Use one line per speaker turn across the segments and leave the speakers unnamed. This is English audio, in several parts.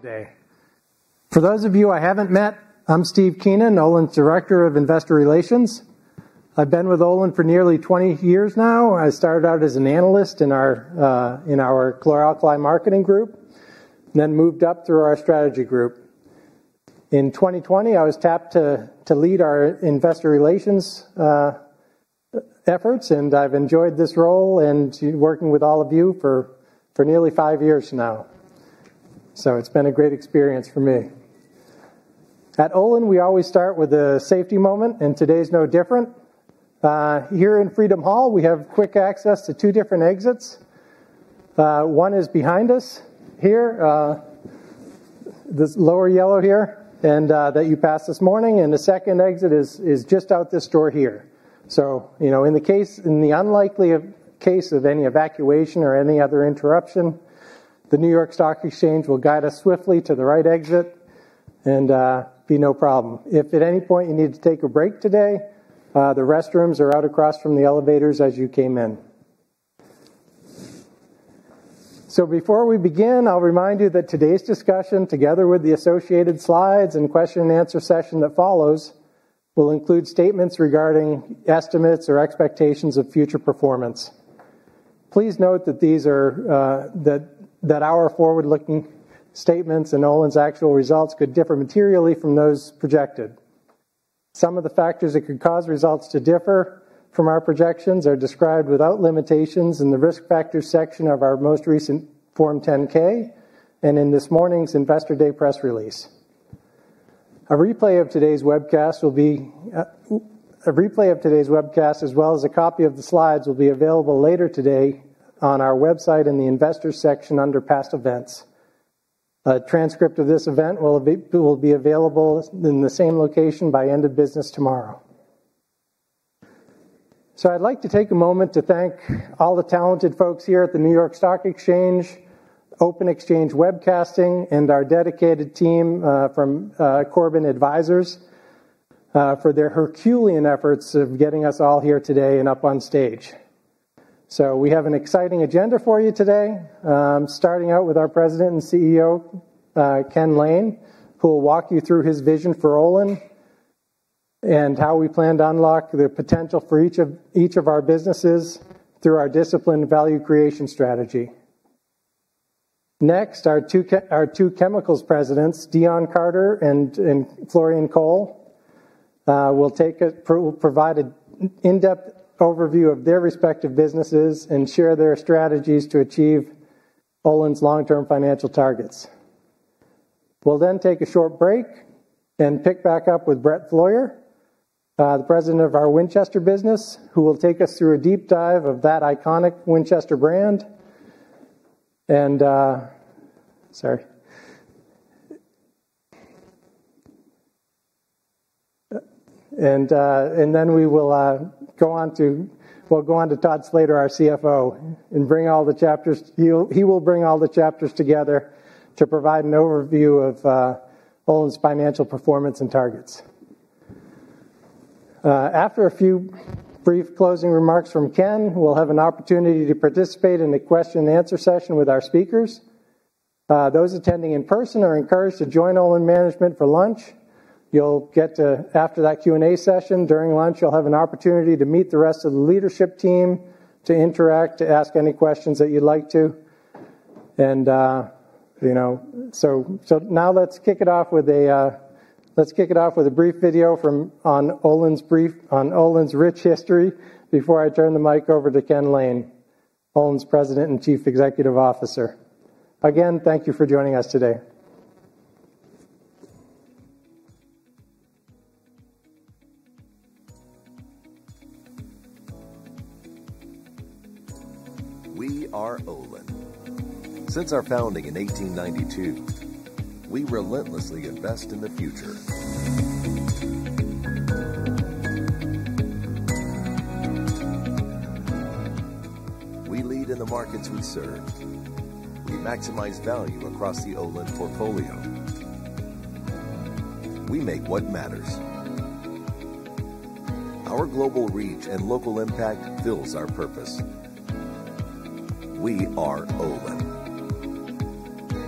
Today. For those of you I haven't met, I'm Steve Keenan, Olin's Director of Investor Relations. I've been with Olin for nearly 20 years now. I started out as an Analyst in our chlor alkali marketing group, then moved up through our Strategy Group. In 2020, I was tapped to lead our investor relations efforts, and I've enjoyed this role and working with all of you for nearly five years now. So it's been a great experience for me. At Olin, we always start with a safety moment, and today's no different. Here in Freedom Hall, we have quick access to two different exits. One is behind us here, this lower yellow here, and that you passed this morning. And the second exit is just out this door here. You know, in the unlikely case of any evacuation or any other interruption, the New York Stock Exchange will guide us swiftly to the right exit and be no problem. If at any point you need to take a break today, the restrooms are out across from the elevators as you came in. Before we begin, I'll remind you that today's discussion, together with the associated slides and question-and-answer session that follows, will include statements regarding estimates or expectations of future performance. Please note that these are our forward-looking statements and Olin's actual results could differ materially from those projected. Some of the factors that could cause results to differ from our projections are described without limitations in the risk factors section of our most recent Form 10-K and in this morning's Investor Day press release. A replay of today's webcast, as well as a copy of the slides, will be available later today on our website in the Investors section under Past Events. A transcript of this event will be available in the same location by end of business tomorrow. I'd like to take a moment to thank all the talented folks here at the New York Stock Exchange, OpenExchange Webcasting, and our dedicated team from Corbin Advisors for their herculean efforts of getting us all here today and up on stage. We have an exciting agenda for you today, starting out with our President and CEO, Ken Lane, who will walk you through his vision for Olin and how we plan to unlock the potential for each of our businesses through our disciplined value creation strategy. Next, our two chemicals presidents, Deon Carter and Florian Kohl, will provide an in-depth overview of their respective businesses and share their strategies to achieve Olin's long-term financial targets. We'll then take a short break and pick back up with Brett Flaugher, the President of our Winchester business, who will take us through a deep dive of that iconic Winchester brand. And then we will go on to Todd Slater, our CFO, and bring all the chapters together to provide an overview of Olin's financial performance and targets. After a few brief closing remarks from Ken, we'll have an opportunity to participate in a question-and-answer session with our speakers. Those attending in person are encouraged to join Olin management for lunch. You'll get to, after that Q&A session during lunch, you'll have an opportunity to meet the rest of the leadership team, to interact, to ask any questions that you'd like to. You know, so now let's kick it off with a brief video on Olin's rich history before I turn the mic over to Ken Lane, Olin's President and Chief Executive Officer. Again, thank you for joining us today. We are Olin. Since our founding in 1892, we relentlessly invest in the future. We lead in the markets we serve. We maximize value across the Olin portfolio. We make what matters. Our global reach and local impact fill our purpose. We are Olin.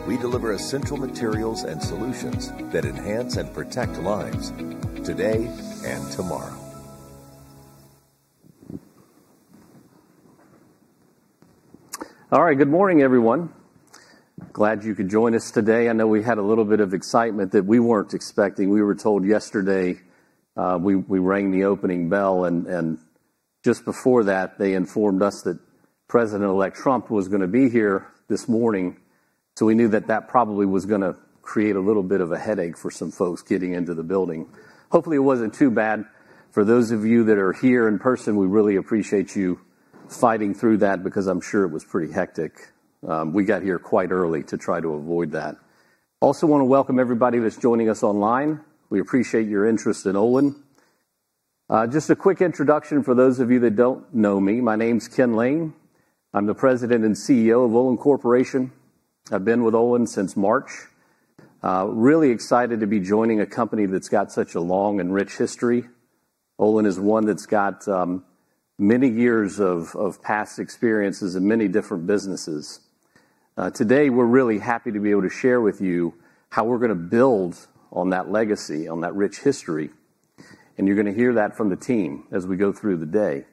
We deliver essential materials and solutions that enhance and protect lives today and tomorrow.
All right, good morning, everyone. Glad you could join us today. I know we had a little bit of excitement that we weren't expecting. We were told yesterday we rang the opening bell, and just before that, they informed us that President-elect Trump was going to be here this morning. So we knew that that probably was going to create a little bit of a headache for some folks getting into the building. Hopefully, it wasn't too bad. For those of you that are here in person, we really appreciate you fighting through that because I'm sure it was pretty hectic. We got here quite early to try to avoid that. Also want to welcome everybody that's joining us online. We appreciate your interest in Olin. Just a quick introduction for those of you that don't know me. My name's Ken Lane. I'm the President and CEO of Olin Corporation. I've been with Olin since March. Really excited to be joining a company that's got such a long and rich history. Olin is one that's got many years of past experiences in many different businesses. Today, we're really happy to be able to share with you how we're going to build on that legacy, on that rich history, and you're going to hear that from the team as we go through the day.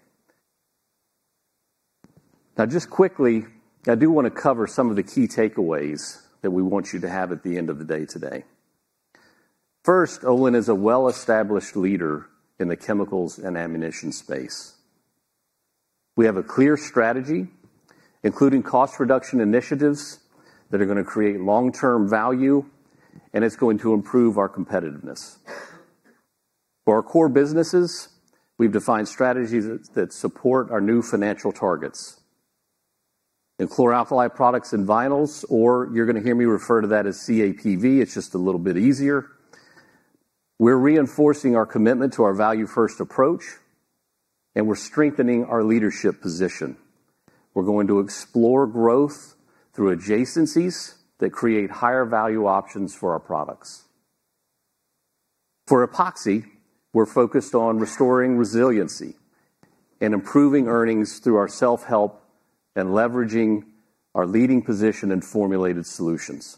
Now, just quickly, I do want to cover some of the key takeaways that we want you to have at the end of the day today. First, Olin is a well-established leader in the chemicals and ammunition space. We have a clear strategy, including cost reduction initiatives that are going to create long-term value, and it's going to improve our competitiveness. For our core businesses, we've defined strategies that support our new financial targets. In Chlor Alkali Products and Vinyls, or you're going to hear me refer to that as CAPV, it's just a little bit easier. We're reinforcing our commitment to our value-first approach, and we're strengthening our leadership position. We're going to explore growth through adjacencies that create higher value options for our products. For Epoxy, we're focused on restoring resiliency and improving earnings through our self-help and leveraging our leading position in formulated solutions.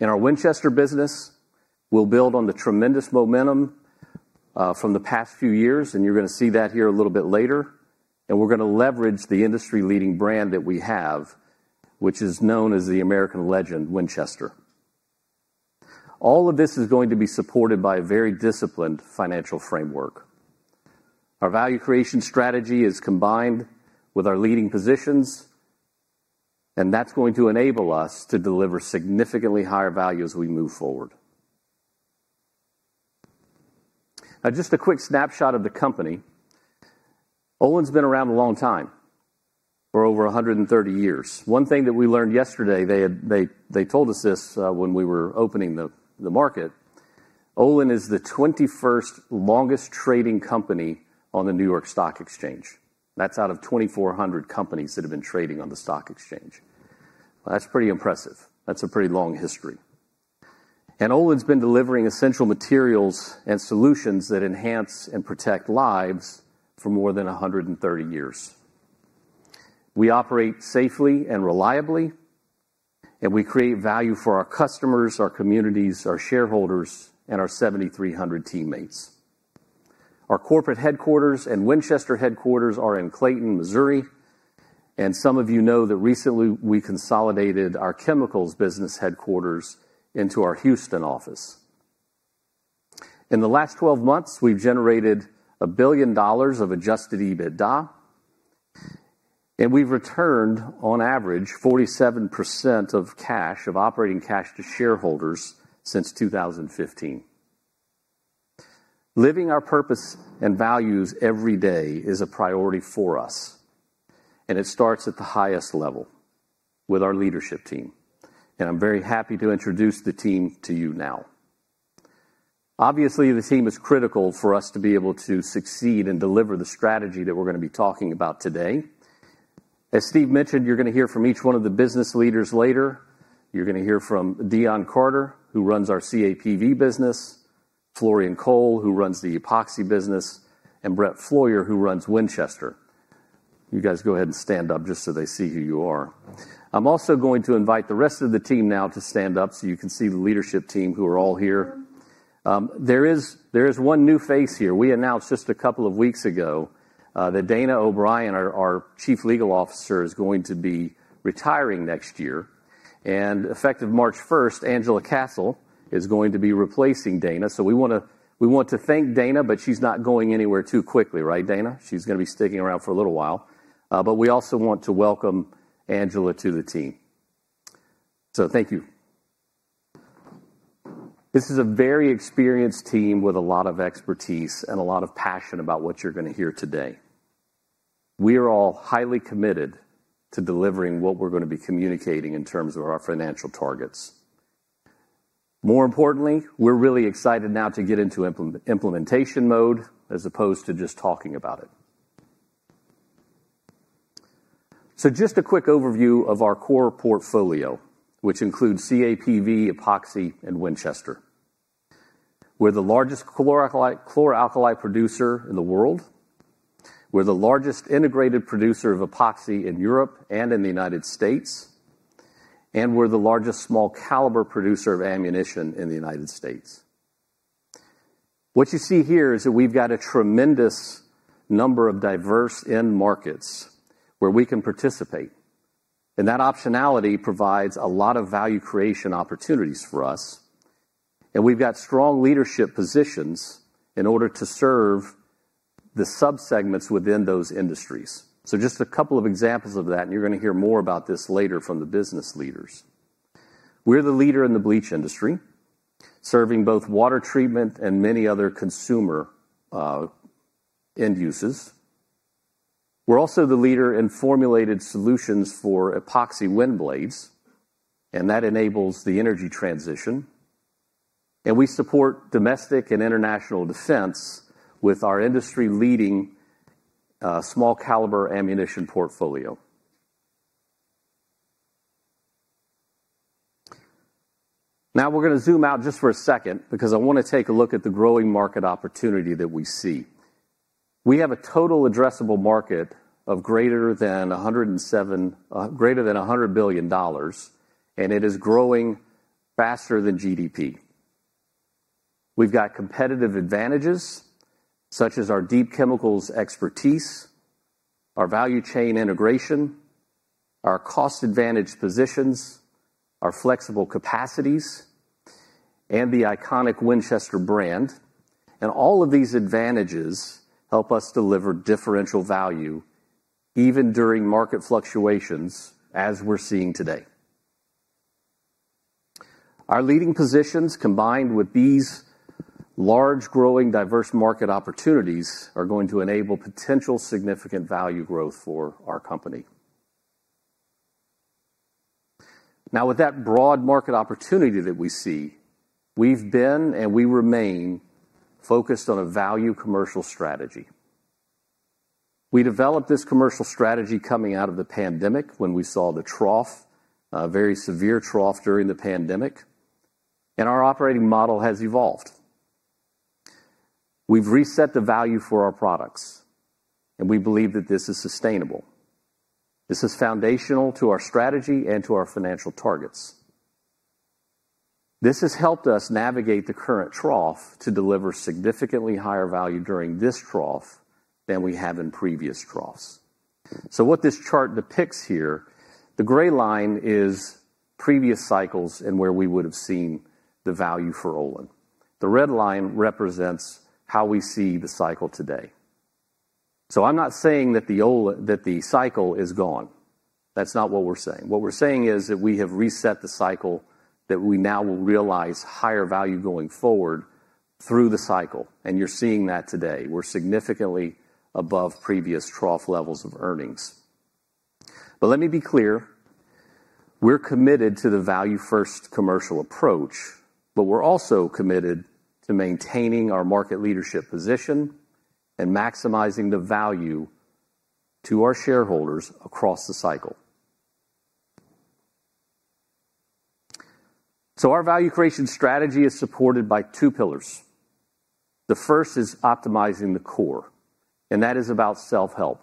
In our Winchester business, we'll build on the tremendous momentum from the past few years, and you're going to see that here a little bit later, and we're going to leverage the industry-leading brand that we have, which is known as the American legend, Winchester. All of this is going to be supported by a very disciplined financial framework. Our value creation strategy is combined with our leading positions, and that's going to enable us to deliver significantly higher value as we move forward. Now, just a quick snapshot of the company. Olin's been around a long time. We're over 130 years. One thing that we learned yesterday, they told us this when we were opening the market, Olin is the 21st longest trading company on the New York Stock Exchange. That's out of 2,400 companies that have been trading on the Stock Exchange. That's pretty impressive. That's a pretty long history, and Olin's been delivering essential materials and solutions that enhance and protect lives for more than 130 years. We operate safely and reliably, and we create value for our customers, our communities, our shareholders, and our 7,300 teammates. Our corporate headquarters and Winchester headquarters are in Clayton, Missouri. Some of you know that recently we consolidated our chemicals business headquarters into our Houston office. In the last 12 months, we've generated $1 billion of adjusted EBITDA, and we've returned, on average, 47% of cash, of operating cash to shareholders since 2015. Living our purpose and values every day is a priority for us, and it starts at the highest level with our leadership team. I'm very happy to introduce the team to you now. Obviously, the team is critical for us to be able to succeed and deliver the strategy that we're going to be talking about today. As Steve mentioned, you're going to hear from each one of the business leaders later. You're going to hear from Deon Carter, who runs our CAPV business, Florian Kohl, who runs the Epoxy business, and Brett Flaugher, who runs Winchester. You guys go ahead and stand up just so they see who you are. I'm also going to invite the rest of the team now to stand up so you can see the leadership team who are all here. There is one new face here. We announced just a couple of weeks ago that Dana O'Brien, our Chief Legal Officer, is going to be retiring next year. And effective March 1st, Angela Castle is going to be replacing Dana. So we want to thank Dana, but she's not going anywhere too quickly, right, Dana? She's going to be sticking around for a little while. But we also want to welcome Angela to the team. So thank you. This is a very experienced team with a lot of expertise and a lot of passion about what you're going to hear today. We are all highly committed to delivering what we're going to be communicating in terms of our financial targets. More importantly, we're really excited now to get into implementation mode as opposed to just talking about it. So just a quick overview of our core portfolio, which includes CAPV, Epoxy, and Winchester. We're the largest chlor alkali producer in the world. We're the largest integrated producer of epoxy in Europe and in the United States. And we're the largest small caliber producer of ammunition in the United States. What you see here is that we've got a tremendous number of diverse end markets where we can participate. And that optionality provides a lot of value creation opportunities for us. And we've got strong leadership positions in order to serve the subsegments within those industries. So just a couple of examples of that, and you're going to hear more about this later from the business leaders. We're the leader in the bleach industry, serving both water treatment and many other consumer end uses. We're also the leader in formulated solutions for epoxy wind blades, and that enables the energy transition. And we support domestic and international defense with our industry-leading small caliber ammunition portfolio. Now we're going to zoom out just for a second because I want to take a look at the growing market opportunity that we see. We have a total addressable market of greater than $100 billion, and it is growing faster than GDP. We've got competitive advantages such as our deep chemicals expertise, our value chain integration, our cost advantage positions, our flexible capacities, and the iconic Winchester brand. All of these advantages help us deliver differential value even during market fluctuations as we're seeing today. Our leading positions combined with these large growing diverse market opportunities are going to enable potential significant value growth for our company. Now, with that broad market opportunity that we see, we've been and we remain focused on a value commercial strategy. We developed this commercial strategy coming out of the pandemic when we saw the trough, a very severe trough during the pandemic. Our operating model has evolved. We've reset the value for our products, and we believe that this is sustainable. This is foundational to our strategy and to our financial targets. This has helped us navigate the current trough to deliver significantly higher value during this trough than we have in previous troughs. So what this chart depicts here, the gray line is previous cycles and where we would have seen the value for Olin. The red line represents how we see the cycle today. So I'm not saying that the cycle is gone. That's not what we're saying. What we're saying is that we have reset the cycle that we now will realize higher value going forward through the cycle. And you're seeing that today. We're significantly above previous trough levels of earnings. But let me be clear. We're committed to the value-first commercial approach, but we're also committed to maintaining our market leadership position and maximizing the value to our shareholders across the cycle. So our value creation strategy is supported by two pillars. The first is optimizing the core, and that is about self-help,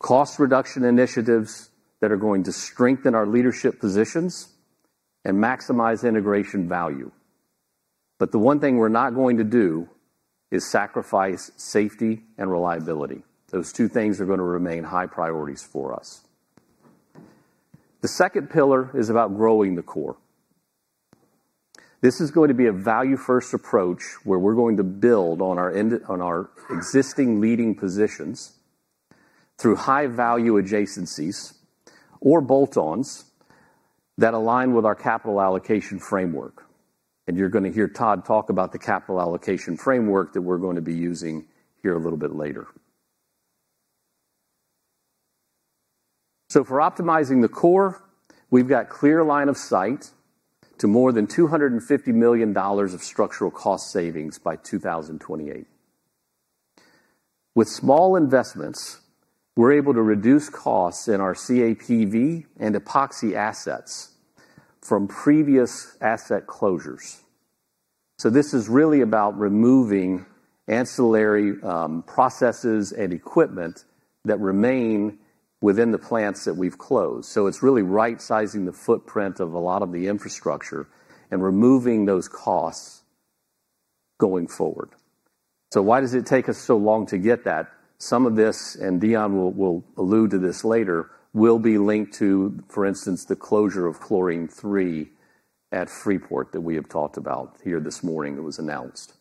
cost reduction initiatives that are going to strengthen our leadership positions and maximize integration value. But the one thing we're not going to do is sacrifice safety and reliability. Those two things are going to remain high priorities for us. The second pillar is about growing the core. This is going to be a value-first approach where we're going to build on our existing leading positions through high-value adjacencies or bolt-ons that align with our capital allocation framework. And you're going to hear Todd talk about the capital allocation framework that we're going to be using here a little bit later. So for optimizing the core, we've got clear line of sight to more than $250 million of structural cost savings by 2028. With small investments, we're able to reduce costs in our CAPV and epoxy assets from previous asset closures. So this is really about removing ancillary processes and equipment that remain within the plants that we've closed. So it's really right-sizing the footprint of a lot of the infrastructure and removing those costs going forward. So why does it take us so long to get that? Some of this, and Deon will allude to this later, will be linked to, for instance, the closure of Chlorine 3 at Freeport that we have talked about here this morning. It was announced.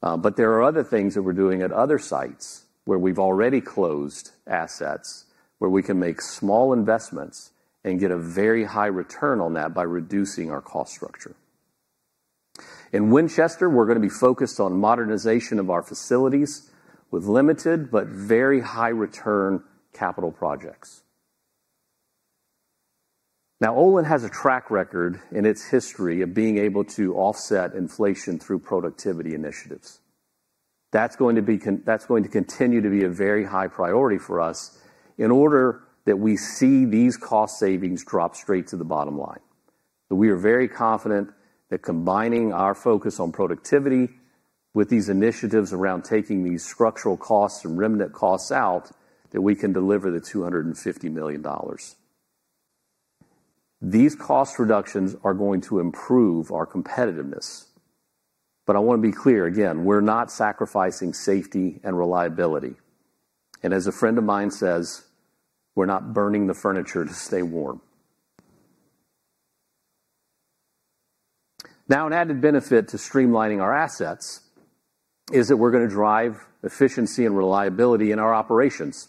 But there are other things that we're doing at other sites where we've already closed assets where we can make small investments and get a very high return on that by reducing our cost structure. In Winchester, we're going to be focused on modernization of our facilities with limited but very high-return capital projects. Now, Olin has a track record in its history of being able to offset inflation through productivity initiatives. That's going to continue to be a very high priority for us in order that we see these cost savings drop straight to the bottom line. We are very confident that combining our focus on productivity with these initiatives around taking these structural costs and remnant costs out, that we can deliver the $250 million. These cost reductions are going to improve our competitiveness. But I want to be clear again, we're not sacrificing safety and reliability. And as a friend of mine says, we're not burning the furniture to stay warm. Now, an added benefit to streamlining our assets is that we're going to drive efficiency and reliability in our operations.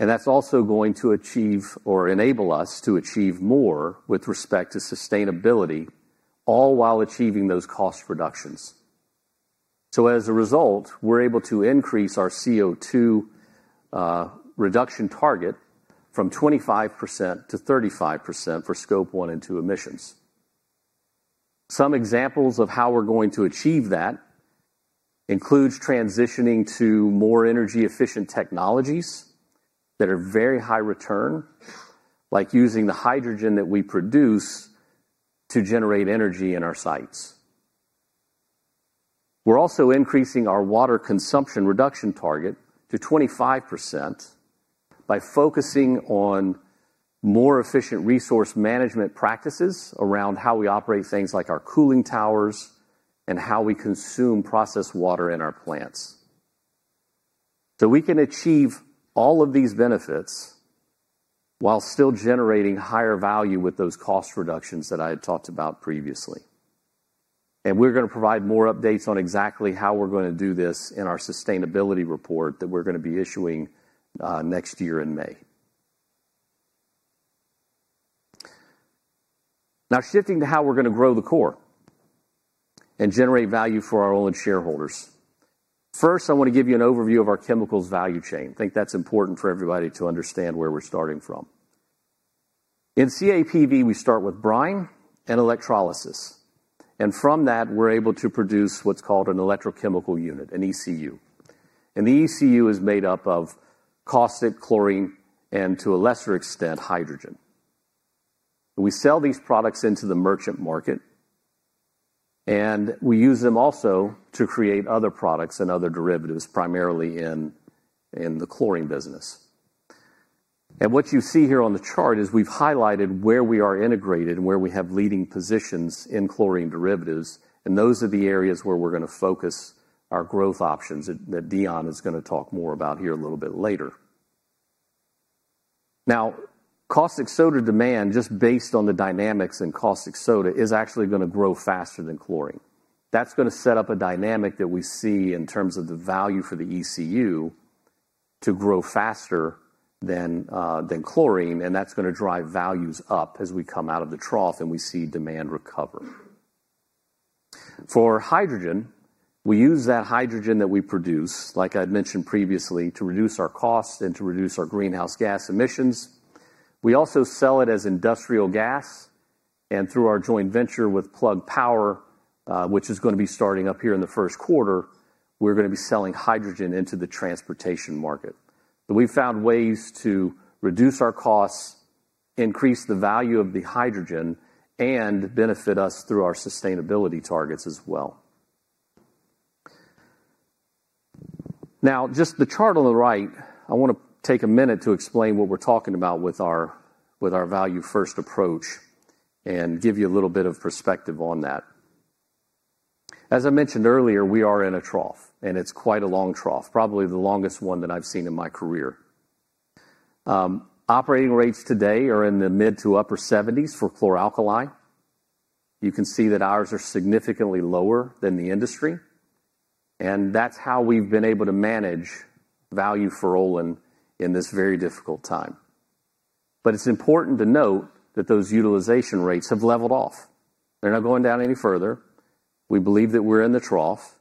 And that's also going to achieve or enable us to achieve more with respect to sustainability, all while achieving those cost reductions. As a result, we're able to increase our CO2 reduction target from 25% to 35% for Scope 1 and 2 emissions. Some examples of how we're going to achieve that include transitioning to more energy-efficient technologies that are very high return, like using the hydrogen that we produce to generate energy in our sites. We're also increasing our water consumption reduction target to 25% by focusing on more efficient resource management practices around how we operate things like our cooling towers and how we consume processed water in our plants. We can achieve all of these benefits while still generating higher value with those cost reductions that I had talked about previously. We're going to provide more updates on exactly how we're going to do this in our sustainability report that we're going to be issuing next year in May. Now, shifting to how we're going to grow the core and generate value for our Olin shareholders. First, I want to give you an overview of our chemicals value chain. I think that's important for everybody to understand where we're starting from. In CAPV, we start with brine and electrolysis, and from that, we're able to produce what's called an electrochemical unit, an ECU, and the ECU is made up of caustic, chlorine, and to a lesser extent, hydrogen. We sell these products into the merchant market, and we use them also to create other products and other derivatives, primarily in the chlorine business, and what you see here on the chart is we've highlighted where we are integrated and where we have leading positions in chlorine derivatives. Those are the areas where we're going to focus our growth options that Deon is going to talk more about here a little bit later. Now, caustic soda demand, just based on the dynamics in caustic soda, is actually going to grow faster than chlorine. That's going to set up a dynamic that we see in terms of the value for the ECU to grow faster than chlorine. And that's going to drive values up as we come out of the trough and we see demand recover. For hydrogen, we use that hydrogen that we produce, like I'd mentioned previously, to reduce our costs and to reduce our greenhouse gas emissions. We also sell it as industrial gas. And through our joint venture with Plug Power, which is going to be starting up here in the first quarter, we're going to be selling hydrogen into the transportation market. But we've found ways to reduce our costs, increase the value of the hydrogen, and benefit us through our sustainability targets as well. Now, just the chart on the right, I want to take a minute to explain what we're talking about with our value-first approach and give you a little bit of perspective on that. As I mentioned earlier, we are in a trough, and it's quite a long trough, probably the longest one that I've seen in my career. Operating rates today are in the mid- to upper-70s chlor alkali. you can see that ours are significantly lower than the industry. And that's how we've been able to manage value for Olin in this very difficult time. But it's important to note that those utilization rates have leveled off. They're not going down any further. We believe that we're in the trough.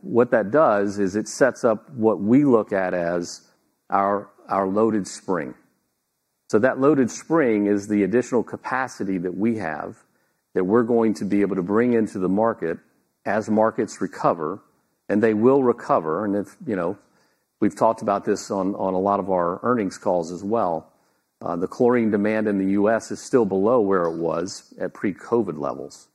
What that does is it sets up what we look at as our loaded spring. That loaded spring is the additional capacity that we have that we're going to be able to bring into the market as markets recover. They will recover. We've talked about this on a lot of our earnings calls as well. The chlorine demand in the U.S. is still below where it was at pre-COVID levels.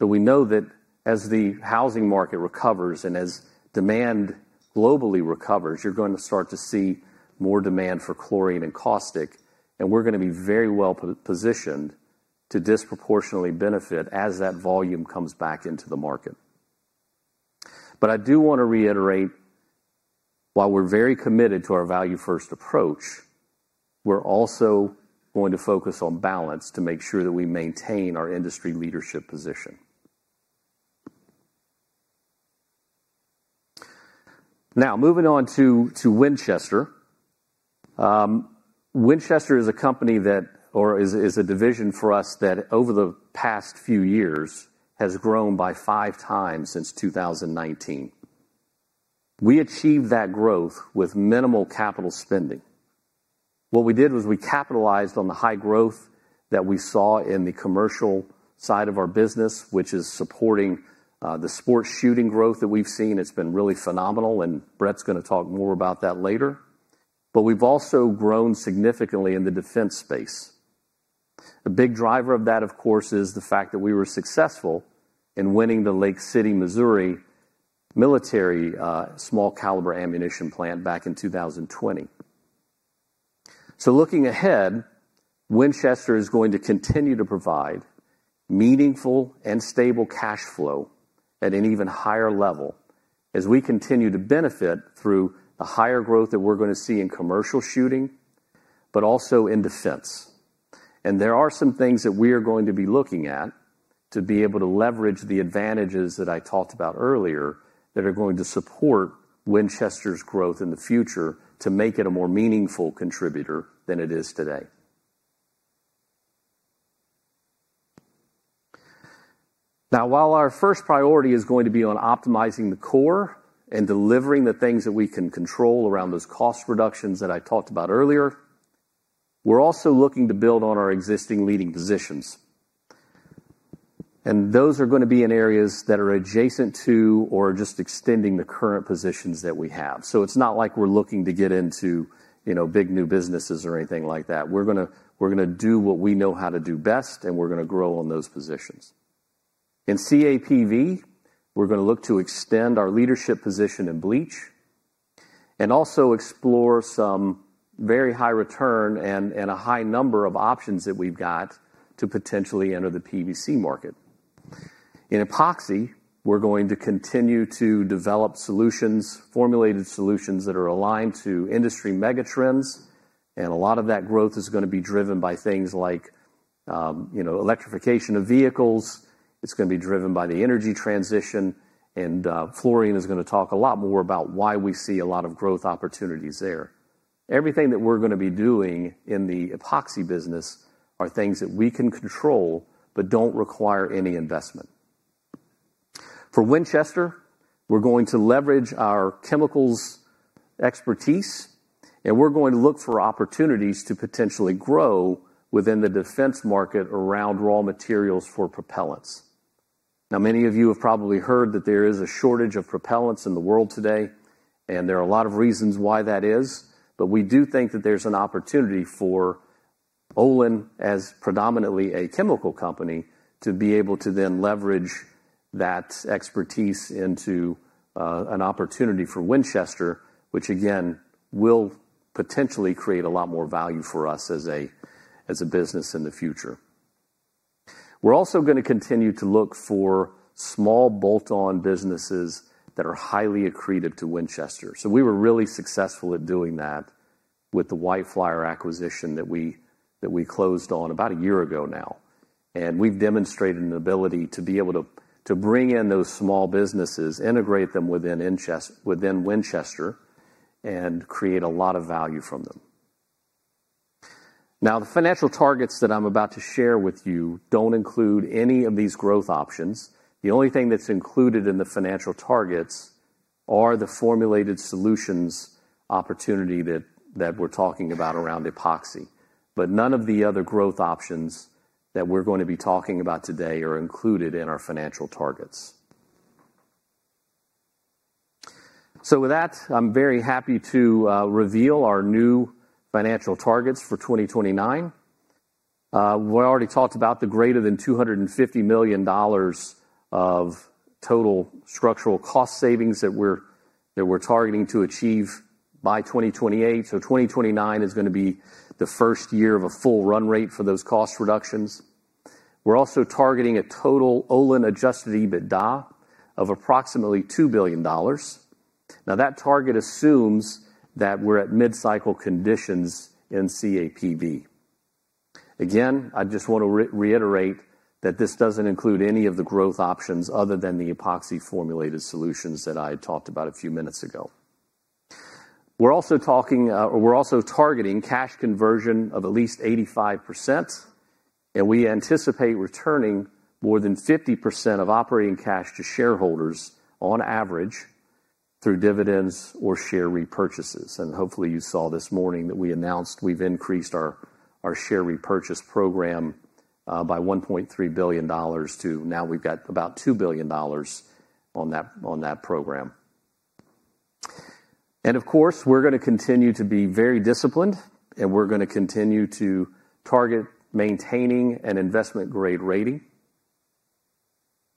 We know that as the housing market recovers and as demand globally recovers, you're going to start to see more demand for chlorine and caustic. We're going to be very well positioned to disproportionately benefit as that volume comes back into the market. I do want to reiterate, while we're very committed to our value-first approach, we're also going to focus on balance to make sure that we maintain our industry leadership position. Now, moving on to Winchester. Winchester is a company that, or is a division for us that over the past few years has grown by 5x since 2019. We achieved that growth with minimal capital spending. What we did was we capitalized on the high growth that we saw in the commercial side of our business, which is supporting the sports shooting growth that we've seen. It's been really phenomenal, and Brett's going to talk more about that later. But we've also grown significantly in the defense space. A big driver of that, of course, is the fact that we were successful in winning the Lake City, Missouri military small-caliber ammunition plant back in 2020. So looking ahead, Winchester is going to continue to provide meaningful and stable cash flow at an even higher level as we continue to benefit through the higher growth that we're going to see in commercial shooting, but also in defense. And there are some things that we are going to be looking at to be able to leverage the advantages that I talked about earlier that are going to support Winchester's growth in the future to make it a more meaningful contributor than it is today. Now, while our first priority is going to be on optimizing the core and delivering the things that we can control around those cost reductions that I talked about earlier, we're also looking to build on our existing leading positions. And those are going to be in areas that are adjacent to or just extending the current positions that we have. So it's not like we're looking to get into big new businesses or anything like that. We're going to do what we know how to do best, and we're going to grow on those positions. In CAPV, we're going to look to extend our leadership position in bleach and also explore some very high return and a high number of options that we've got to potentially enter the PVC market. In Epoxy, we're going to continue to develop solutions, formulated solutions that are aligned to industry mega trends. And a lot of that growth is going to be driven by things like electrification of vehicles. It's going to be driven by the energy transition. And Florian is going to talk a lot more about why we see a lot of growth opportunities there. Everything that we're going to be doing in the Epoxy business are things that we can control but don't require any investment. For Winchester, we're going to leverage our chemicals expertise, and we're going to look for opportunities to potentially grow within the defense market around raw materials for propellants. Now, many of you have probably heard that there is a shortage of propellants in the world today, and there are a lot of reasons why that is. But we do think that there's an opportunity for Olin, as predominantly a chemical company, to be able to then leverage that expertise into an opportunity for Winchester, which, again, will potentially create a lot more value for us as a business in the future. We're also going to continue to look for small bolt-on businesses that are highly accretive to Winchester. So we were really successful at doing that with the White Flyer acquisition that we closed on about a year ago now. And we've demonstrated an ability to be able to bring in those small businesses, integrate them within Winchester, and create a lot of value from them. Now, the financial targets that I'm about to share with you don't include any of these growth options. The only thing that's included in the financial targets are the formulated solutions opportunity that we're talking about around epoxy. But none of the other growth options that we're going to be talking about today are included in our financial targets. So with that, I'm very happy to reveal our new financial targets for 2029. We already talked about the greater than $250 million of total structural cost savings that we're targeting to achieve by 2028. 2029 is going to be the first year of a full run rate for those cost reductions. We're also targeting a total Olin adjusted EBITDA of approximately $2 billion. Now, that target assumes that we're at mid-cycle conditions in CAPV. Again, I just want to reiterate that this doesn't include any of the growth options other than the epoxy formulated solutions that I talked about a few minutes ago. We're also targeting cash conversion of at least 85%. We anticipate returning more than 50% of operating cash to shareholders on average through dividends or share repurchases. Hopefully, you saw this morning that we announced we've increased our share repurchase program by $1.3 billion to now we've got about $2 billion on that program. Of course, we're going to continue to be very disciplined, and we're going to continue to target maintaining an investment-grade rating.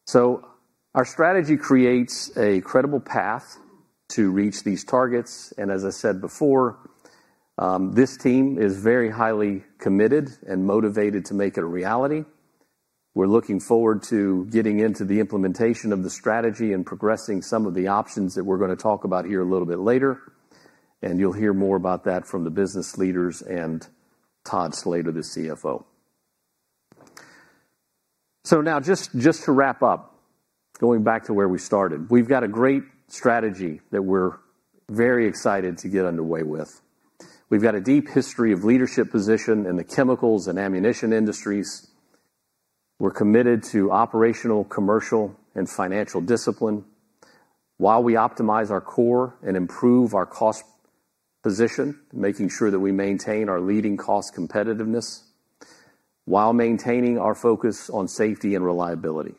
So our strategy creates a credible path to reach these targets. And as I said before, this team is very highly committed and motivated to make it a reality. We're looking forward to getting into the implementation of the strategy and progressing some of the options that we're going to talk about here a little bit later. And you'll hear more about that from the business leaders and Todd Slater, the CFO. So now, just to wrap up, going back to where we started, we've got a great strategy that we're very excited to get underway with. We've got a deep history of leadership position in the chemicals and ammunition industries. We're committed to operational, commercial, and financial discipline while we optimize our core and improve our cost position, making sure that we maintain our leading cost competitiveness while maintaining our focus on safety and reliability.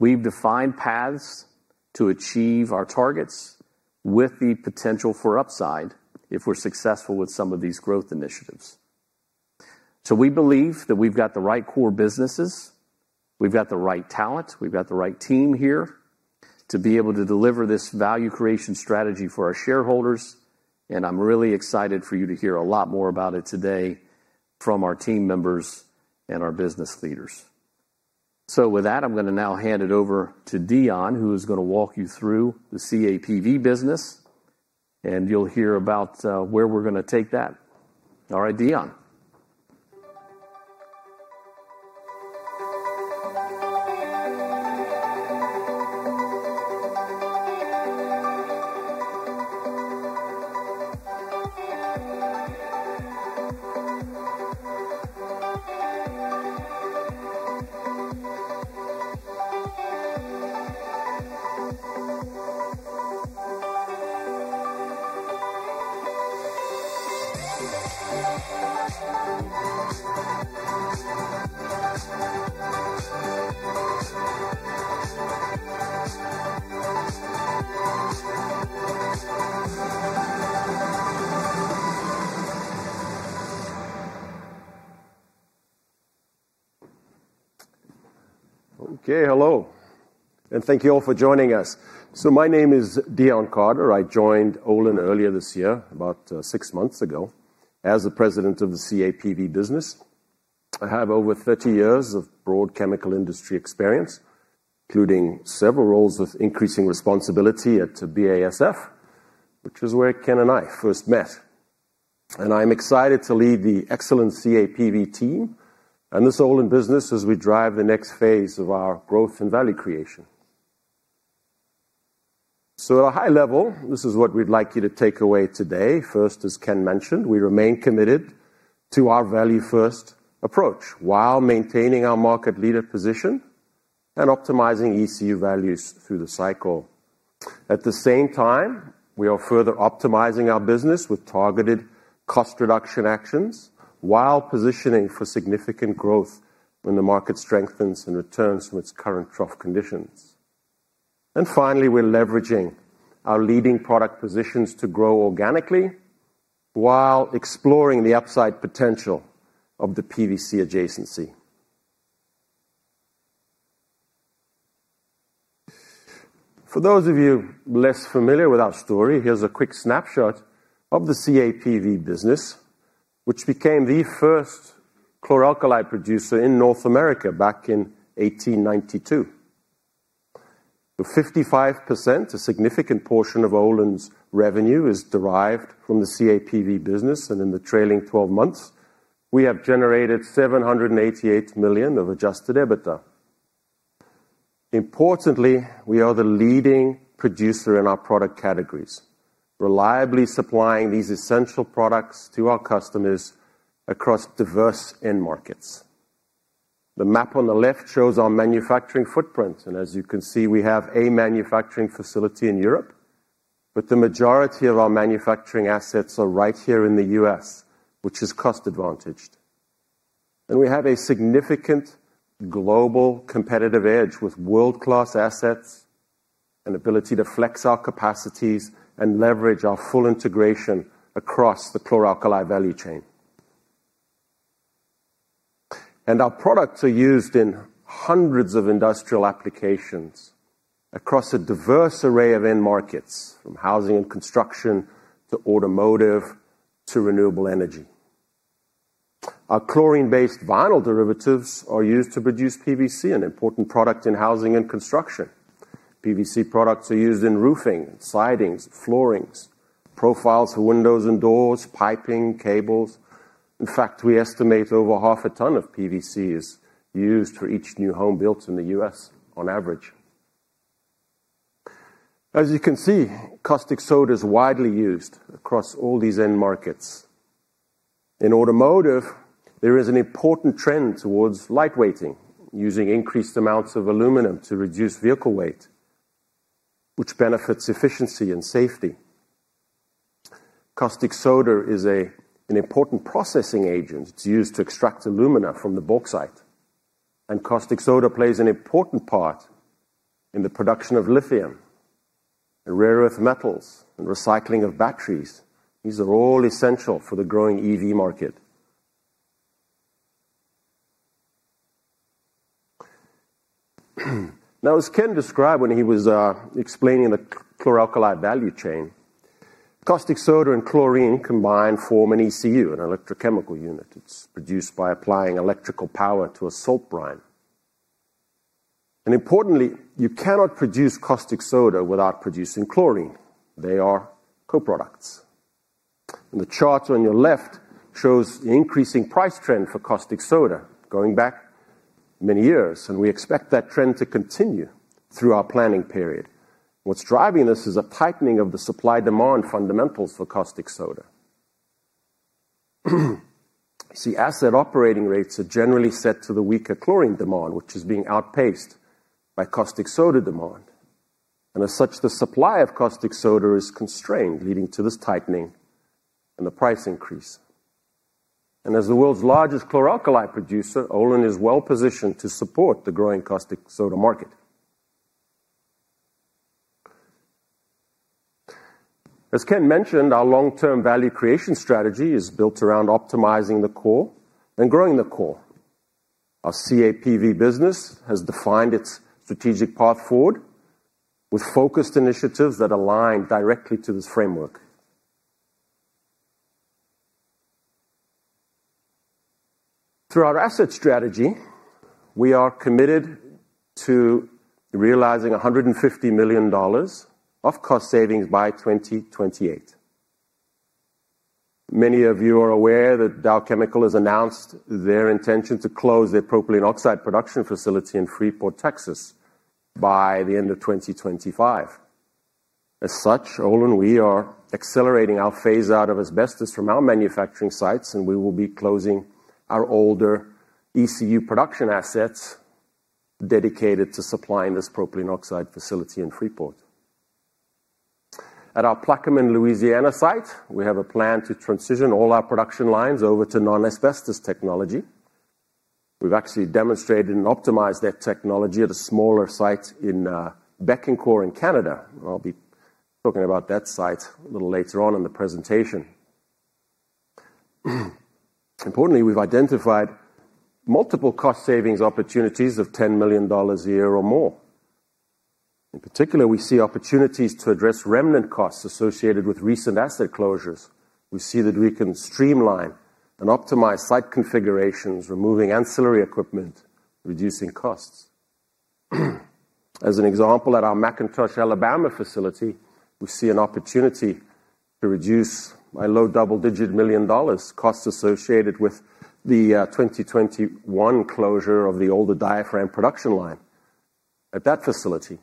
We've defined paths to achieve our targets with the potential for upside if we're successful with some of these growth initiatives. So we believe that we've got the right core businesses. We've got the right talent. We've got the right team here to be able to deliver this value creation strategy for our shareholders. And I'm really excited for you to hear a lot more about it today from our team members and our business leaders. So with that, I'm going to now hand it over to Deon, who is going to walk you through the CAPV business. And you'll hear about where we're going to take that. All right, Deon.
Okay, hello. And thank you all for joining us. So my name is Deon Carter. I joined Olin earlier this year, about six months ago, as the President of the CAPV business. I have over 30 years of broad chemical industry experience, including several roles of increasing responsibility at BASF, which is where Ken and I first met. And I'm excited to lead the excellent CAPV team and this Olin business as we drive the next phase of our growth and value creation. So at a high level, this is what we'd like you to take away today. First, as Ken mentioned, we remain committed to our value-first approach while maintaining our market leader position and optimizing ECU values through the cycle. At the same time, we are further optimizing our business with targeted cost reduction actions while positioning for significant growth when the market strengthens and returns from its current trough conditions. And finally, we're leveraging our leading product positions to grow organically while exploring the upside potential of the PVC adjacency. For those of you less familiar with our story, here's a quick snapshot of the CAPV business, which became the chlor alkali producer in North America back in 1892. So 55%, a significant portion of Olin's revenue, is derived from the CAPV business. And in the trailing 12 months, we have generated $788 million of Adjusted EBITDA. Importantly, we are the leading producer in our product categories, reliably supplying these essential products to our customers across diverse end markets. The map on the left shows our manufacturing footprint. And as you can see, we have a manufacturing facility in Europe, but the majority of our manufacturing assets are right here in the U.S., which is cost advantaged. And we have a significant global competitive edge with world-class assets and the ability to flex our capacities and leverage our full integration across chlor alkali value chain. Our products are used in hundreds of industrial applications across a diverse array of end markets, from housing and construction to automotive to renewable energy. Our chlorine-based vinyl derivatives are used to produce PVC, an important product in housing and construction. PVC products are used in roofing, sidings, floorings, profiles for windows and doors, piping, cables. In fact, we estimate over half a ton of PVC is used for each new home built in the U.S. on average. As you can see, caustic soda is widely used across all these end markets. In automotive, there is an important trend towards lightweighting, using increased amounts of aluminum to reduce vehicle weight, which benefits efficiency and safety. Caustic soda is an important processing agent. It's used to extract alumina from the bauxite. Caustic soda plays an important part in the production of lithium, rare earth metals, and recycling of batteries. These are all essential for the growing EV market. Now, as Ken described when he was explaining the chlor alkali value chain, caustic soda and chlorine combine to form an ECU, an electrochemical unit. It's produced by applying electrical power to a salt brine. Importantly, you cannot produce caustic soda without producing chlorine. They are co-products, and the chart on your left shows the increasing price trend for caustic soda going back many years. We expect that trend to continue through our planning period. What's driving this is a tightening of the supply-demand fundamentals for caustic soda. See, asset operating rates are generally set to the weaker chlorine demand, which is being outpaced by caustic soda demand. As such, the supply of caustic soda is constrained, leading to this tightening and the price increase. As the world's chlor alkali producer, Olin is well-positioned to support the growing caustic soda market. As Ken mentioned, our long-term value creation strategy is built around optimizing the core and growing the core. Our CAPV business has defined its strategic path forward with focused initiatives that align directly to this framework. Through our asset strategy, we are committed to realizing $150 million of cost savings by 2028. Many of you are aware that Dow Chemical has announced their intention to close their propylene oxide production facility in Freeport, Texas, by the end of 2025. As such, Olin, we are accelerating our phase-out of asbestos from our manufacturing sites, and we will be closing our older ECU production assets dedicated to supplying this propylene oxide facility in Freeport. At our Plaquemine, Louisiana site, we have a plan to transition all our production lines over to non-asbestos technology. We've actually demonstrated and optimized that technology at a smaller site in Bécancour in Canada. I'll be talking about that site a little later on in the presentation. Importantly, we've identified multiple cost savings opportunities of $10 million a year or more. In particular, we see opportunities to address remnant costs associated with recent asset closures. We see that we can streamline and optimize site configurations, removing ancillary equipment, reducing costs. As an example, at our McIntosh, Alabama facility, we see an opportunity to reduce by low double-digit million dollars costs associated with the 2021 closure of the older diaphragm production line at that facility,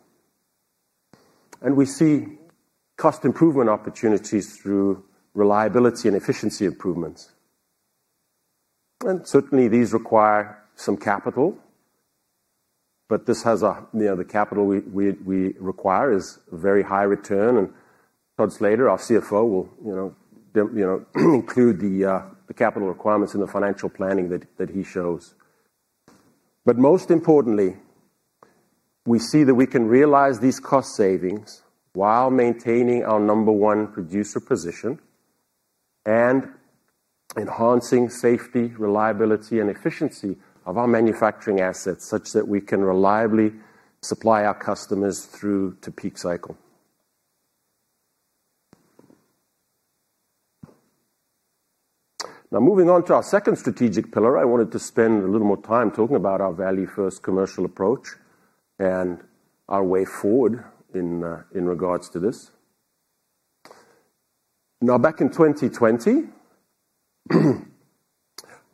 and we see cost improvement opportunities through reliability and efficiency improvements. And certainly, these require some capital, but the capital we require is very high return. And Todd Slater, our CFO, will include the capital requirements in the financial planning that he shows. But most importantly, we see that we can realize these cost savings while maintaining our number one producer position and enhancing safety, reliability, and efficiency of our manufacturing assets such that we can reliably supply our customers through to peak cycle. Now, moving on to our second strategic pillar, I wanted to spend a little more time talking about our value-first commercial approach and our way forward in regards to this. Now, back in 2020,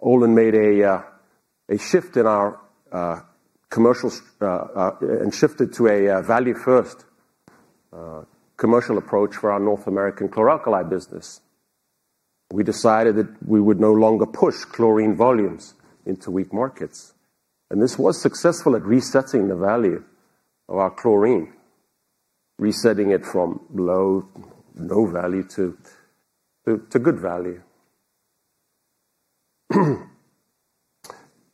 Olin made a shift in our commercial and shifted to a value-first commercial approach for our North American chlor alkali business. We decided that we would no longer push chlorine volumes into weak markets. And this was successful at resetting the value of our chlorine, resetting it from low, no value to good value.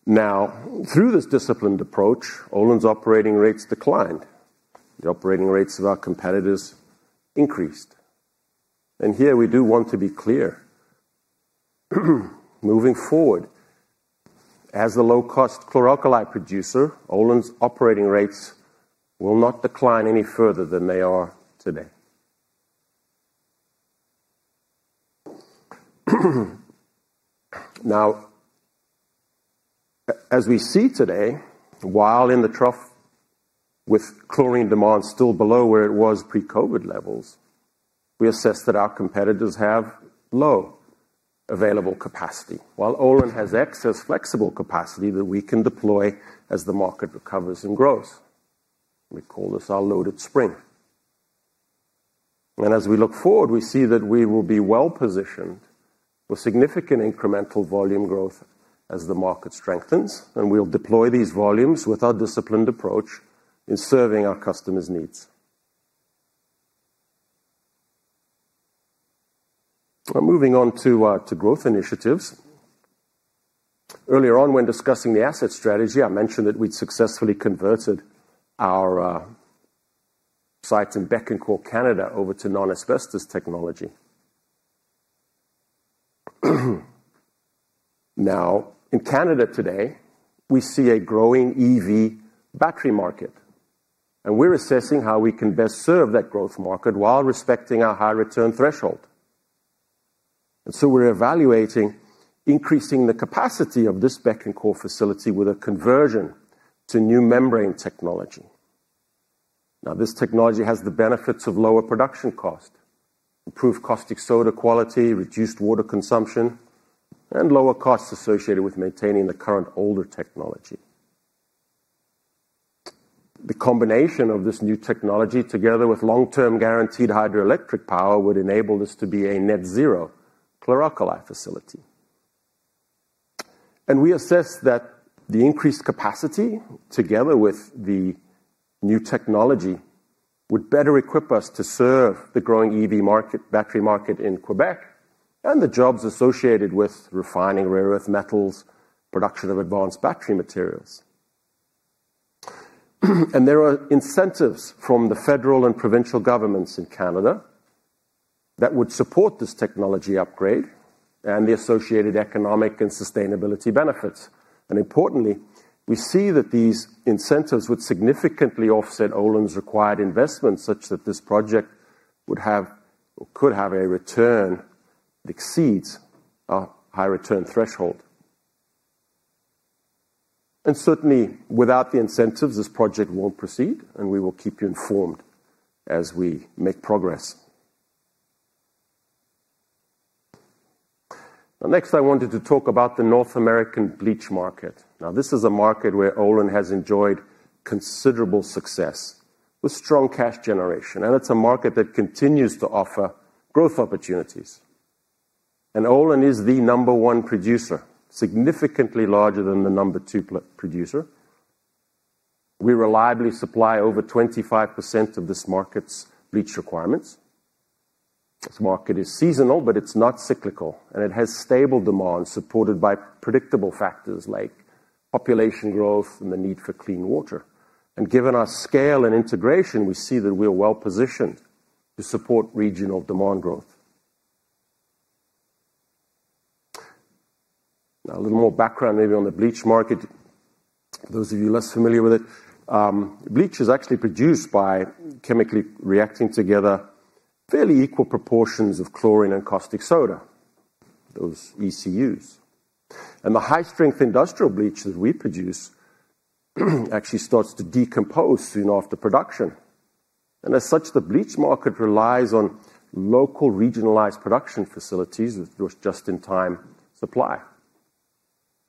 Now, through this disciplined approach, Olin's operating rates declined. The operating rates of our competitors increased. Here, we do want to be clear. Moving forward, as a chlor alkali producer, Olin's operating rates will not decline any further than they are today. Now, as we see today, while in the trough with chlorine demand still below where it was pre-COVID levels, we assess that our competitors have low available capacity, while Olin has excess flexible capacity that we can deploy as the market recovers and grows. We call this our loaded spring. As we look forward, we see that we will be well-positioned for significant incremental volume growth as the market strengthens, and we'll deploy these volumes with our disciplined approach in serving our customers' needs. Now, moving on to growth initiatives. Earlier on, when discussing the asset strategy, I mentioned that we'd successfully converted our site in Bécancour, Canada, over to non-asbestos technology. Now, in Canada today, we see a growing EV battery market, and we're assessing how we can best serve that growth market while respecting our high return threshold. And so we're evaluating increasing the capacity of this Bécancour facility with a conversion to new membrane technology. Now, this technology has the benefits of lower production cost, improved caustic soda quality, reduced water consumption, and lower costs associated with maintaining the current older technology. The combination of this new technology, together with long-term guaranteed hydroelectric power, would enable this to be a chlor alkali facility. And we assess that the increased capacity, together with the new technology, would better equip us to serve the growing EV battery market in Quebec and the jobs associated with refining rare earth metals, production of advanced battery materials. There are incentives from the federal and provincial governments in Canada that would support this technology upgrade and the associated economic and sustainability benefits. Importantly, we see that these incentives would significantly offset Olin's required investments such that this project would have or could have a return that exceeds our high return threshold. Certainly, without the incentives, this project won't proceed, and we will keep you informed as we make progress. Now, next, I wanted to talk about the North American bleach market. Now, this is a market where Olin has enjoyed considerable success with strong cash generation, and it's a market that continues to offer growth opportunities. Olin is the number one producer, significantly larger than the number two producer. We reliably supply over 25% of this market's bleach requirements. This market is seasonal, but it's not cyclical, and it has stable demand supported by predictable factors like population growth and the need for clean water, and given our scale and integration, we see that we are well-positioned to support regional demand growth. Now, a little more background maybe on the bleach market. Those of you less familiar with it, bleach is actually produced by chemically reacting together fairly equal proportions of chlorine and caustic soda, those ECUs, and the high-strength industrial bleach that we produce actually starts to decompose soon after production, and as such, the bleach market relies on local regionalized production facilities with just-in-time supply,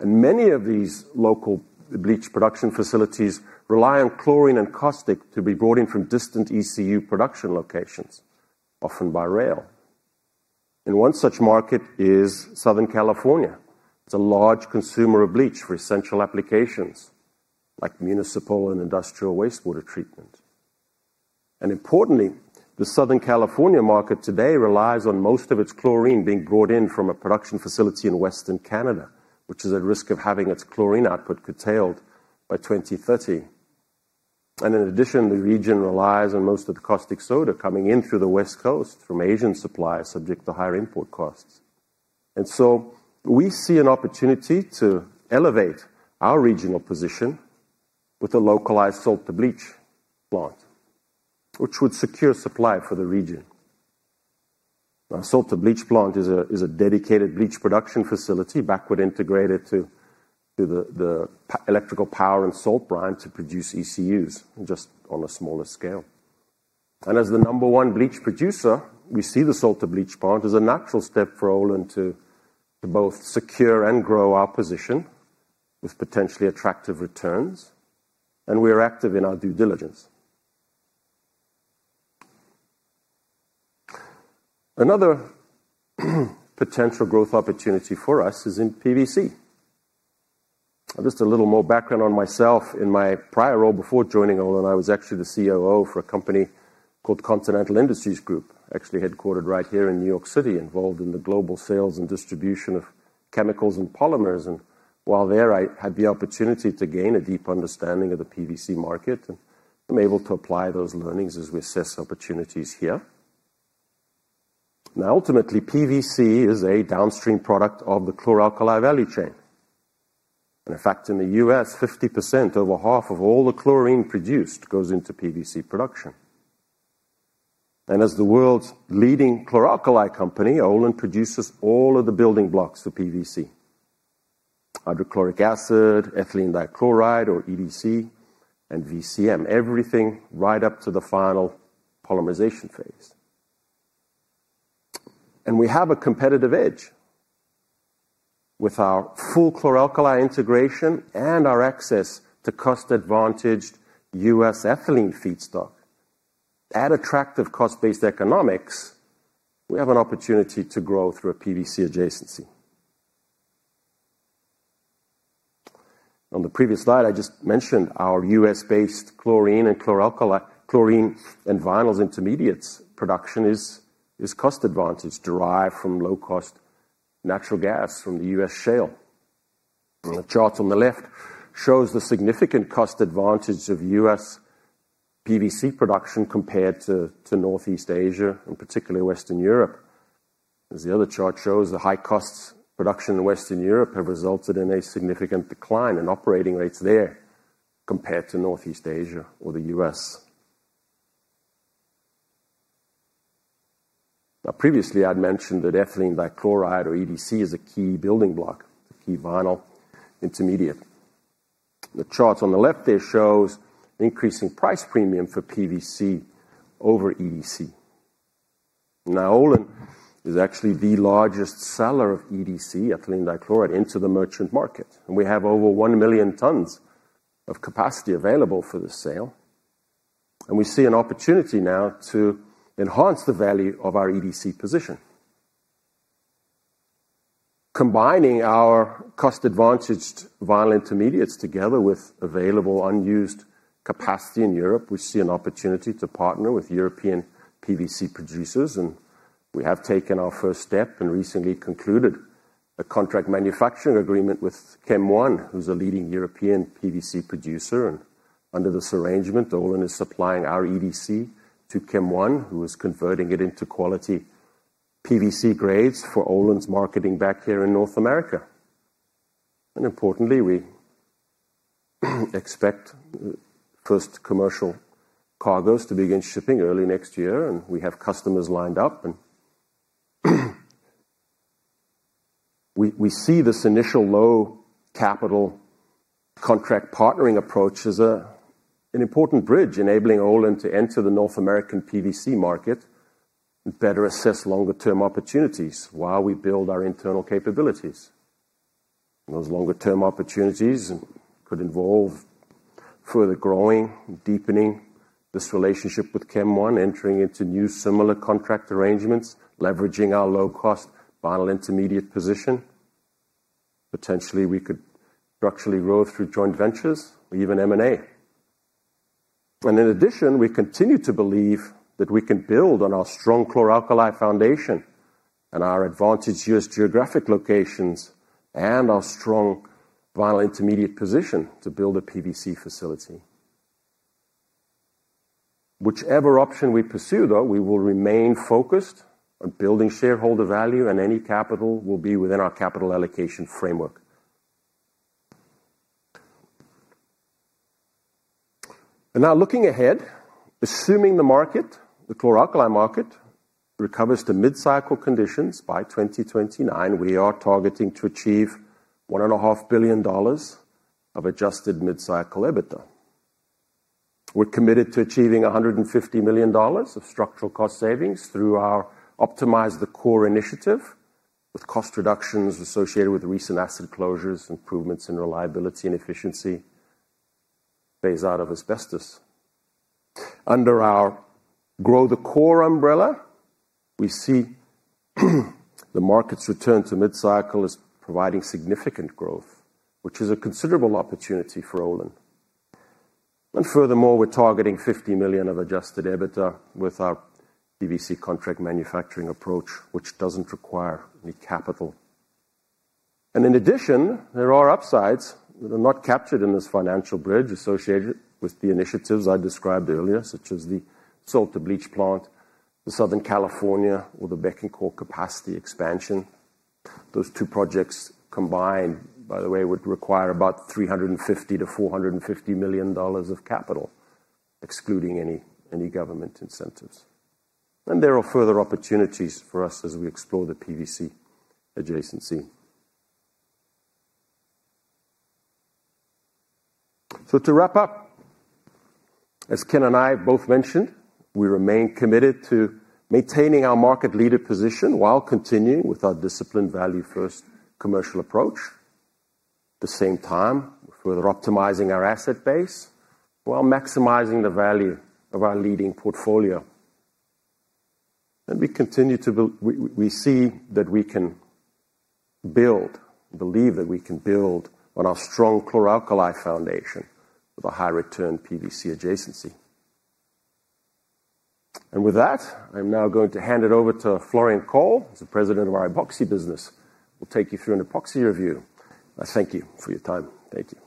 and many of these local bleach production facilities rely on chlorine and caustic to be brought in from distant ECU production locations, often by rail, and one such market is Southern California. It's a large consumer of bleach for essential applications like municipal and industrial wastewater treatment. Importantly, the Southern California market today relies on most of its chlorine being brought in from a production facility in Western Canada, which is at risk of having its chlorine output curtailed by 2030. In addition, the region relies on most of the caustic soda coming in through the West Coast from Asian suppliers subject to higher import costs. So we see an opportunity to elevate our regional position with a localized salt-to-bleach plant, which would secure supply for the region. Our salt-to-bleach plant is a dedicated bleach production facility backward integrated to the electrical power and salt brine to produce ECUs just on a smaller scale. And as the number one bleach producer, we see the salt-to-bleach plant as a natural step for Olin to both secure and grow our position with potentially attractive returns, and we are active in our due diligence. Another potential growth opportunity for us is in PVC. Just a little more background on myself. In my prior role before joining Olin, I was actually the COO for a company called Continental Industries Group, actually headquartered right here in New York City, involved in the global sales and distribution of chemicals and polymers. And while there, I had the opportunity to gain a deep understanding of the PVC market, and I'm able to apply those learnings as we assess opportunities here. Now, ultimately, PVC is a downstream product of chlor alkali value chain. And in fact, in the U.S., 50%, over half of all the chlorine produced goes into PVC production. And as the world's chlor alkali company, Olin produces all of the building blocks for PVC: hydrochloric acid, ethylene dichloride, or EDC, and VCM, everything right up to the final polymerization phase. And we have a competitive edge with our chlor alkali integration and our access to cost-advantaged U.S. ethylene feedstock. At attractive cost-based economics, we have an opportunity to grow through a PVC adjacency. On the previous slide, I just mentioned our U.S.-based chlorine chlor alkali chlorine and vinyls intermediates production is cost advantage derived from low-cost natural gas from the U.S. shale. The chart on the left shows the significant cost advantage of U.S. PVC production compared to Northeast Asia and particularly Western Europe. As the other chart shows, the high-cost production in Western Europe has resulted in a significant decline in operating rates there compared to Northeast Asia or the U.S. Now, previously, I'd mentioned that ethylene dichloride, or EDC, is a key building block, a key vinyl intermediate. The chart on the left there shows increasing price premium for PVC over EDC. Now, Olin is actually the largest seller of EDC, ethylene dichloride, into the merchant market, and we have over one million tons of capacity available for the sale. And we see an opportunity now to enhance the value of our EDC position. Combining our cost-advantaged vinyl intermediates together with available unused capacity in Europe, we see an opportunity to partner with European PVC producers, and we have taken our first step and recently concluded a contract manufacturing agreement with Kem One, who's a leading European PVC producer. And under this arrangement, Olin is supplying our EDC to Kem One, who is converting it into quality PVC grades for Olin's marketing back here in North America. Importantly, we expect first commercial cargoes to begin shipping early next year, and we have customers lined up. We see this initial low-capital contract partnering approach as an important bridge enabling Olin to enter the North American PVC market and better assess longer-term opportunities while we build our internal capabilities. Those longer-term opportunities could involve further growing, deepening this relationship with Kem One, entering into new similar contract arrangements, leveraging our low-cost vinyl intermediate position. Potentially, we could structurally grow through joint ventures or even M&A. In addition, we continue to believe that we can build on our chlor alkali foundation and our advantageous geographic locations and our strong vinyl intermediate position to build a PVC facility. Whichever option we pursue, though, we will remain focused on building shareholder value, and any capital will be within our capital allocation framework. Now, looking ahead, assuming the market, chlor alkali market, recovers to mid-cycle conditions by 2029, we are targeting to achieve $1.5 billion of adjusted mid-cycle EBITDA. We're committed to achieving $150 million of structural cost savings through our Optimize the Core initiative with cost reductions associated with recent asset closures, improvements in reliability and efficiency, phase-out of asbestos. Under our Grow the Core umbrella, we see the market's return to mid-cycle is providing significant growth, which is a considerable opportunity for Olin. And furthermore, we're targeting $50 million of adjusted EBITDA with our PVC contract manufacturing approach, which doesn't require any capital. And in addition, there are upsides that are not captured in this financial bridge associated with the initiatives I described earlier, such as the salt-to-bleach plant in Southern California, or the Bécancour capacity expansion. Those two projects combined, by the way, would require about $350 million-$450 million of capital, excluding any government incentives. And there are further opportunities for us as we explore the PVC adjacency. So to wrap up, as Ken and I both mentioned, we remain committed to maintaining our market leader position while continuing with our disciplined value-first commercial approach. At the same time, we're further optimizing our asset base while maximizing the value of our leading portfolio. And we continue to build. We see that we can build, believe that we can build on our chlor alkali foundation with a high-return PVC adjacency. And with that, I'm now going to hand it over to Florian Kohl, who's the President of our Epoxy business. We'll take you through an epoxy review. I thank you for your time. Thank you.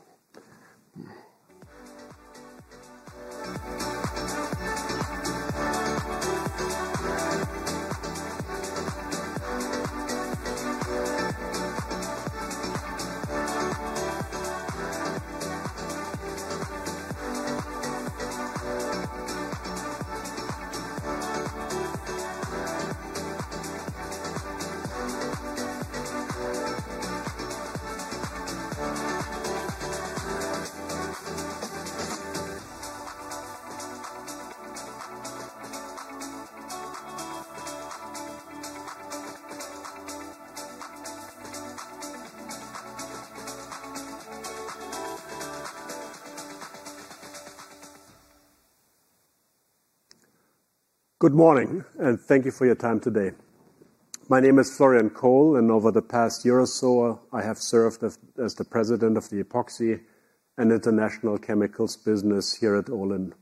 Good morning and thank you for your time today. My name is Florian Kohl, and over the past year or so, I have served as the President of the Epoxy and International Chemicals business here at Olin.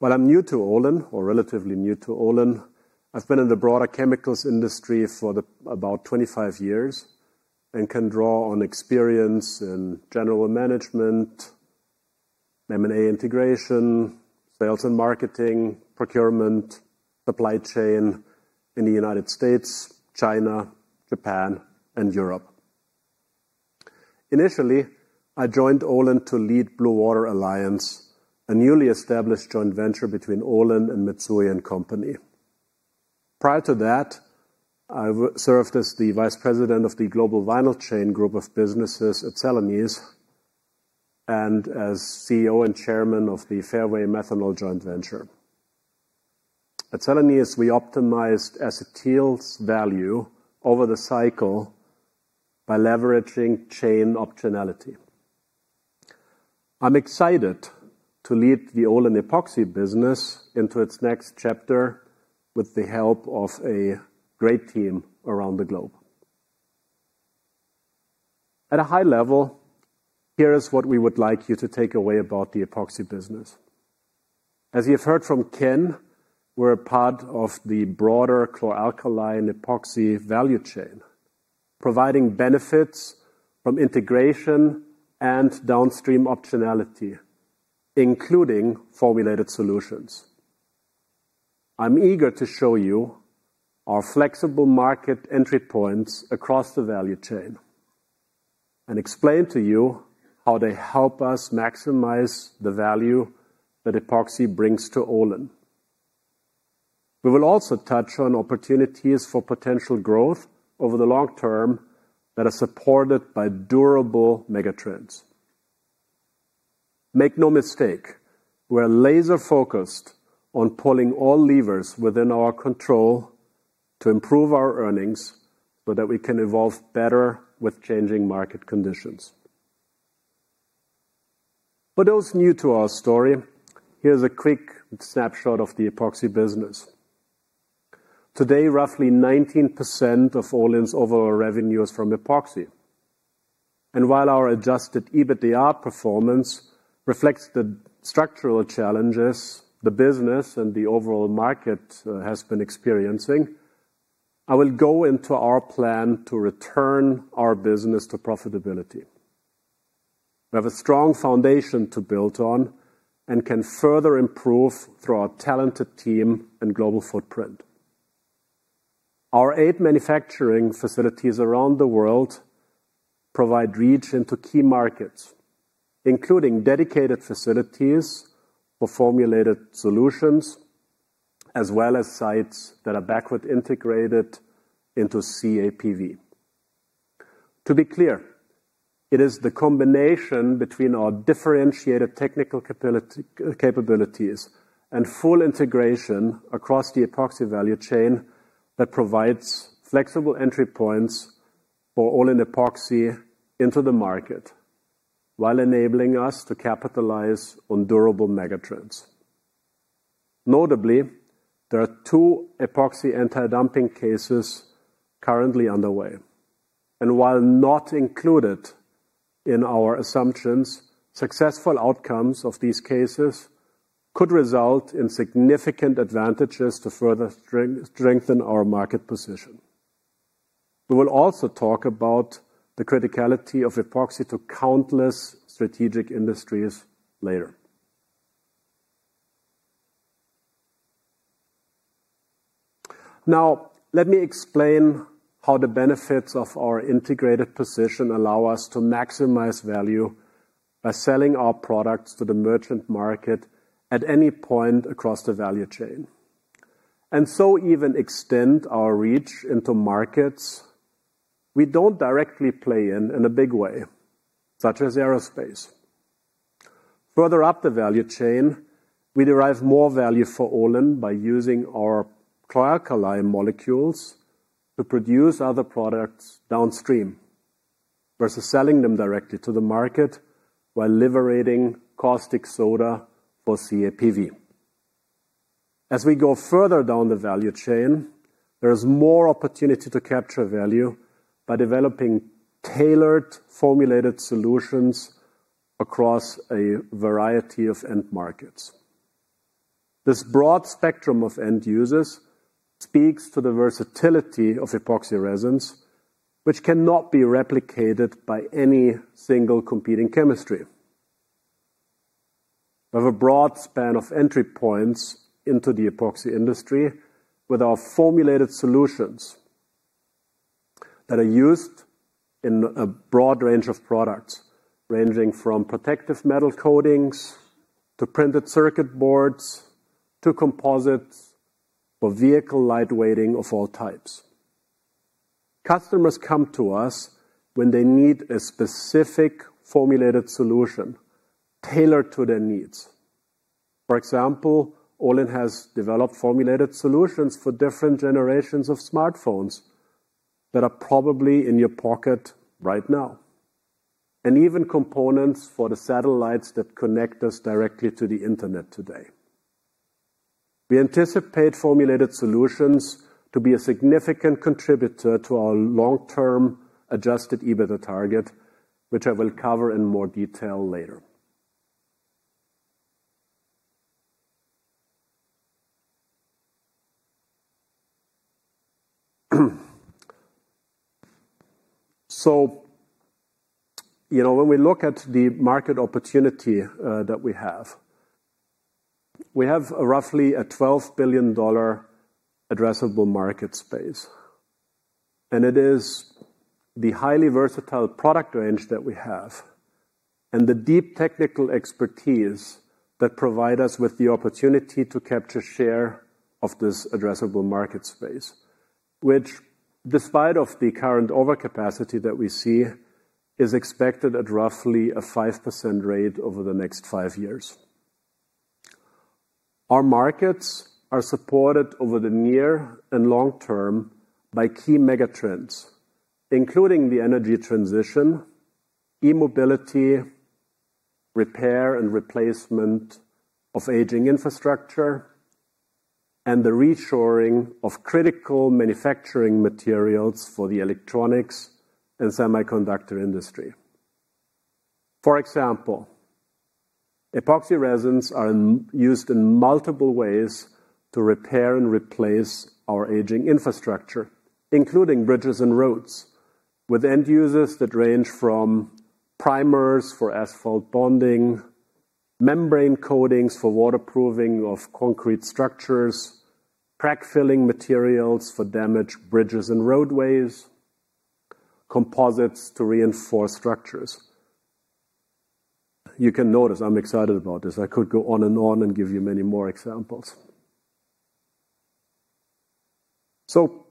While I'm new to Olin, or relatively new to Olin, I've been in the broader chemicals industry for about 25 years and can draw on experience in general management, M&A integration, sales and marketing, procurement, supply chain in the United States, China, Japan, and Europe. Initially, I joined Olin to lead Blue Water Alliance, a newly established joint venture between Olin and Mitsui & Company. Prior to that, I served as the vice president of the global vinyl chain group of businesses at Celanese and as CEO and Chairman of the Fairway Methanol joint venture. At Celanese, we optimized Acetyls value over the cycle by leveraging chain optionality. I'm excited to lead the Olin Epoxy business into its next chapter with the help of a great team around the globe. At a high level, here is what we would like you to take away about the Epoxy business. As you've heard from Ken, we're a part of the chlor alkali and epoxy value chain, providing benefits from integration and downstream optionality, including formulated solutions. I'm eager to show you our flexible market entry points across the value chain and explain to you how they help us maximize the value that epoxy brings to Olin. We will also touch on opportunities for potential growth over the long term that are supported by durable megatrends. Make no mistake, we're laser-focused on pulling all levers within our control to improve our earnings so that we can evolve better with changing market conditions. For those new to our story, here's a quick snapshot of the Epoxy business. Today, roughly 19% of Olin's overall revenue is from Epoxy. And while our adjusted EBITDA performance reflects the structural challenges the business and the overall market has been experiencing, I will go into our plan to return our business to profitability. We have a strong foundation to build on and can further improve through our talented team and global footprint. Our eight manufacturing facilities around the world provide reach into key markets, including dedicated facilities for formulated solutions, as well as sites that are backward integrated into CAPV. To be clear, it is the combination between our differentiated technical capabilities and full integration across the epoxy value chain that provides flexible entry points for Olin Epoxy into the market while enabling us to capitalize on durable megatrends. Notably, there are two epoxy anti-dumping cases currently underway. While not included in our assumptions, successful outcomes of these cases could result in significant advantages to further strengthen our market position. We will also talk about the criticality of epoxy to countless strategic industries later. Now, let me explain how the benefits of our integrated position allow us to maximize value by selling our products to the merchant market at any point across the value chain. So even extend our reach into markets we don't directly play in in a big way, such as aerospace. Further up the value chain, we derive more value for Olin by using chlor alkali molecules to produce other products downstream versus selling them directly to the market while liberating caustic soda for CAPV. As we go further down the value chain, there is more opportunity to capture value by developing tailored formulated solutions across a variety of end markets. This broad spectrum of end users speaks to the versatility of epoxy resins, which cannot be replicated by any single competing chemistry. We have a broad span of entry points into the epoxy industry with our formulated solutions that are used in a broad range of products, ranging from protective metal coatings to printed circuit boards to composites for vehicle lightweighting of all types. Customers come to us when they need a specific formulated solution tailored to their needs. For example, Olin has developed formulated solutions for different generations of smartphones that are probably in your pocket right now, and even components for the satellites that connect us directly to the internet today. We anticipate formulated solutions to be a significant contributor to our long-term Adjusted EBITDA target, which I will cover in more detail later. You know, when we look at the market opportunity that we have, we have roughly a $12 billion addressable market space. It is the highly versatile product range that we have and the deep technical expertise that provide us with the opportunity to capture share of this addressable market space, which, despite the current overcapacity that we see, is expected at roughly a 5% rate over the next five years. Our markets are supported over the near and long term by key megatrends, including the energy transition, e-mobility, repair and replacement of aging infrastructure, and the reshoring of critical manufacturing materials for the electronics and semiconductor industry. For example, epoxy resins are used in multiple ways to repair and replace our aging infrastructure, including bridges and roads, with end users that range from primers for asphalt bonding, membrane coatings for waterproofing of concrete structures, crack filling materials for damaged bridges and roadways, composites to reinforce structures. You can notice I'm excited about this. I could go on and on and give you many more examples. So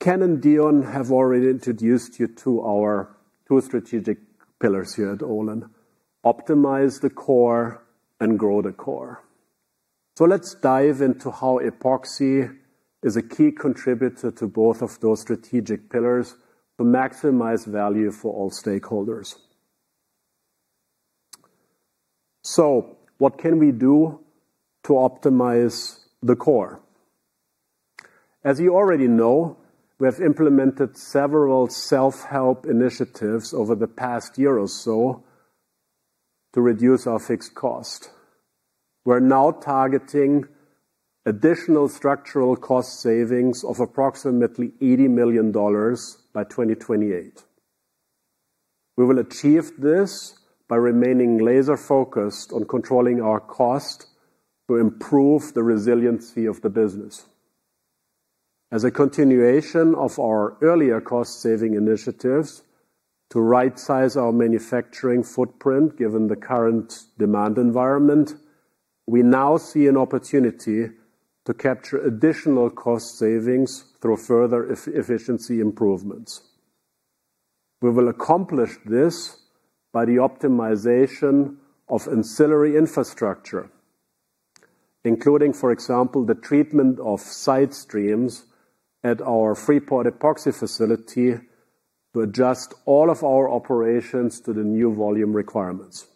Ken and Deon have already introduced you to our two strategic pillars here at Olin: optimize the core and grow the core. So let's dive into how epoxy is a key contributor to both of those strategic pillars to maximize value for all stakeholders. So what can we do to optimize the core? As you already know, we have implemented several self-help initiatives over the past year or so to reduce our fixed cost. We're now targeting additional structural cost savings of approximately $80 million by 2028. We will achieve this by remaining laser-focused on controlling our cost to improve the resiliency of the business. As a continuation of our earlier cost-saving initiatives to right-size our manufacturing footprint given the current demand environment, we now see an opportunity to capture additional cost savings through further efficiency improvements. We will accomplish this by the optimization of ancillary infrastructure, including, for example, the treatment of side streams at our Freeport epoxy facility to adjust all of our operations to the new volume requirements.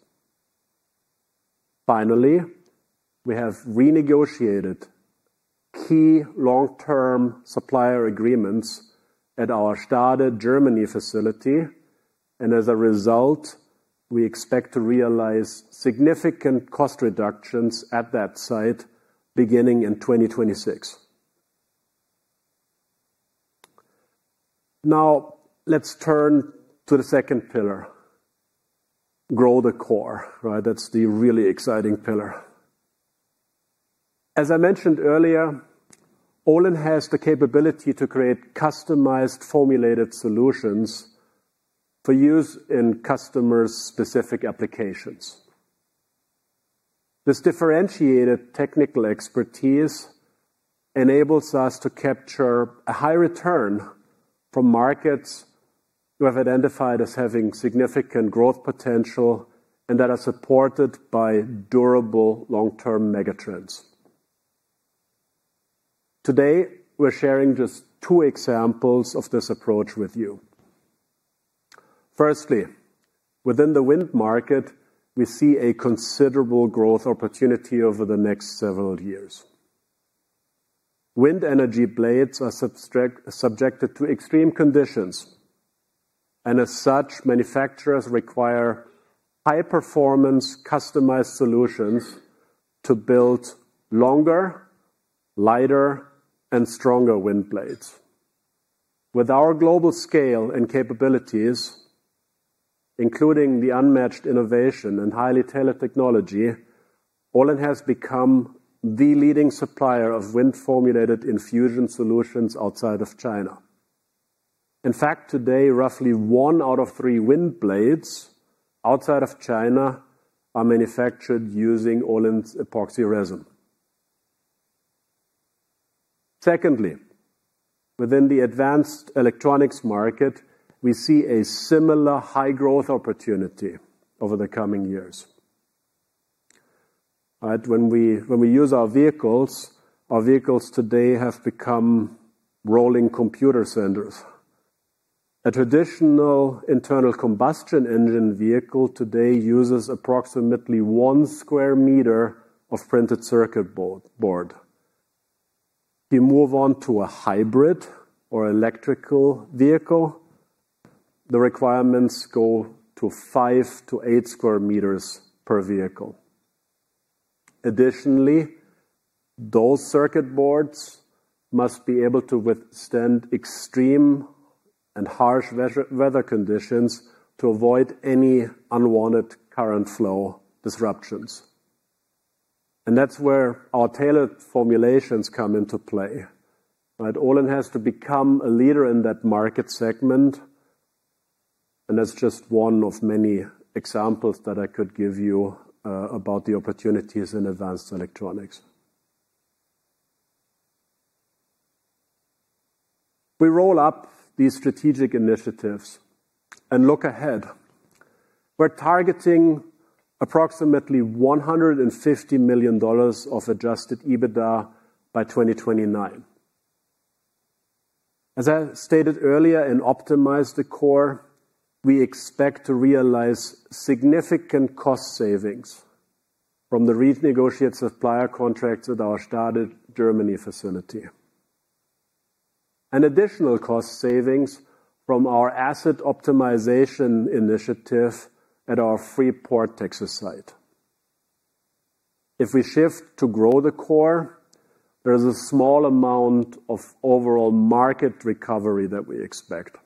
Finally, we have renegotiated key long-term supplier agreements at our Stade, Germany facility, and as a result, we expect to realize significant cost reductions at that site beginning in 2026. Now, let's turn to the second pillar: grow the core, right? That's the really exciting pillar. As I mentioned earlier, Olin has the capability to create customized formulated solutions for use in customers' specific applications. This differentiated technical expertise enables us to capture a high return from markets we have identified as having significant growth potential and that are supported by durable long-term megatrends. Today, we're sharing just two examples of this approach with you. Firstly, within the wind market, we see a considerable growth opportunity over the next several years. Wind energy blades are subjected to extreme conditions, and as such, manufacturers require high-performance customized solutions to build longer, lighter, and stronger wind blades. With our global scale and capabilities, including the unmatched innovation and highly tailored technology, Olin has become the leading supplier of wind formulated infusion solutions outside of China. In fact, today, roughly one out of three wind blades outside of China are manufactured using Olin's epoxy resin. Secondly, within the advanced electronics market, we see a similar high-growth opportunity over the coming years. When we use our vehicles, our vehicles today have become rolling computer centers. A traditional internal combustion engine vehicle today uses approximately one square meter of printed circuit board. If you move on to a hybrid or electric vehicle, the requirements go to five to eight square meters per vehicle. Additionally, those circuit boards must be able to withstand extreme and harsh weather conditions to avoid any unwanted current flow disruptions, and that's where our tailored formulations come into play. Olin has to become a leader in that market segment, and that's just one of many examples that I could give you about the opportunities in advanced electronics. We roll up these strategic initiatives and look ahead. We're targeting approximately $150 million of Adjusted EBITDA by 2029. As I stated earlier, in optimizing the core, we expect to realize significant cost savings from the renegotiated supplier contracts at our Stade, Germany facility, and additional cost savings from our asset optimization initiative at our Freeport, Texas site. If we shift to grow the core, there is a small amount of overall market recovery that we expect.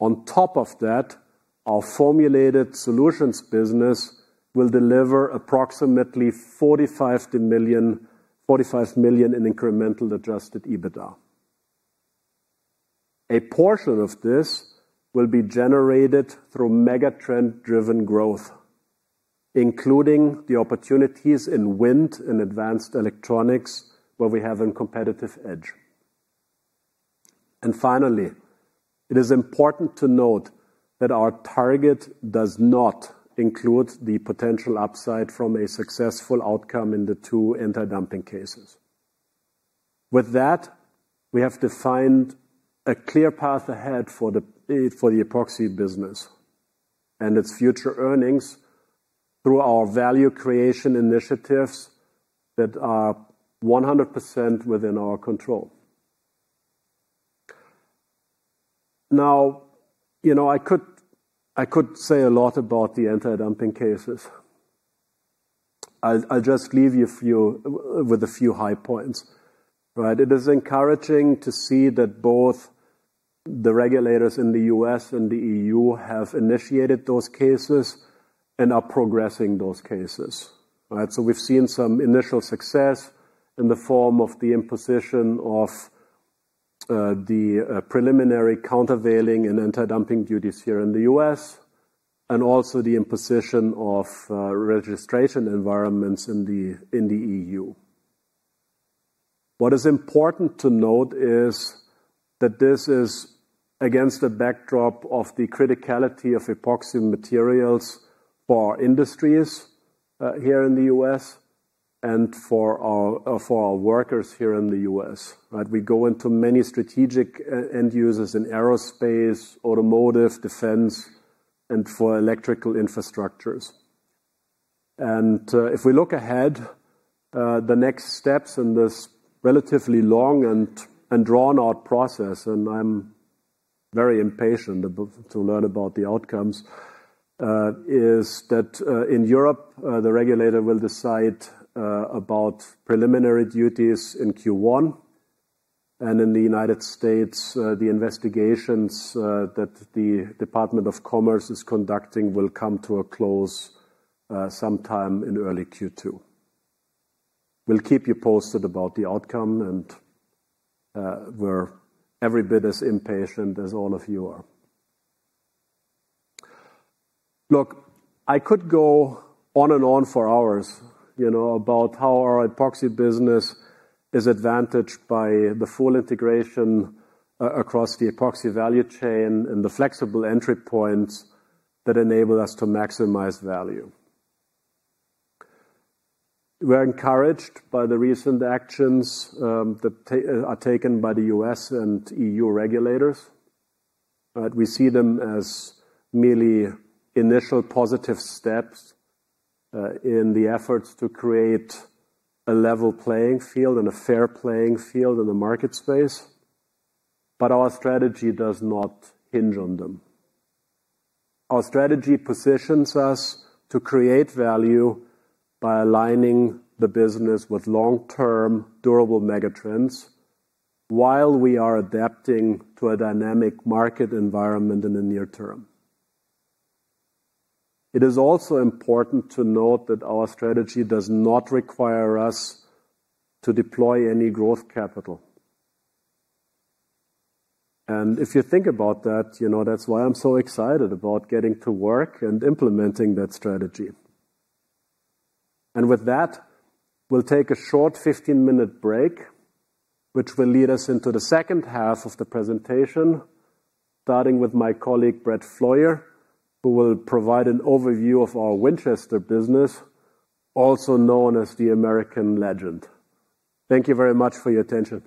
On top of that, our formulated solutions business will deliver approximately $45 million in incremental adjusted EBITDA. A portion of this will be generated through megatrend-driven growth, including the opportunities in wind and advanced electronics, where we have a competitive edge. And finally, it is important to note that our target does not include the potential upside from a successful outcome in the two anti-dumping cases. With that, we have defined a clear path ahead for the Epoxy business and its future earnings through our value creation initiatives that are 100% within our control. Now, you know, I could say a lot about the anti-dumping cases. I'll just leave you with a few high points, right? It is encouraging to see that both the regulators in the U.S. and the E.U. have initiated those cases and are progressing those cases, right? So we've seen some initial success in the form of the imposition of the preliminary countervailing and anti-dumping duties here in the U.S., and also the imposition of registration environments in the E.U. What is important to note is that this is against the backdrop of the criticality of epoxy materials for our industries here in the U.S. and for our workers here in the U.S., right? We go into many strategic end users in aerospace, automotive, defense, and for electrical infrastructures. And if we look ahead, the next steps in this relatively long and drawn-out process, and I'm very impatient to learn about the outcomes, is that in Europe, the regulator will decide about preliminary duties in Q1, and in the United States, the investigations that the Department of Commerce is conducting will come to a close sometime in early Q2. We'll keep you posted about the outcome, and we're every bit as impatient as all of you are. Look, I could go on and on for hours, you know, about how our Epoxy business is advantaged by the full integration across the epoxy value chain and the flexible entry points that enable us to maximize value. We're encouraged by the recent actions that are taken by the U.S. and EU regulators, right? We see them as merely initial positive steps in the efforts to create a level playing field and a fair playing field in the market space, but our strategy does not hinge on them. Our strategy positions us to create value by aligning the business with long-term durable megatrends while we are adapting to a dynamic market environment in the near term. It is also important to note that our strategy does not require us to deploy any growth capital, and if you think about that, you know, that's why I'm so excited about getting to work and implementing that strategy, and with that, we'll take a short 15-minute break, which will lead us into the second half of the presentation, starting with my colleague Brett Flaugher, who will provide an overview of our Winchester business, also known as the American Legend. Thank you very much for your attention.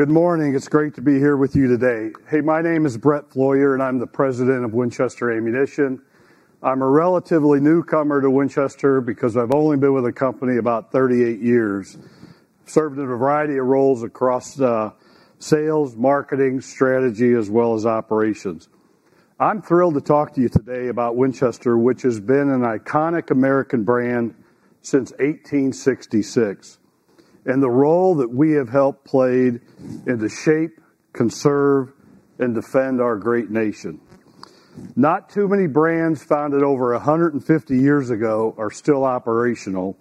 Good morning. It's great to be here with you today. Hey, my name is Brett Flaugher, and I'm the President of Winchester Ammunition. I'm a relatively newcomer to Winchester because I've only been with the company about 38 years. I've served in a variety of roles across sales, marketing, strategy, as well as operations. I'm thrilled to talk to you today about Winchester, which has been an iconic American brand since 1866 and the role that we have helped played in to shape, conserve, and defend our great nation. Not too many brands founded over 150 years ago are still operational,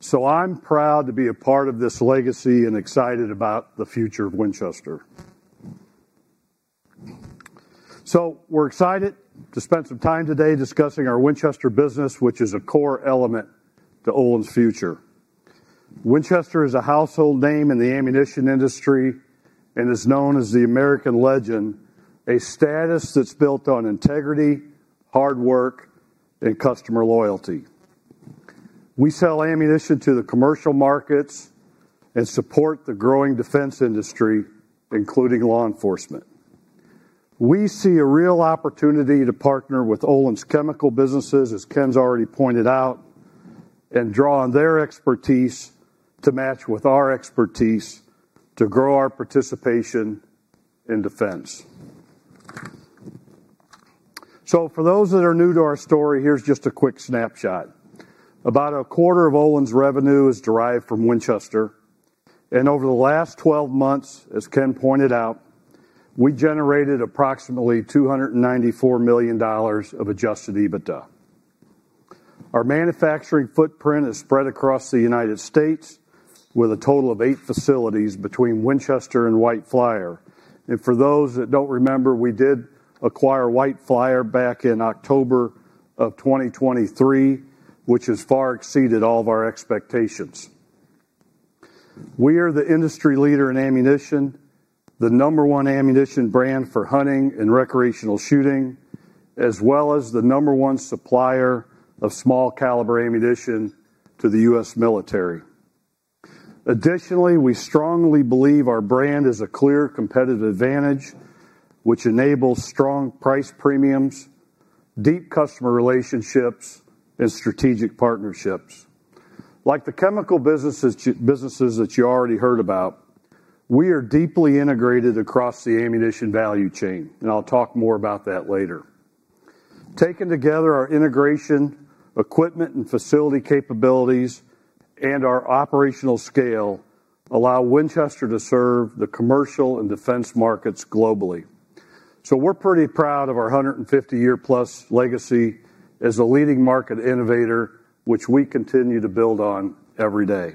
so I'm proud to be a part of this legacy and excited about the future of Winchester. We're excited to spend some time today discussing our Winchester business, which is a core element to Olin's future. Winchester is a household name in the ammunition industry and is known as the American Legend, a status that's built on integrity, hard work, and customer loyalty. We sell ammunition to the commercial markets and support the growing defense industry, including law enforcement. We see a real opportunity to partner with Olin's chemical businesses, as Ken's already pointed out, and draw on their expertise to match with our expertise to grow our participation in defense. So for those that are new to our story, here's just a quick snapshot. About a quarter of Olin's revenue is derived from Winchester, and over the last 12 months, as Ken pointed out, we generated approximately $294 million of Adjusted EBITDA. Our manufacturing footprint is spread across the United States with a total of eight facilities between Winchester and White Flyer. For those that don't remember, we did acquire White Flyer back in October of 2023, which has far exceeded all of our expectations. We are the industry leader in ammunition, the number one ammunition brand for hunting and recreational shooting, as well as the number one supplier of small caliber ammunition to the U.S. military. Additionally, we strongly believe our brand is a clear competitive advantage, which enables strong price premiums, deep customer relationships, and strategic partnerships. Like the chemical businesses that you already heard about, we are deeply integrated across the ammunition value chain, and I'll talk more about that later. Taken together, our integration, equipment, and facility capabilities, and our operational scale allow Winchester to serve the commercial and defense markets globally. We're pretty proud of our 150-year-plus legacy as a leading market innovator, which we continue to build on every day.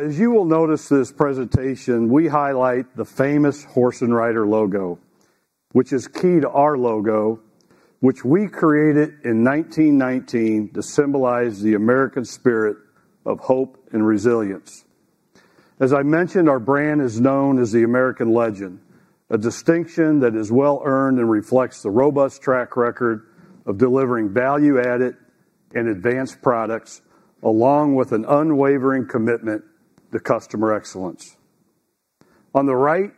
As you will notice this presentation, we highlight the famous horse and rider logo, which is key to our logo, which we created in 1919 to symbolize the American spirit of hope and resilience. As I mentioned, our brand is known as the American legend, a distinction that is well-earned and reflects the robust track record of delivering value-added and advanced products, along with an unwavering commitment to customer excellence. On the right,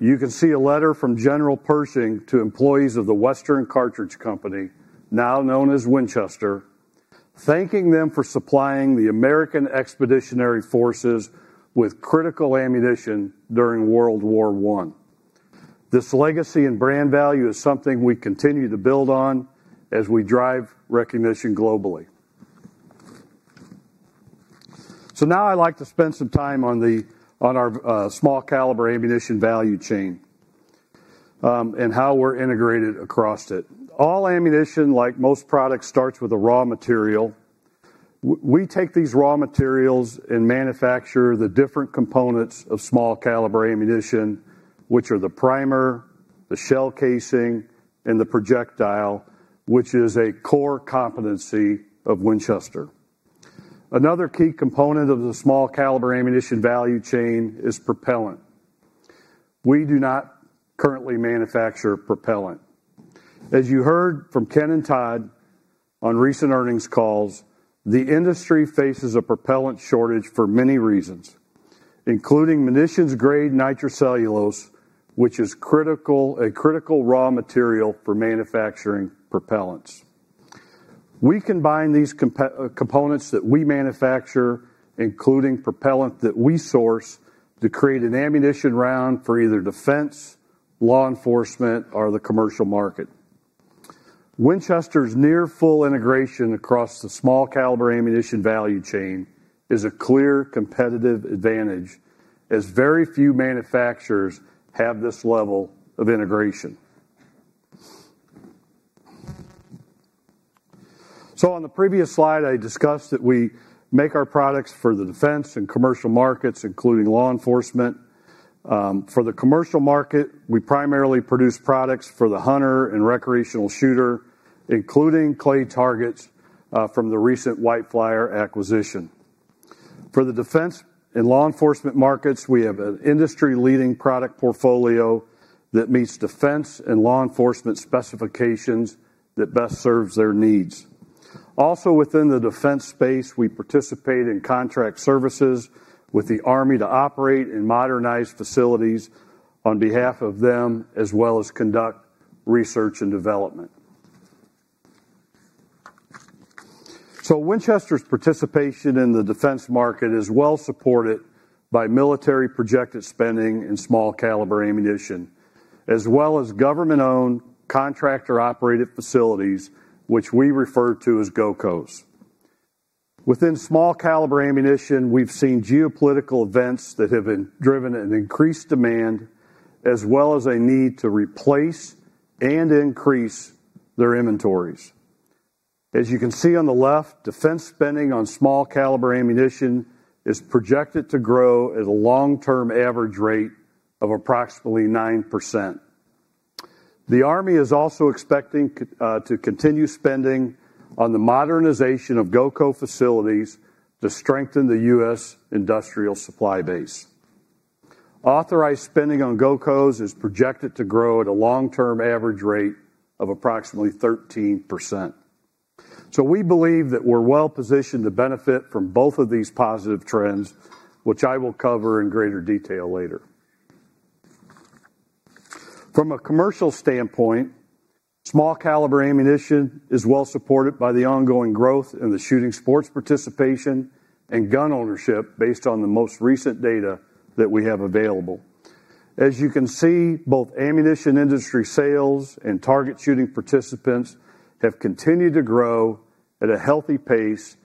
you can see a letter from General Pershing to employees of the Western Cartridge Company, now known as Winchester, thanking them for supplying the American Expeditionary Forces with critical ammunition during World War I. This legacy and brand value is something we continue to build on as we drive recognition globally. Now I'd like to spend some time on our small caliber ammunition value chain and how we're integrated across it. All ammunition, like most products, starts with a raw material. We take these raw materials and manufacture the different components of small caliber ammunition, which are the primer, the shell casing, and the projectile, which is a core competency of Winchester. Another key component of the small caliber ammunition value chain is propellant. We do not currently manufacture propellant. As you heard from Ken and Todd on recent earnings calls, the industry faces a propellant shortage for many reasons, including munitions-grade nitrocellulose, which is a critical raw material for manufacturing propellants. We combine these components that we manufacture, including propellant that we source, to create an ammunition round for either defense, law enforcement, or the commercial market. Winchester's near-full integration across the small caliber ammunition value chain is a clear competitive advantage, as very few manufacturers have this level of integration. On the previous slide, I discussed that we make our products for the defense and commercial markets, including law enforcement. For the commercial market, we primarily produce products for the hunter and recreational shooter, including clay targets from the recent White Flyer acquisition. For the defense and law enforcement markets, we have an industry-leading product portfolio that meets defense and law enforcement specifications that best serves their needs. Also, within the defense space, we participate in contract services with the Army to operate in modernized facilities on behalf of them, as well as conduct research and development. Winchester's participation in the defense market is well-supported by military projected spending in small caliber ammunition, as well as government-owned contractor-operated facilities, which we refer to as GOCOs. Within small caliber ammunition, we've seen geopolitical events that have driven an increased demand, as well as a need to replace and increase their inventories. As you can see on the left, defense spending on small caliber ammunition is projected to grow at a long-term average rate of approximately 9%. The Army is also expecting to continue spending on the modernization of GOCO facilities to strengthen the U.S. industrial supply base. Authorized spending on GOCOs is projected to grow at a long-term average rate of approximately 13%. So, we believe that we're well-positioned to benefit from both of these positive trends, which I will cover in greater detail later. From a commercial standpoint, small caliber ammunition is well-supported by the ongoing growth in the shooting sports participation and gun ownership, based on the most recent data that we have available. As you can see, both ammunition industry sales and target shooting participants have continued to grow at a healthy pace,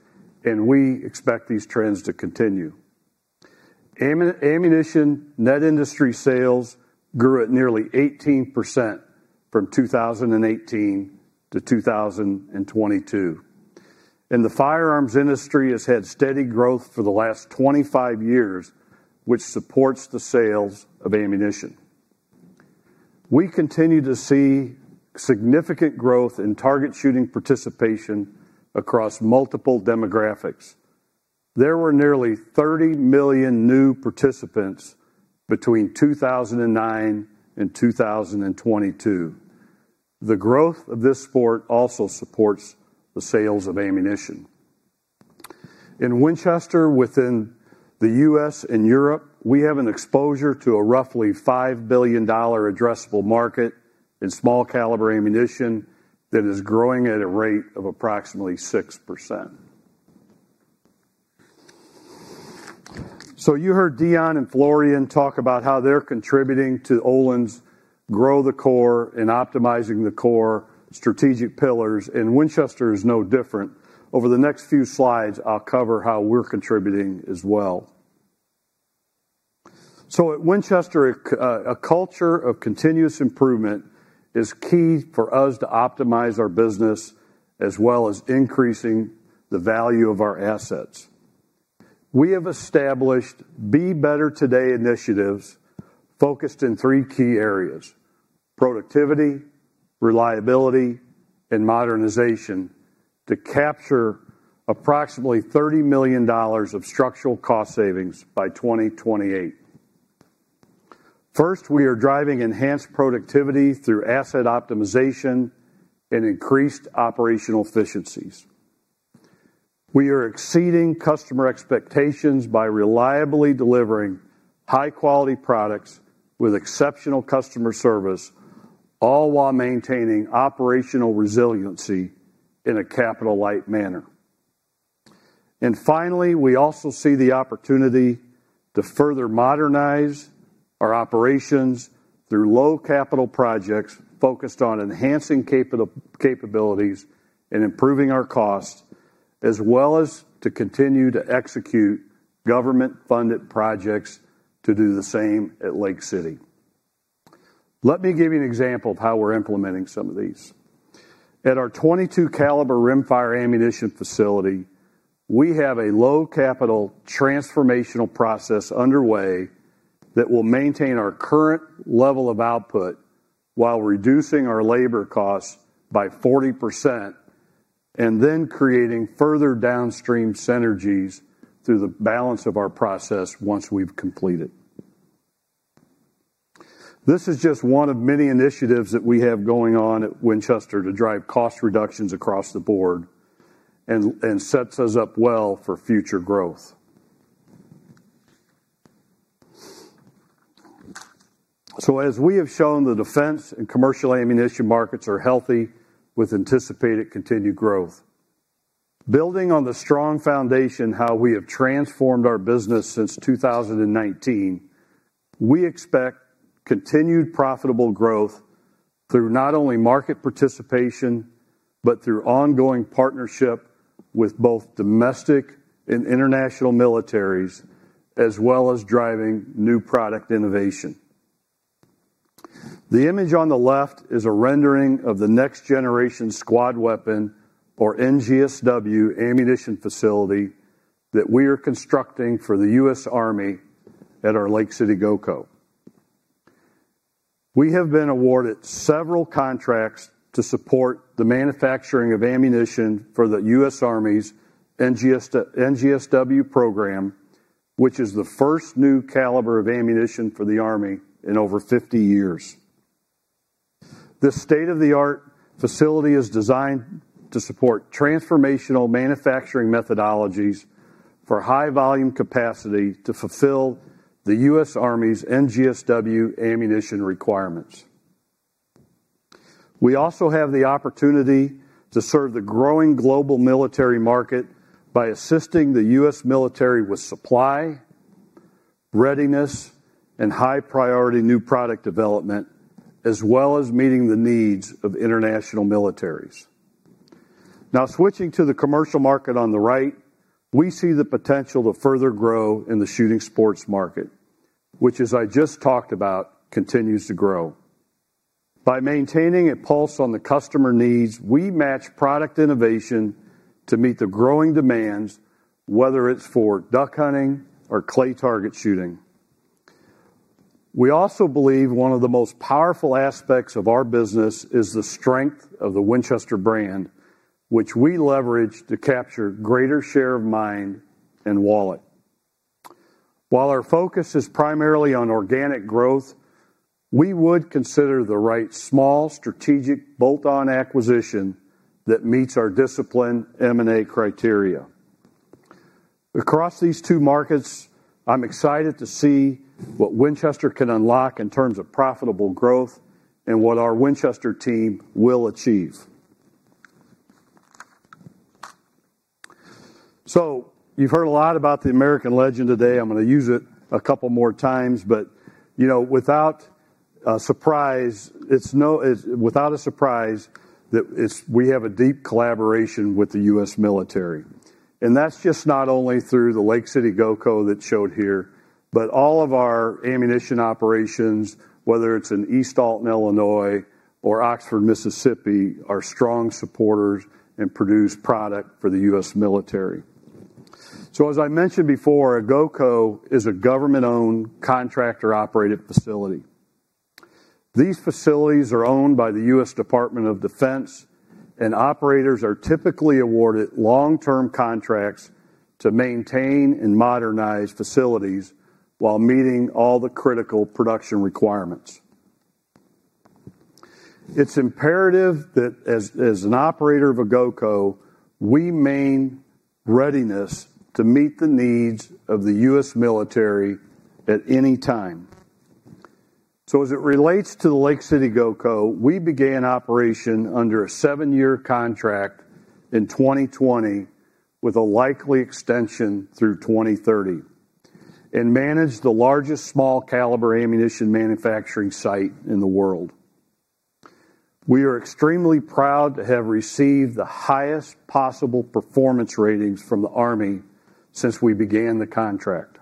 and we expect these trends to continue. Ammunition net industry sales grew at nearly 18% from 2018 to 2022. And the firearms industry has had steady growth for the last 25 years, which supports the sales of ammunition. We continue to see significant growth in target shooting participation across multiple demographics. There were nearly 30 million new participants between 2009 and 2022. The growth of this sport also supports the sales of ammunition. In Winchester, within the U.S. and Europe, we have an exposure to a roughly $5 billion addressable market in small caliber ammunition that is growing at a rate of approximately 6%. You heard Deon and Florian talk about how they're contributing to Olin's Grow the Core and Optimizing the Core strategic pillars, and Winchester is no different. Over the next few slides, I'll cover how we're contributing as well. At Winchester, a culture of continuous improvement is key for us to optimize our business, as well as increasing the value of our assets. We have established Be Better Today initiatives focused in three key areas: productivity, reliability, and modernization to capture approximately $30 million of structural cost savings by 2028. First, we are driving enhanced productivity through asset optimization and increased operational efficiencies. We are exceeding customer expectations by reliably delivering high-quality products with exceptional customer service, all while maintaining operational resiliency in a capital-light manner. And finally, we also see the opportunity to further modernize our operations through low-capital projects focused on enhancing capabilities and improving our costs, as well as to continue to execute government-funded projects to do the same at Lake City. Let me give you an example of how we're implementing some of these. At our 22-caliber rimfire ammunition facility, we have a low-capital transformational process underway that will maintain our current level of output while reducing our labor costs by 40% and then creating further downstream synergies through the balance of our process once we've completed. This is just one of many initiatives that we have going on at Winchester to drive cost reductions across the board and sets us up well for future growth. So, as we have shown, the defense and commercial ammunition markets are healthy, with anticipated continued growth. Building on the strong foundation how we have transformed our business since 2019, we expect continued profitable growth through not only market participation, but through ongoing partnership with both domestic and international militaries, as well as driving new product innovation. The image on the left is a rendering of the Next Generation Squad Weapon, or NGSW, ammunition facility that we are constructing for the U.S. Army at our Lake City GOCO. We have been awarded several contracts to support the manufacturing of ammunition for the U.S. Army's NGSW program, which is the first new caliber of ammunition for the Army in over 50 years. This state-of-the-art facility is designed to support transformational manufacturing methodologies for high-volume capacity to fulfill the U.S. Army's NGSW ammunition requirements. We also have the opportunity to serve the growing global military market by assisting the U.S. military with supply readiness and high-priority new product development, as well as meeting the needs of international militaries. Now, switching to the commercial market on the right, we see the potential to further grow in the shooting sports market, which, as I just talked about, continues to grow. By maintaining a pulse on the customer needs, we match product innovation to meet the growing demands, whether it's for duck hunting or clay target shooting. We also believe one of the most powerful aspects of our business is the strength of the Winchester brand, which we leverage to capture a greater share of mind and wallet. While our focus is primarily on organic growth, we would consider the right small strategic bolt-on acquisition that meets our disciplined M&A criteria. Across these two markets, I'm excited to see what Winchester can unlock in terms of profitable growth and what our Winchester team will achieve. You've heard a lot about the American legend today. I'm going to use it a couple more times, but, you know, without a surprise, it's no surprise that we have a deep collaboration with the U.S. military. That's just not only through the Lake City GOCO that's shown here, but all of our ammunition operations, whether it's in East Alton, Illinois, or Oxford, Mississippi, are strong supporters and produce product for the U.S. military. As I mentioned before, a GOCO is a government-owned contractor-operated facility. These facilities are owned by the U.S. Department of Defense, and operators are typically awarded long-term contracts to maintain and modernize facilities while meeting all the critical production requirements. It's imperative that, as an operator of a GOCO, we maintain readiness to meet the needs of the U.S. military at any time. So, as it relates to the Lake City GOCO, we began operation under a seven-year contract in 2020, with a likely extension through 2030, and manage the largest small caliber ammunition manufacturing site in the world. We are extremely proud to have received the highest possible performance ratings from the Army since we began the contract.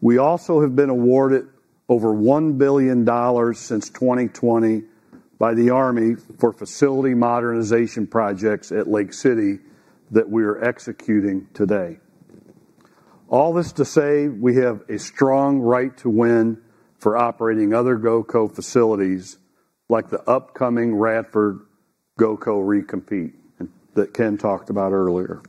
We also have been awarded over $1 billion since 2020 by the Army for facility modernization projects at Lake City that we are executing today. All this to say, we have a strong right to win for operating other GOCO facilities, like the upcoming Radford GOCO recompete that Ken talked about earlier.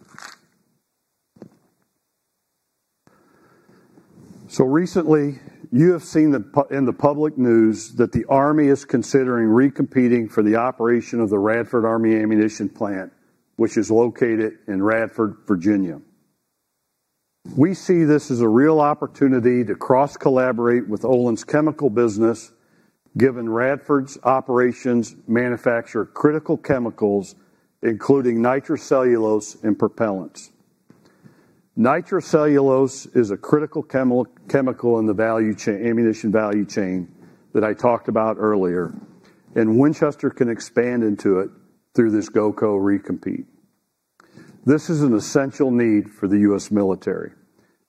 Recently, you have seen in the public news that the Army is considering re-competing for the operation of the Radford Army Ammunition Plant, which is located in Radford, Virginia. We see this as a real opportunity to cross-collaborate with Olin's chemical business, given Radford's operations manufacture critical chemicals, including nitrocellulose and propellants. Nitrocellulose is a critical chemical in the ammunition value chain that I talked about earlier, and Winchester can expand into it through this GOCO recompete. This is an essential need for the U.S. military,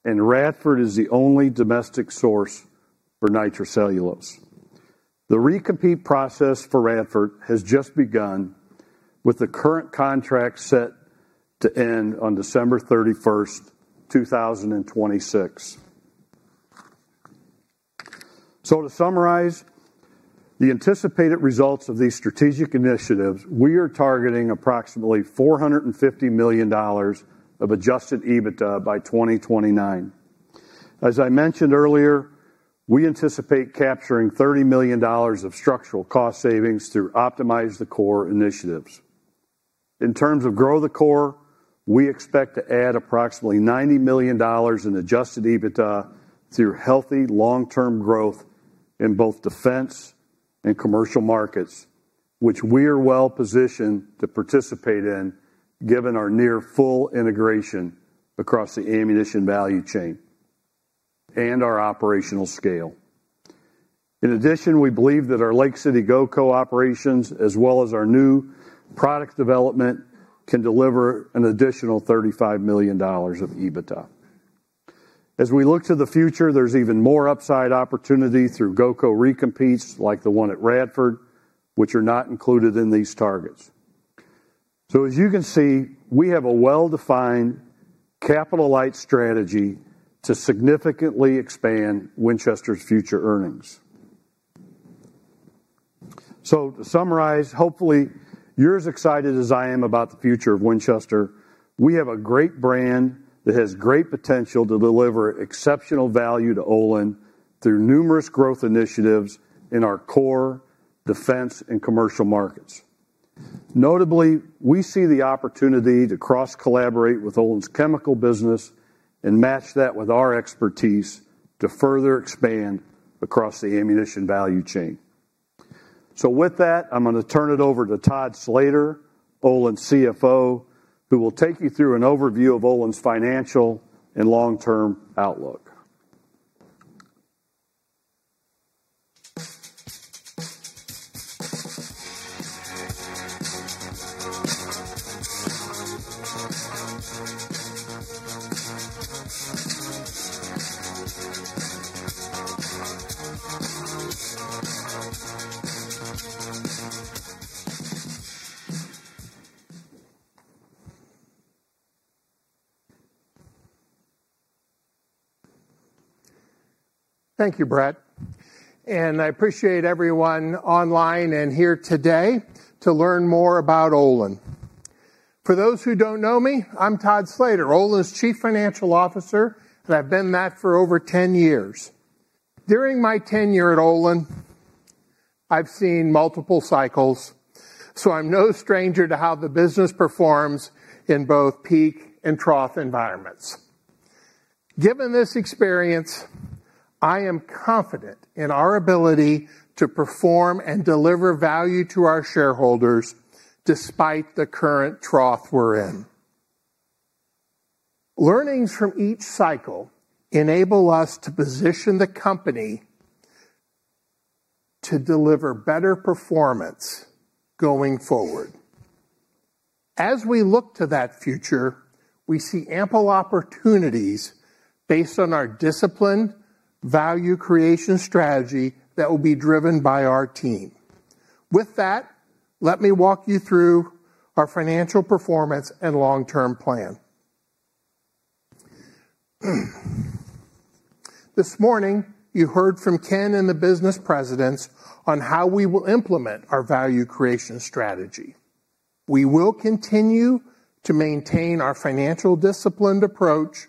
and Radford is the only domestic source for nitrocellulose. The recompete process for Radford has just begun, with the current contract set to end on December 31st, 2026. To summarize the anticipated results of these strategic initiatives. We are targeting approximately $450 million of Adjusted EBITDA by 2029. As I mentioned earlier, we anticipate capturing $30 million of structural cost savings through Optimize the Core initiatives. In terms of Grow the Core, we expect to add approximately $90 million in adjusted EBITDA through healthy long-term growth in both defense and commercial markets, which we are well-positioned to participate in, given our near-full integration across the ammunition value chain and our operational scale. In addition, we believe that our Lake City GOCO operations, as well as our new product development, can deliver an additional $35 million of EBITDA. As we look to the future, there's even more upside opportunity through GOCO recompetes, like the one at Radford, which are not included in these targets. So, as you can see, we have a well-defined capital-light strategy to significantly expand Winchester's future earnings. So, to summarize, hopefully, you're as excited as I am about the future of Winchester. We have a great brand that has great potential to deliver exceptional value to Olin through numerous growth initiatives in our core, defense, and commercial markets. Notably, we see the opportunity to cross-collaborate with Olin's chemical business and match that with our expertise to further expand across the ammunition value chain. So, with that, I'm going to turn it over to Todd Slater, Olin's CFO, who will take you through an overview of Olin's financial and long-term outlook.
Thank you, Brett. And I appreciate everyone online and here today to learn more about Olin. For those who don't know me, I'm Todd Slater, Olin's Chief Financial Officer, and I've been that for over 10 years. During my tenure at Olin, I've seen multiple cycles, so I'm no stranger to how the business performs in both peak and trough environments. Given this experience, I am confident in our ability to perform and deliver value to our shareholders despite the current trough we're in. Learnings from each cycle enable us to position the company to deliver better performance going forward. As we look to that future, we see ample opportunities based on our discipline, value creation strategy that will be driven by our team. With that, let me walk you through our financial performance and long-term plan. This morning, you heard from Ken and the business presidents on how we will implement our value creation strategy. We will continue to maintain our financial disciplined approach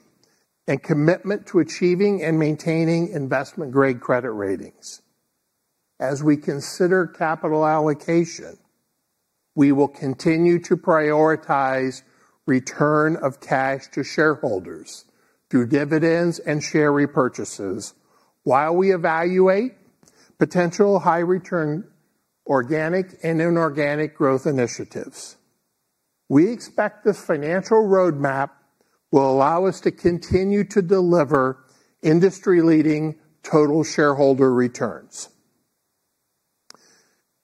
and commitment to achieving and maintaining investment-grade credit ratings. As we consider capital allocation, we will continue to prioritize return of cash to shareholders through dividends and share repurchases while we evaluate potential high-return organic and inorganic growth initiatives. We expect this financial roadmap will allow us to continue to deliver industry-leading total shareholder returns.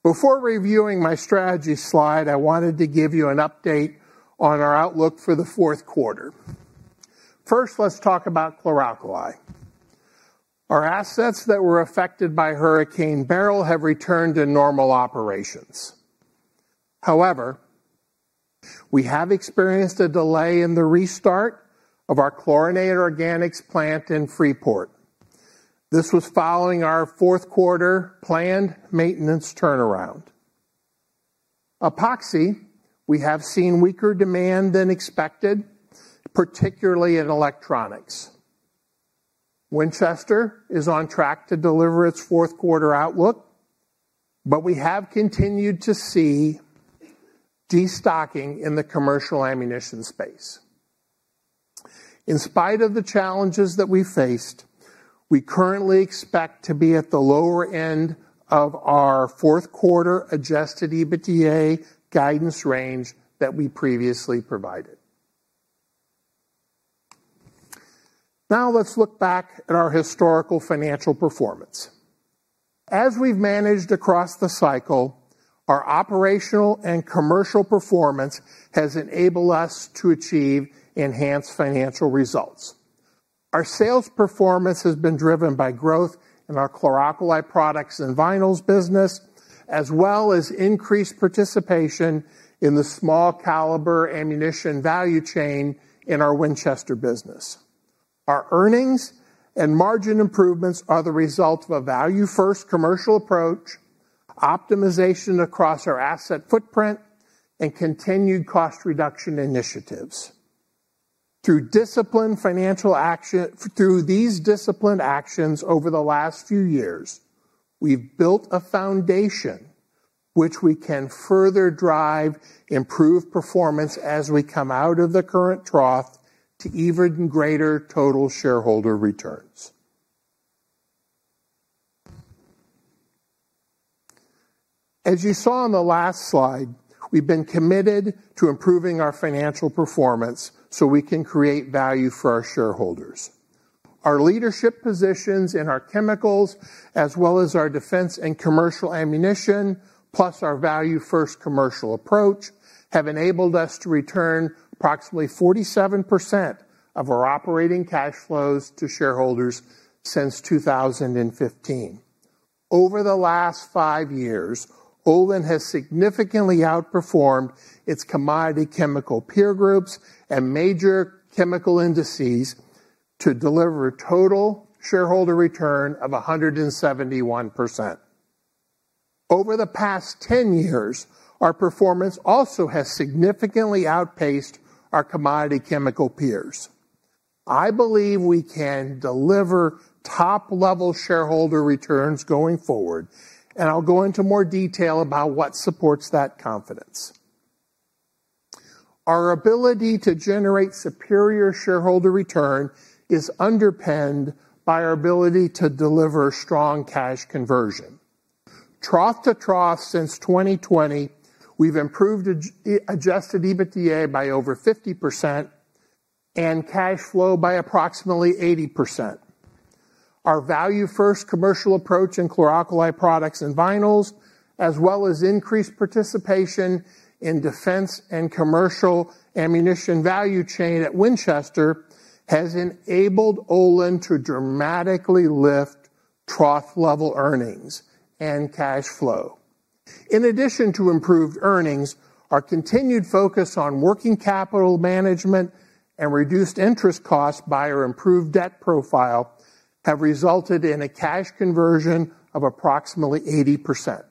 Before reviewing my strategy slide, I wanted to give you an update on our outlook for the fourth quarter. First, let's talk about chlor alkali. Our assets that were affected by Hurricane Beryl have returned to normal operations. However, we have experienced a delay in the restart of our Chlorinated Organics plant in Freeport. This was following our fourth quarter planned maintenance turnaround. Epoxy, we have seen weaker demand than expected, particularly in electronics. Winchester is on track to deliver its fourth quarter outlook, but we have continued to see destocking in the commercial ammunition space. In spite of the challenges that we faced, we currently expect to be at the lower end of our fourth quarter Adjusted EBITDA guidance range that we previously provided. Now, let's look back at our historical financial performance. As we've managed across the cycle, our operational and commercial performance has enabled us to achieve enhanced financial results. Our sales performance has been driven by growth our Chlor Alkali Products and Vinyls business, as well as increased participation in the small caliber ammunition value chain in our Winchester business. Our earnings and margin improvements are the result of a value-first commercial approach, optimization across our asset footprint, and continued cost reduction initiatives. Through these disciplined actions over the last few years, we've built a foundation which we can further drive improved performance as we come out of the current trough to even greater total shareholder returns. As you saw on the last slide, we've been committed to improving our financial performance so we can create value for our shareholders. Our leadership positions in our chemicals, as well as our defense and commercial ammunition, plus our value-first commercial approach, have enabled us to return approximately 47% of our operating cash flows to shareholders since 2015. Over the last five years, Olin has significantly outperformed its commodity chemical peer groups and major chemical indices to deliver a total shareholder return of 171%. Over the past 10 years, our performance also has significantly outpaced our commodity chemical peers. I believe we can deliver top-level shareholder returns going forward, and I'll go into more detail about what supports that confidence. Our ability to generate superior shareholder return is underpinned by our ability to deliver strong cash conversion. Trough to trough since 2020, we've improved Adjusted EBITDA by over 50% and cash flow by approximately 80%. Our value-first commercial in Chlor Alkali Products and Vinyls, as well as increased participation in defense and commercial ammunition value chain at Winchester, has enabled Olin to dramatically lift trough-level earnings and cash flow. In addition to improved earnings, our continued focus on working capital management and reduced interest costs by our improved debt profile have resulted in a cash conversion of approximately 80%.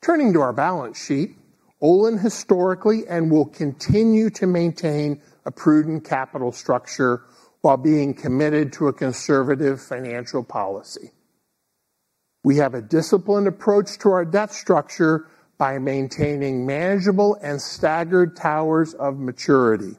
Turning to our balance sheet, Olin historically and will continue to maintain a prudent capital structure while being committed to a conservative financial policy. We have a disciplined approach to our debt structure by maintaining manageable and staggered ladders of maturity.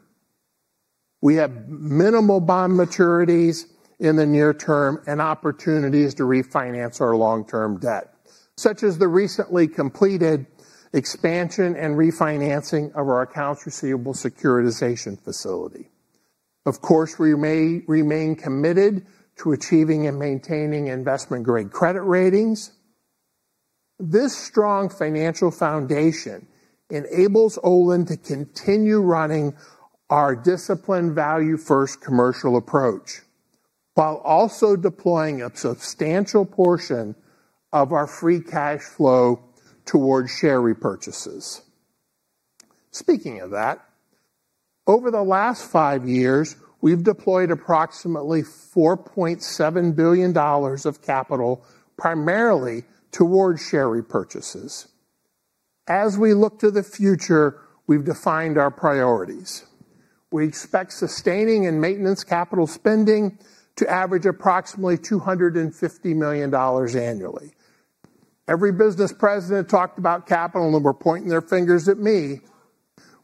We have minimal bond maturities in the near term and opportunities to refinance our long-term debt, such as the recently completed expansion and refinancing of our accounts receivable securitization facility. Of course, we may remain committed to achieving and maintaining investment-grade credit ratings. This strong financial foundation enables Olin to continue running our disciplined value-first commercial approach while also deploying a substantial portion of our free cash flow towards share repurchases. Speaking of that, over the last five years, we've deployed approximately $4.7 billion of capital primarily towards share repurchases. As we look to the future, we've defined our priorities. We expect sustaining and maintenance capital spending to average approximately $250 million annually. Every business president talked about capital, and they were pointing their fingers at me.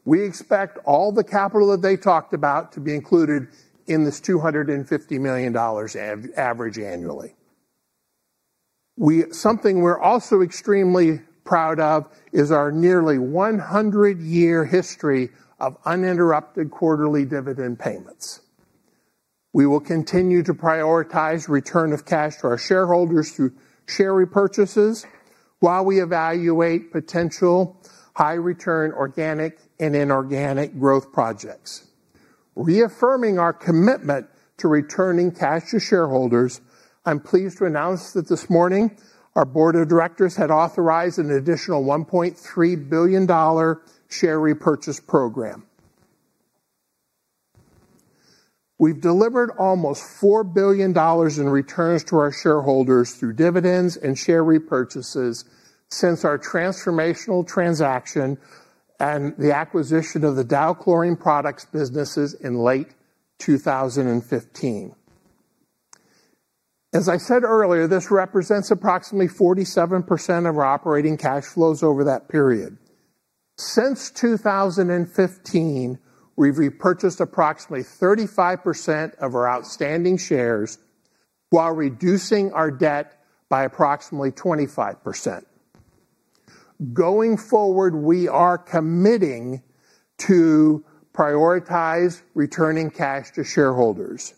We expect all the capital that they talked about to be included in this $250 million average annually. Something we're also extremely proud of is our nearly 100-year history of uninterrupted quarterly dividend payments. We will continue to prioritize return of cash to our shareholders through share repurchases while we evaluate potential high-return organic and inorganic growth projects. Reaffirming our commitment to returning cash to shareholders, I'm pleased to announce that this morning, our Board of Directors had authorized an additional $1.3 billion share repurchase program. We've delivered almost $4 billion in returns to our shareholders through dividends and share repurchases since our transformational transaction and the acquisition of the Dow Chlorine Products businesses in late 2015. As I said earlier, this represents approximately 47% of our operating cash flows over that period. Since 2015, we've repurchased approximately 35% of our outstanding shares while reducing our debt by approximately 25%. Going forward, we are committing to prioritize returning cash to shareholders,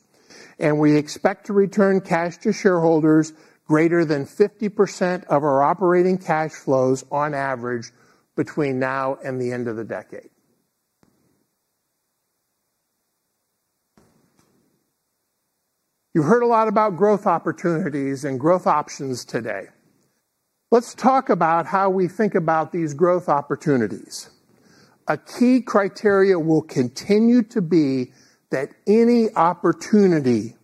and we expect to return cash to shareholders greater than 50% of our operating cash flows on average between now and the end of the decade. You heard a lot about growth opportunities and growth options today. Let's talk about how we think about these growth opportunities. A key criterion will continue to be that any opportunity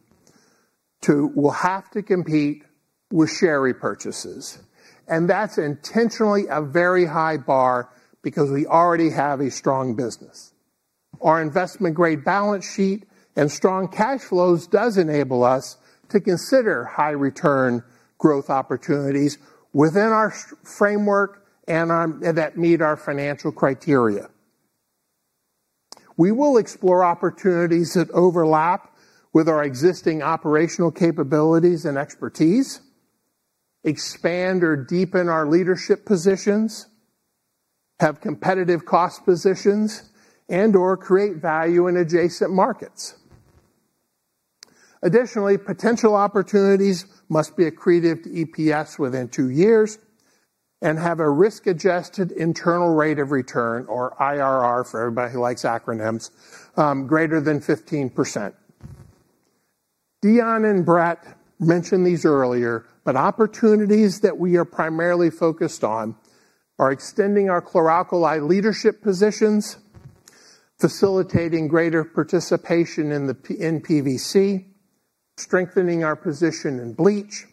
will have to compete with share repurchases, and that's intentionally a very high bar because we already have a strong business. Our investment-grade balance sheet and strong cash flows do enable us to consider high-return growth opportunities within our framework and that meet our financial criteria. We will explore opportunities that overlap with our existing operational capabilities and expertise, expand or deepen our leadership positions, have competitive cost positions, and/or create value in adjacent markets. Additionally, potential opportunities must be accretive to EPS within two years and have a risk-adjusted internal rate of return, or IRR for everybody who likes acronyms, greater than 15%. Deon and Brett mentioned these earlier, but opportunities that we are primarily focused on are extending our chlor alkali leadership positions, facilitating greater participation in PVC, strengthening our position in bleach,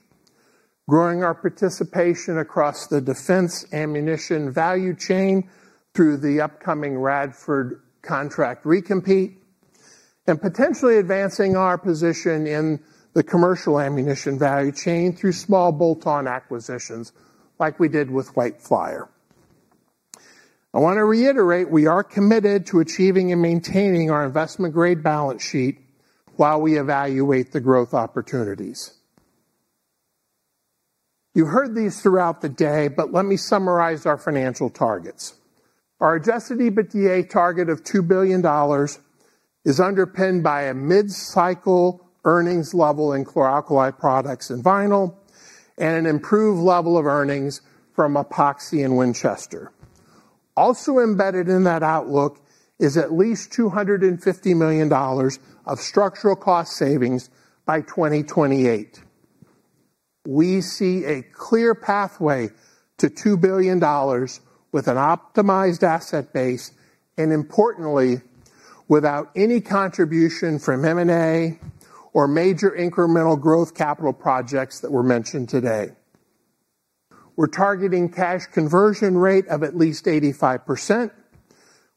growing our participation across the defense ammunition value chain through the upcoming Radford contract recompete, and potentially advancing our position in the commercial ammunition value chain through small bolt-on acquisitions like we did with White Flyer. I want to reiterate we are committed to achieving and maintaining our investment-grade balance sheet while we evaluate the growth opportunities. You heard these throughout the day, but let me summarize our financial targets. Our adjusted EBITDA target of $2 billion is underpinned by a mid-cycle earnings in Chlor Alkali Products and Vinyls and an improved level of earnings from Epoxy in Winchester. Also embedded in that outlook is at least $250 million of structural cost savings by 2028. We see a clear pathway to $2 billion with an optimized asset base and, importantly, without any contribution from M&A or major incremental growth capital projects that were mentioned today. We're targeting cash conversion rate of at least 85%,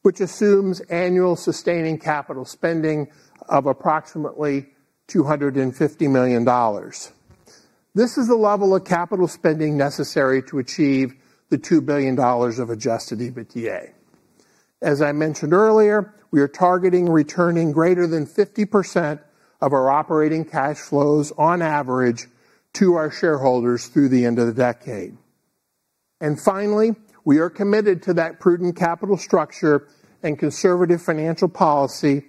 which assumes annual sustaining capital spending of approximately $250 million. This is the level of capital spending necessary to achieve the $2 billion of adjusted EBITDA. As I mentioned earlier, we are targeting returning greater than 50% of our operating cash flows on average to our shareholders through the end of the decade. And finally, we are committed to that prudent capital structure and conservative financial policy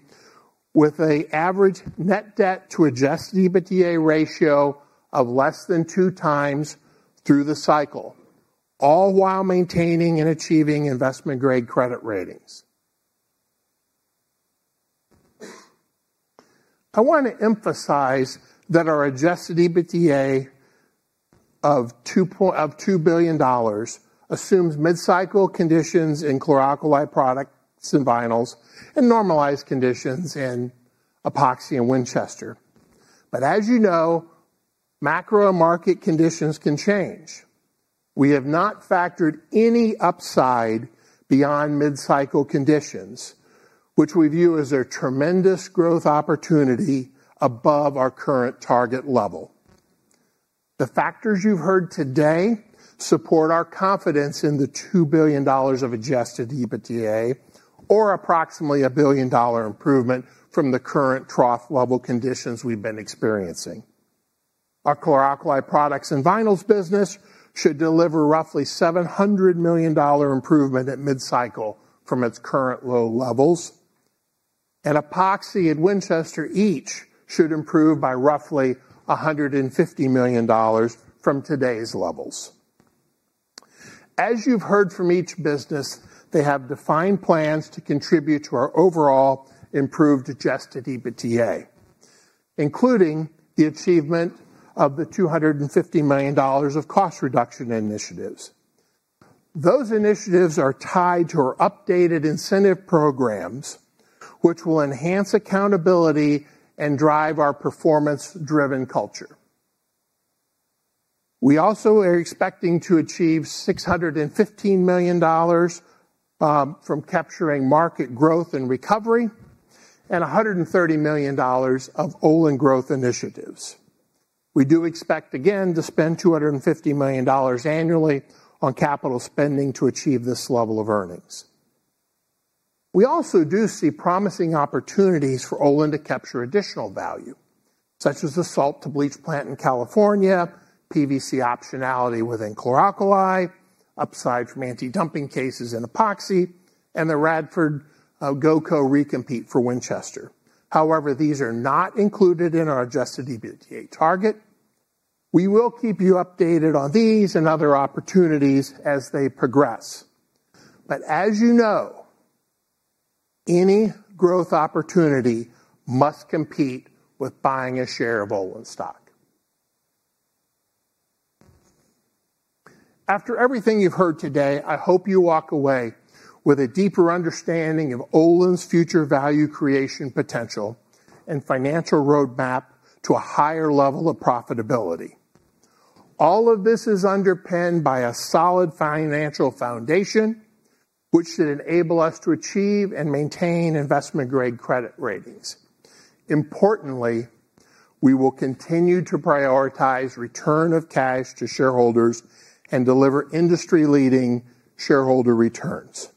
with an average net debt to adjusted EBITDA ratio of less than 2x through the cycle, all while maintaining and achieving investment-grade credit ratings. I want to emphasize that our adjusted EBITDA of $2 billion assumes mid-cycle in Chlor Alkali Products and Vinyls and normalized conditions in Epoxy and Winchester. But as you know, macro market conditions can change. We have not factored any upside beyond mid-cycle conditions, which we view as a tremendous growth opportunity above our current target level. The factors you've heard today support our confidence in the $2 billion of adjusted EBITDA, or approximately a billion-dollar improvement from the current trough-level conditions we've been our Chlor Alkali Products and Vinyls business should deliver roughly $700 million improvement at mid-cycle from its current low levels, and Epoxy and Winchester each should improve by roughly $150 million from today's levels. As you've heard from each business, they have defined plans to contribute to our overall improved adjusted EBITDA, including the achievement of the $250 million of cost reduction initiatives. Those initiatives are tied to our updated incentive programs, which will enhance accountability and drive our performance-driven culture. We also are expecting to achieve $615 million from capturing market growth and recovery and $130 million of Olin growth initiatives. We do expect, again, to spend $250 million annually on capital spending to achieve this level of earnings. We also do see promising opportunities for Olin to capture additional value, such as the salt-to-bleach plant in California, PVC optionality within chlor alkali, upside from anti-dumping cases in Epoxy, and the Radford GOCO recompete for Winchester. However, these are not included in our Adjusted EBITDA target. We will keep you updated on these and other opportunities as they progress. But as you know, any growth opportunity must compete with buying a share of Olin stock. After everything you've heard today, I hope you walk away with a deeper understanding of Olin's future value creation potential and financial roadmap to a higher level of profitability. All of this is underpinned by a solid financial foundation, which should enable us to achieve and maintain investment-grade credit ratings. Importantly, we will continue to prioritize return of cash to shareholders and deliver industry-leading shareholder returns.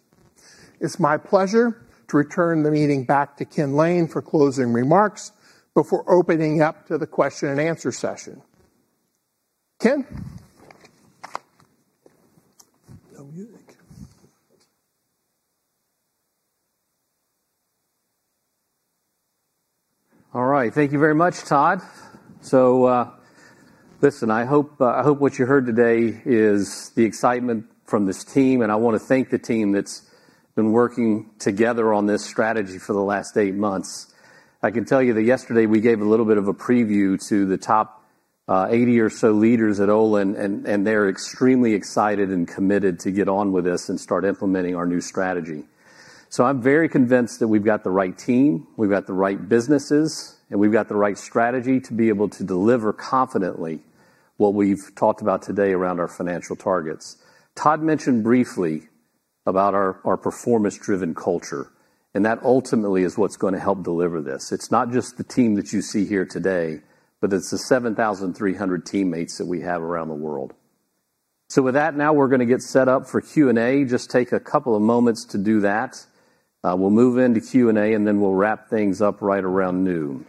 It's my pleasure to return the meeting back to Ken Lane for closing remarks before opening up to the question-and-answer session. Ken?
All right. Thank you very much, Todd. So listen, I hope what you heard today is the excitement from this team, and I want to thank the team that's been working together on this strategy for the last eight months. I can tell you that yesterday we gave a little bit of a preview to the top 80 or so leaders at Olin, and they're extremely excited and committed to get on with this and start implementing our new strategy. So I'm very convinced that we've got the right team, we've got the right businesses, and we've got the right strategy to be able to deliver confidently what we've talked about today around our financial targets. Todd mentioned briefly about our performance-driven culture, and that ultimately is what's going to help deliver this. It's not just the team that you see here today, but it's the 7,300 teammates that we have around the world. So with that, now we're going to get set up for Q&A. Just take a couple of moments to do that. We'll move into Q&A, and then we'll wrap things up right around noon.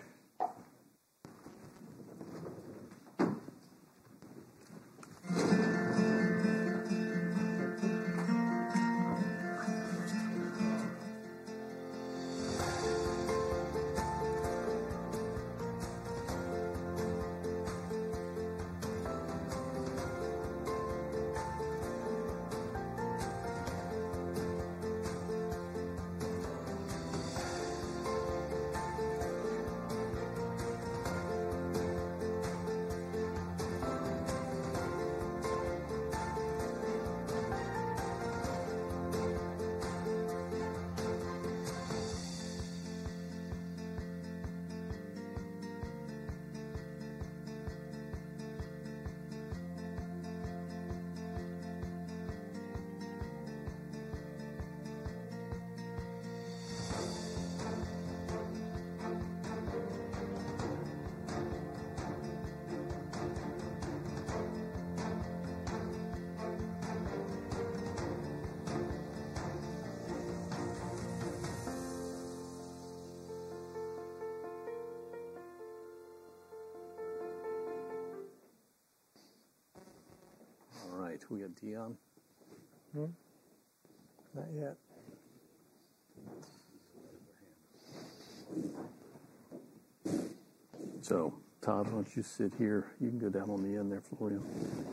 All right. We have Deon.
Not yet.
So Todd, why don't you sit here? You can go down on the end there, Florian.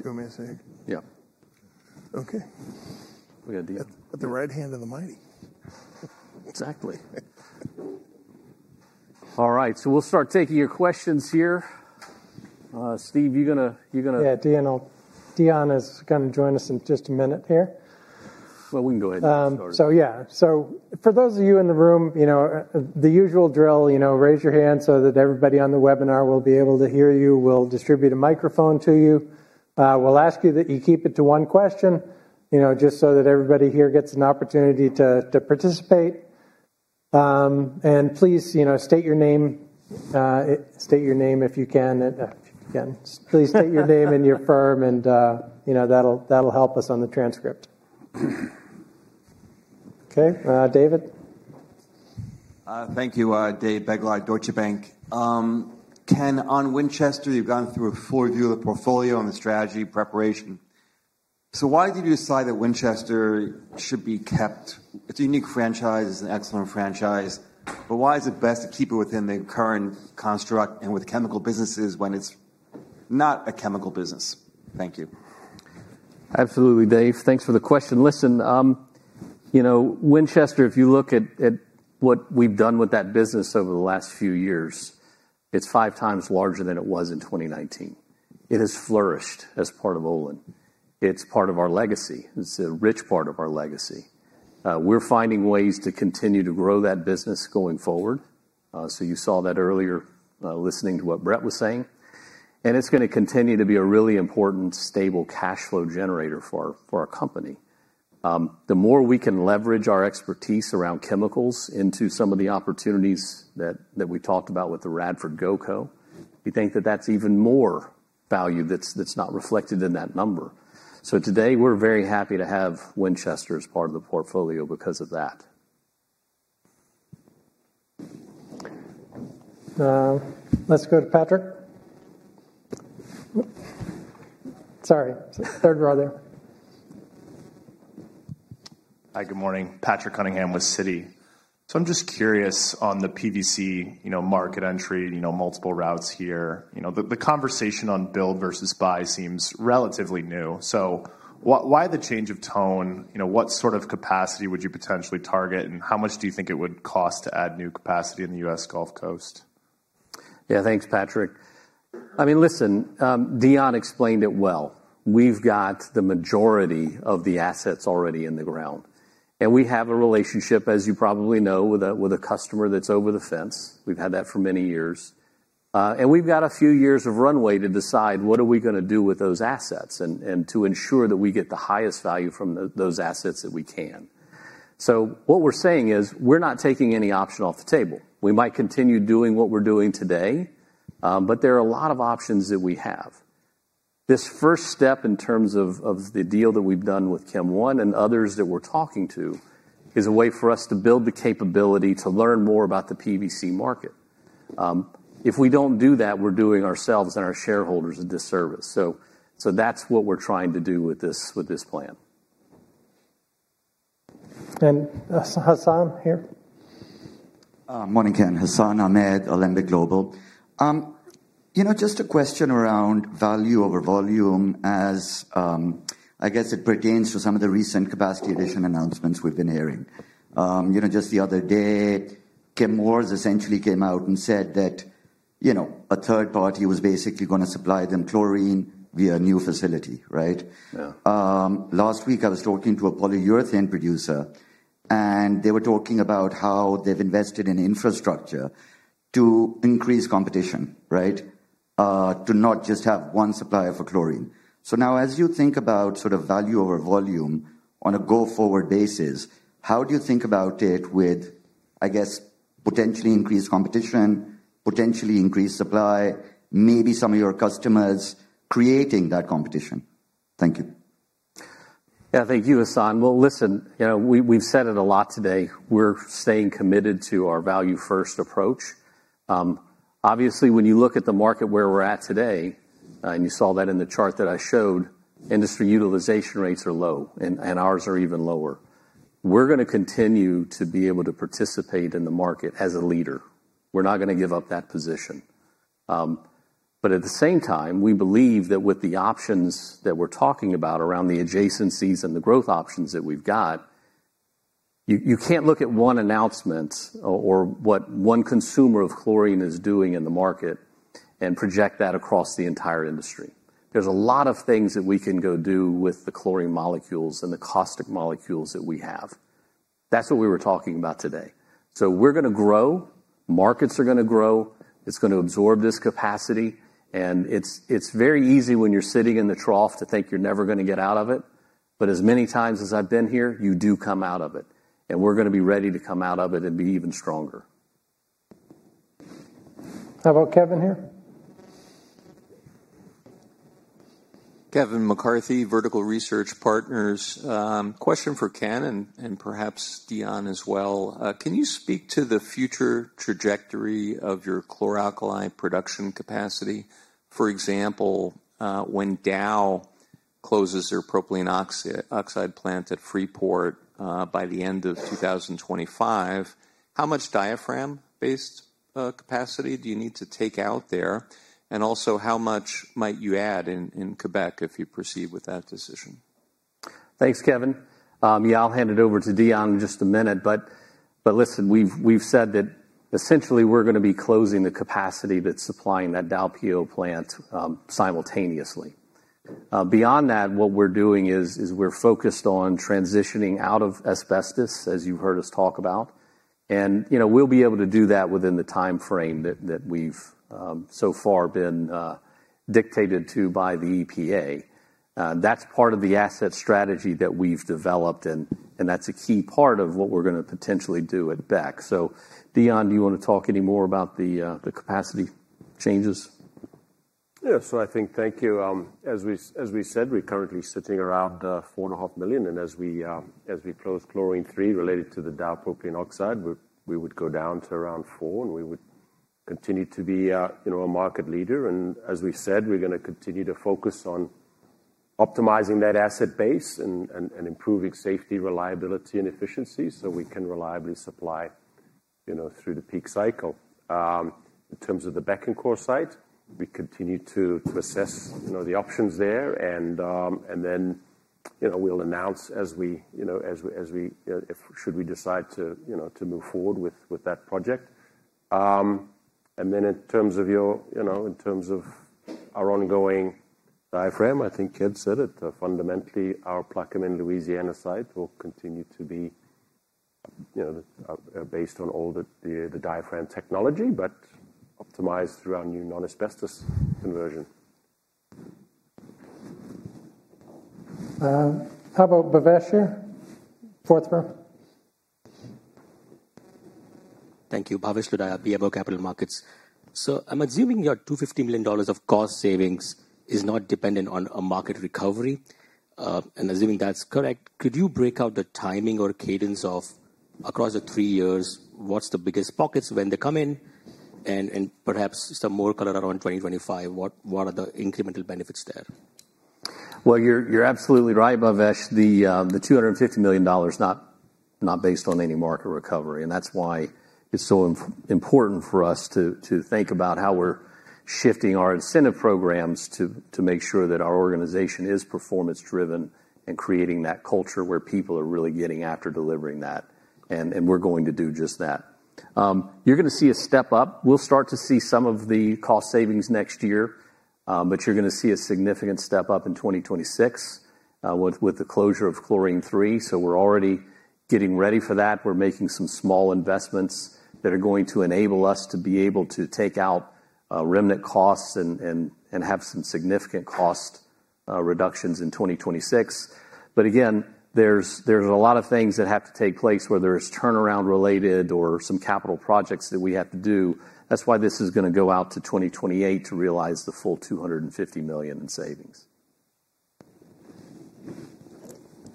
Go mix in.
Yeah.
Okay. We got Deon at the right hand of the mic.
Exactly. All right. So we'll start taking your questions here. Steve, you're going to.
Yeah, Deon is going to join us in just a minute here. Well, we can go ahead and get started. So yeah. So for those of you in the room, the usual drill, raise your hand so that everybody on the webinar will be able to hear you. We'll distribute a microphone to you. We'll ask you that you keep it to one question just so that everybody here gets an opportunity to participate. And please state your name. State your name if you can. Please state your name and your firm, and that'll help us on the transcript. Okay. David?
Thank you, David Begleiter, Deutsche Bank. Ken, on Winchester, you've gone through a full review of the portfolio and the strategy preparation. So why did you decide that Winchester should be kept? It's a unique franchise. It's an excellent franchise. But why is it best to keep it within the current construct and with chemical businesses when it's not a chemical business? Thank you.
Absolutely, Dave. Thanks for the question. Listen, Winchester, if you look at what we've done with that business over the last few years, it's 5x larger than it was in 2019. It has flourished as part of Olin. It's part of our legacy. It's a rich part of our legacy. We're finding ways to continue to grow that business going forward. So you saw that earlier listening to what Brett was saying. It's going to continue to be a really important stable cash flow generator for our company. The more we can leverage our expertise around chemicals into some of the opportunities that we talked about with the Radford GOCO, we think that that's even more value that's not reflected in that number. So today, we're very happy to have Winchester as part of the portfolio because of that.
Let's go to Patrick. Sorry. Third row there.
Hi, good morning. Patrick Cunningham with Citi. So I'm just curious on the PVC market entry, multiple routes here. The conversation on build versus buy seems relatively new. So why the change of tone? What sort of capacity would you potentially target, and how much do you think it would cost to add new capacity in the U.S. Gulf Coast?
Yeah, thanks, Patrick. I mean, listen, Deon explained it well. We've got the majority of the assets already in the ground. And we have a relationship, as you probably know, with a customer that's over the fence. We've had that for many years. And we've got a few years of runway to decide what are we going to do with those assets and to ensure that we get the highest value from those assets that we can. So what we're saying is we're not taking any option off the table. We might continue doing what we're doing today, but there are a lot of options that we have. This first step in terms of the deal that we've done with Kem One and others that we're talking to is a way for us to build the capability to learn more about the PVC market. If we don't do that, we're doing ourselves and our shareholders a disservice. So that's what we're trying to do with this plan.
And Hassan here?
Morning, Ken. Hassan Ahmed, Alembic Global. Just a question around value over volume as I guess it pertains to some of the recent capacity addition announcements we've been hearing. Just the other day, Chemours essentially came out and said that a third party was basically going to supply them chlorine via a new facility, right? Last week, I was talking to a polyurethane producer, and they were talking about how they've invested in infrastructure to increase competition, right, to not just have one supplier for chlorine. So now, as you think about sort of value over volume on a go-forward basis, how do you think about it with, I guess, potentially increased competition, potentially increased supply, maybe some of your customers creating that competition? Thank you.
Yeah, thank you, Hassan. Listen, we've said it a lot today. We're staying committed to our value-first approach. Obviously, when you look at the market where we're at today, and you saw that in the chart that I showed, industry utilization rates are low, and ours are even lower. We're going to continue to be able to participate in the market as a leader. We're not going to give up that position. But at the same time, we believe that with the options that we're talking about around the adjacencies and the growth options that we've got, you can't look at one announcement or what one consumer of chlorine is doing in the market and project that across the entire industry. There's a lot of things that we can go do with the chlorine molecules and the caustic molecules that we have. That's what we were talking about today. So we're going to grow. Markets are going to grow. It's going to absorb this capacity. And it's very easy when you're sitting in the trough to think you're never going to get out of it. But as many times as I've been here, you do come out of it. And we're going to be ready to come out of it and be even stronger.
How about Kevin here?
Kevin McCarthy, Vertical Research Partners. Question for Ken and perhaps Deon as well. Can you speak to the future trajectory of chlor alkali production capacity? For example, when Dow closes their propylene oxide plant at Freeport by the end of 2025, how much diaphragm-based capacity do you need to take out there? And also, how much might you add in Quebec if you proceed with that decision?
Thanks, Kevin. Yeah, I'll hand it over to Deon in just a minute. But listen, we've said that essentially we're going to be closing the capacity that's supplying that Dow PO plant simultaneously. Beyond that, what we're doing is we're focused on transitioning out of asbestos, as you've heard us talk about. And we'll be able to do that within the time frame that we've so far been dictated to by the EPA. That's part of the asset strategy that we've developed, and that's a key part of what we're going to potentially do at Bécancour. So Deon, do you want to talk any more about the capacity changes?
Yeah, so I think thank you. As we said, we're currently sitting around 4.5 million. And as we close Chlorine 3 related to the Dow propylene oxide, we would go down to around 4 million, and we would continue to be a market leader. As we said, we're going to continue to focus on optimizing that asset base and improving safety, reliability, and efficiency so we can reliably supply through the peak cycle. In terms of the Bécancour site, we continue to assess the options there. And then we'll announce as we should we decide to move forward with that project. And then in terms of our ongoing diaphragm, I think Ken said it, fundamentally, our Plaquemine, Louisiana site will continue to be based on all the diaphragm technology, but optimized through our new non-asbestos conversion.
How about Bhavesh here? fourth row?
Thank you. Bhavesh Lodaya, BMO Capital Markets. So I'm assuming your $250 million of cost savings is not dependent on a market recovery. And assuming that's correct, could you break out the timing or cadence of across the three years, what's the biggest pockets when they come in, and perhaps some more color around 2025? What are the incremental benefits there?
Well, you're absolutely right, Bhavesh. The $250 million is not based on any market recovery. And that's why it's so important for us to think about how we're shifting our incentive programs to make sure that our organization is performance-driven and creating that culture where people are really getting after delivering that. And we're going to do just that. You're going to see a step up. We'll start to see some of the cost savings next year, but you're going to see a significant step up in 2026 with the closure of Chlorine 3. So we're already getting ready for that. We're making some small investments that are going to enable us to be able to take out remnant costs and have some significant cost reductions in 2026. But again, there's a lot of things that have to take place where there's turnaround related or some capital projects that we have to do. That's why this is going to go out to 2028 to realize the full $250 million in savings.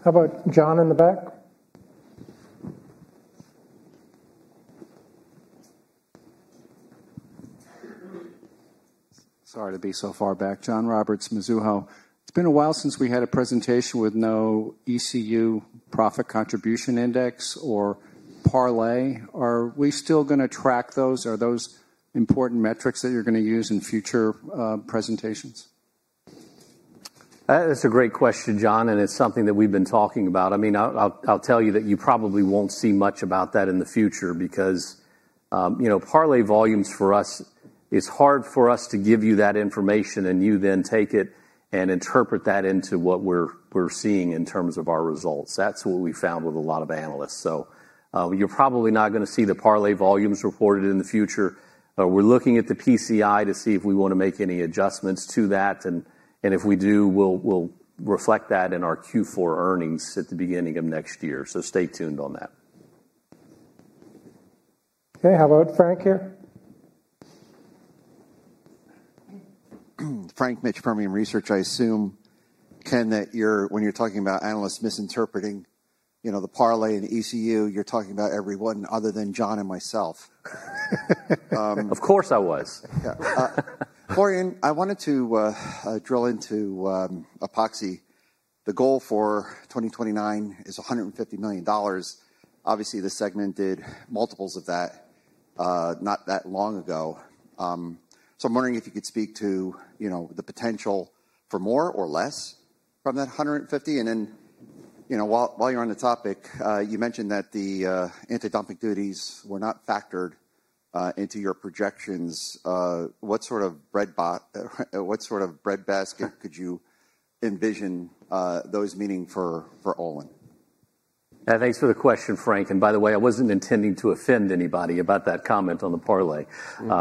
How about John in the back?
Sorry to be so far back. John Roberts, Mizuho. It's been a while since we had a presentation with no ECU Profit Contribution Index or parlay. Are we still going to track those? Are those important metrics that you're going to use in future presentations?
That's a great question, John, and it's something that we've been talking about. I mean, I'll tell you that you probably won't see much about that in the future because parlay volumes for us, it's hard for us to give you that information and you then take it and interpret that into what we're seeing in terms of our results. That's what we found with a lot of analysts. So you're probably not going to see the parlay volumes reported in the future. We're looking at the PCI to see if we want to make any adjustments to that. And if we do, we'll reflect that in our Q4 earnings at the beginning of next year. So stay tuned on that.
Okay. How about Frank here?
Frank Mitsch, Fermium Research. I assume, Ken, that when you're talking about analysts misinterpreting the parlay and ECU, you're talking about everyone other than John and myself.
Of course I was.
Florian, I wanted to drill into epoxy. The goal for 2029 is $150 million. Obviously, the segment did multiples of that not that long ago. So I'm wondering if you could speak to the potential for more or less from that $150 million. And then while you're on the topic, you mentioned that the anti-dumping duties were not factored into your projections. What sort of breadbasket could you envision those meaning for Olin?
Yeah, thanks for the question, Frank. And by the way, I wasn't intending to offend anybody about that comment on the parlay.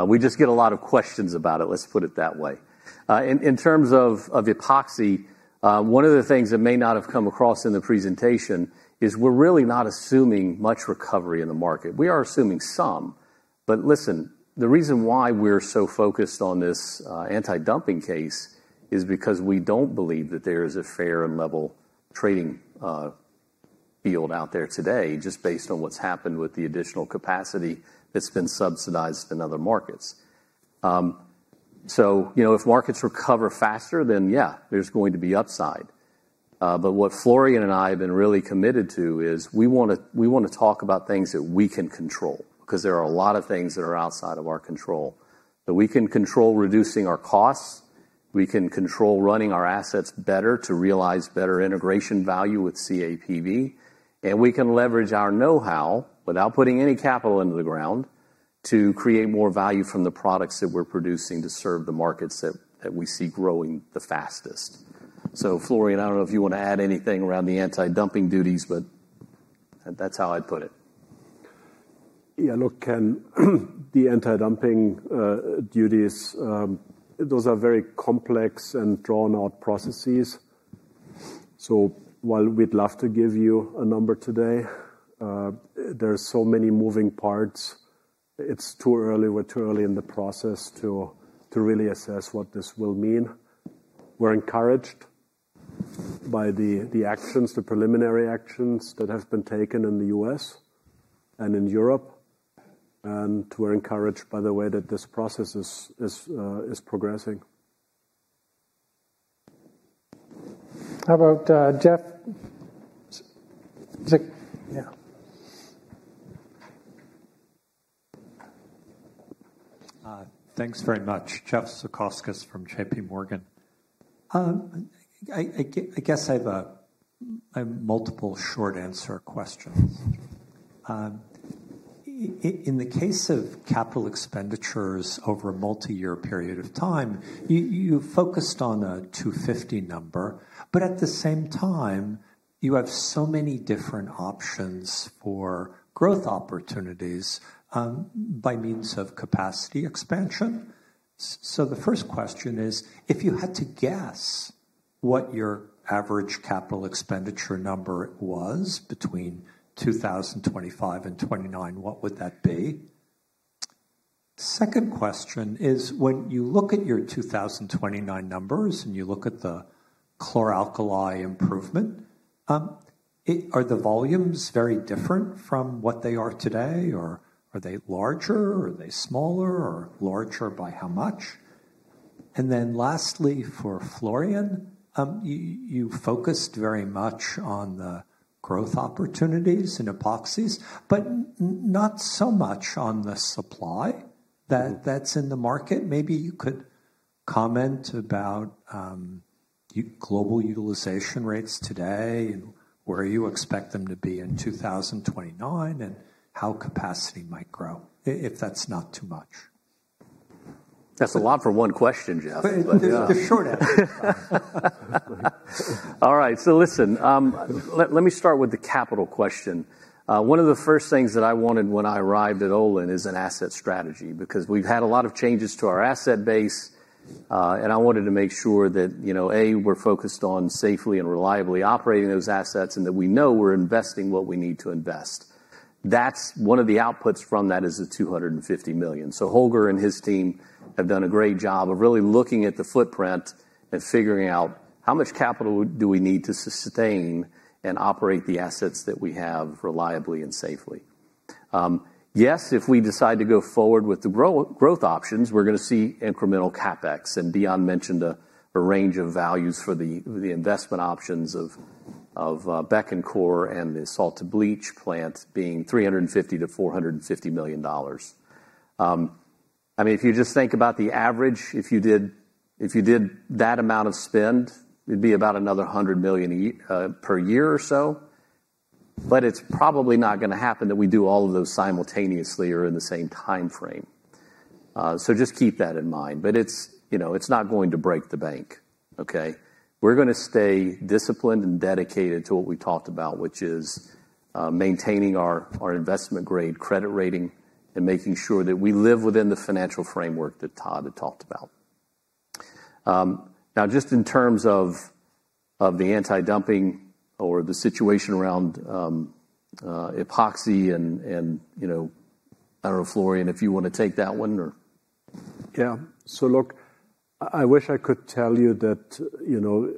We just get a lot of questions about it, let's put it that way. In terms of epoxy, one of the things that may not have come across in the presentation is we're really not assuming much recovery in the market. We are assuming some. But listen, the reason why we're so focused on this anti-dumping case is because we don't believe that there is a fair and level trading field out there today just based on what's happened with the additional capacity that's been subsidized in other markets. So if markets recover faster, then yeah, there's going to be upside. But what Florian and I have been really committed to is we want to talk about things that we can control because there are a lot of things that are outside of our control. But we can control reducing our costs. We can control running our assets better to realize better integration value with CAPV. And we can leverage our know-how without putting any capital into the ground to create more value from the products that we're producing to serve the markets that we see growing the fastest. So Florian, I don't know if you want to add anything around the anti-dumping duties, but that's how I'd put it.
Yeah, look, Ken, the anti-dumping duties, those are very complex and drawn-out processes. So while we'd love to give you a number today, there are so many moving parts. It's too early. We're too early in the process to really assess what this will mean. We're encouraged by the actions, the preliminary actions that have been taken in the U.S. and in Europe. And we're encouraged by the way that this process is progressing.
How about Jeff?
Yeah. Thanks very much. Jeff Zekauskas from JPMorgan. I guess I have multiple short answer questions. In the case of capital expenditures over a multi-year period of time, you focused on a $250 million number. But at the same time, you have so many different options for growth opportunities by means of capacity expansion. So the first question is, if you had to guess what your average capital expenditure number was between 2025 and 2029, what would that be? Second question is, when you look at your 2029 numbers and you look at chlor alkali improvement, are the volumes very different from what they are today? Or are they larger? Are they smaller? Or larger by how much? And then lastly, for Florian, you focused very much on the growth opportunities in epoxies, but not so much on the supply that's in the market. Maybe you could comment about global utilization rates today and where you expect them to be in 2029 and how capacity might grow, if that's not too much.
That's a lot for one question, Jeff. But it's a short answer. All right. So listen, let me start with the capital question. One of the first things that I wanted when I arrived at Olin is an asset strategy because we've had a lot of changes to our asset base. And I wanted to make sure that, A, we're focused on safely and reliably operating those assets and that we know we're investing what we need to invest. That's one of the outputs from that is the $250 million. So Holger and his team have done a great job of really looking at the footprint and figuring out how much capital do we need to sustain and operate the assets that we have reliably and safely. Yes, if we decide to go forward with the growth options, we're going to see incremental CapEx. And Deon mentioned a range of values for the investment options of Bécancour and the salt-to-bleach plant being $350 million-$450 million. I mean, if you just think about the average, if you did that amount of spend, it'd be about another $100 million per year or so. But it's probably not going to happen that we do all of those simultaneously or in the same time frame. So just keep that in mind. But it's not going to break the bank, okay? We're going to stay disciplined and dedicated to what we talked about, which is maintaining our investment-grade credit rating and making sure that we live within the financial framework that Todd had talked about. Now, just in terms of the anti-dumping or the situation around epoxy and I don't know, Florian, if you want to take that one or?
Yeah. So look, I wish I could tell you that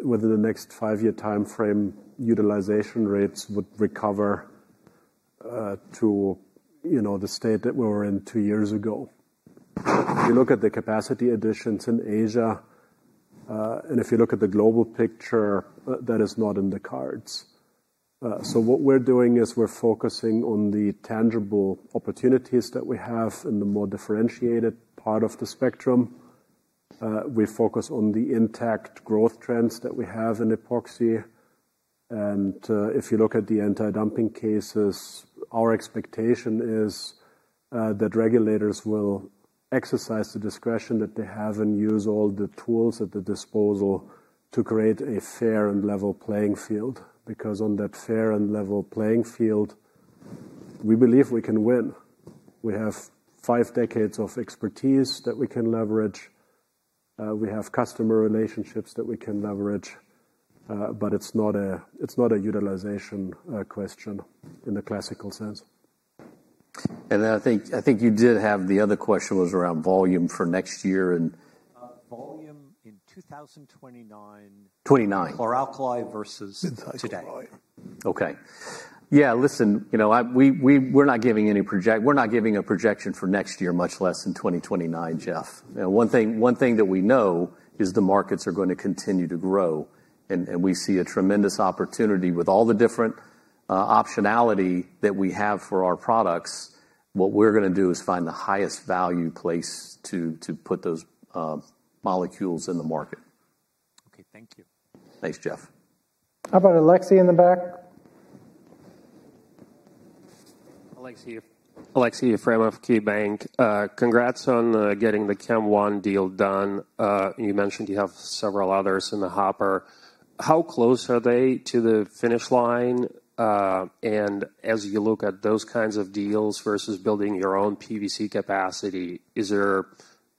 within the next five-year time frame, utilization rates would recover to the state that we were in two years ago. If you look at the capacity additions in Asia and if you look at the global picture, that is not in the cards. So what we're doing is we're focusing on the tangible opportunities that we have in the more differentiated part of the spectrum. We focus on the intact growth trends that we have in epoxy. And if you look at the anti-dumping cases, our expectation is that regulators will exercise the discretion that they have and use all the tools at their disposal to create a fair and level playing field because on that fair and level playing field, we believe we can win. We have five decades of expertise that we can leverage. We have customer relationships that we can leverage. But it's not a utilization question in the classical sense.
And I think the other question was around volume for next year and.
Volume in 2029 for alkali versus today.
Okay. Yeah. Listen, we're not giving a projection for next year, much less in 2029, Jeff. One thing that we know is the markets are going to continue to grow. And we see a tremendous opportunity with all the different optionality that we have for our products. What we're going to do is find the highest value place to put those molecules in the market.
Okay. Thank you.
Thanks, Jeff.
How about Aleksey in the back?
Aleksey. Aleksey Yefremov, KeyBanc. Congrats on getting the Kem One deal done. You mentioned you have several others in the hopper. How close are they to the finish line? And as you look at those kinds of deals versus building your own PVC capacity, is there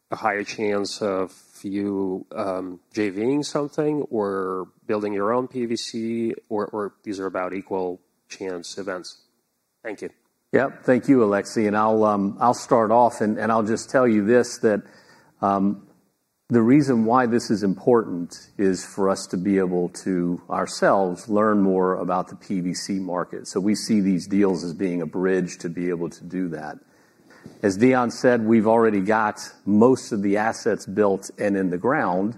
a higher chance of you JVing something or building your own PVC, or these are about equal chance events?
Thank you. Yep. Thank you, Aleksey. And I'll start off. And I'll just tell you this: the reason why this is important is for us to be able to ourselves learn more about the PVC market. So we see these deals as being a bridge to be able to do that. As Deon said, we've already got most of the assets built and in the ground.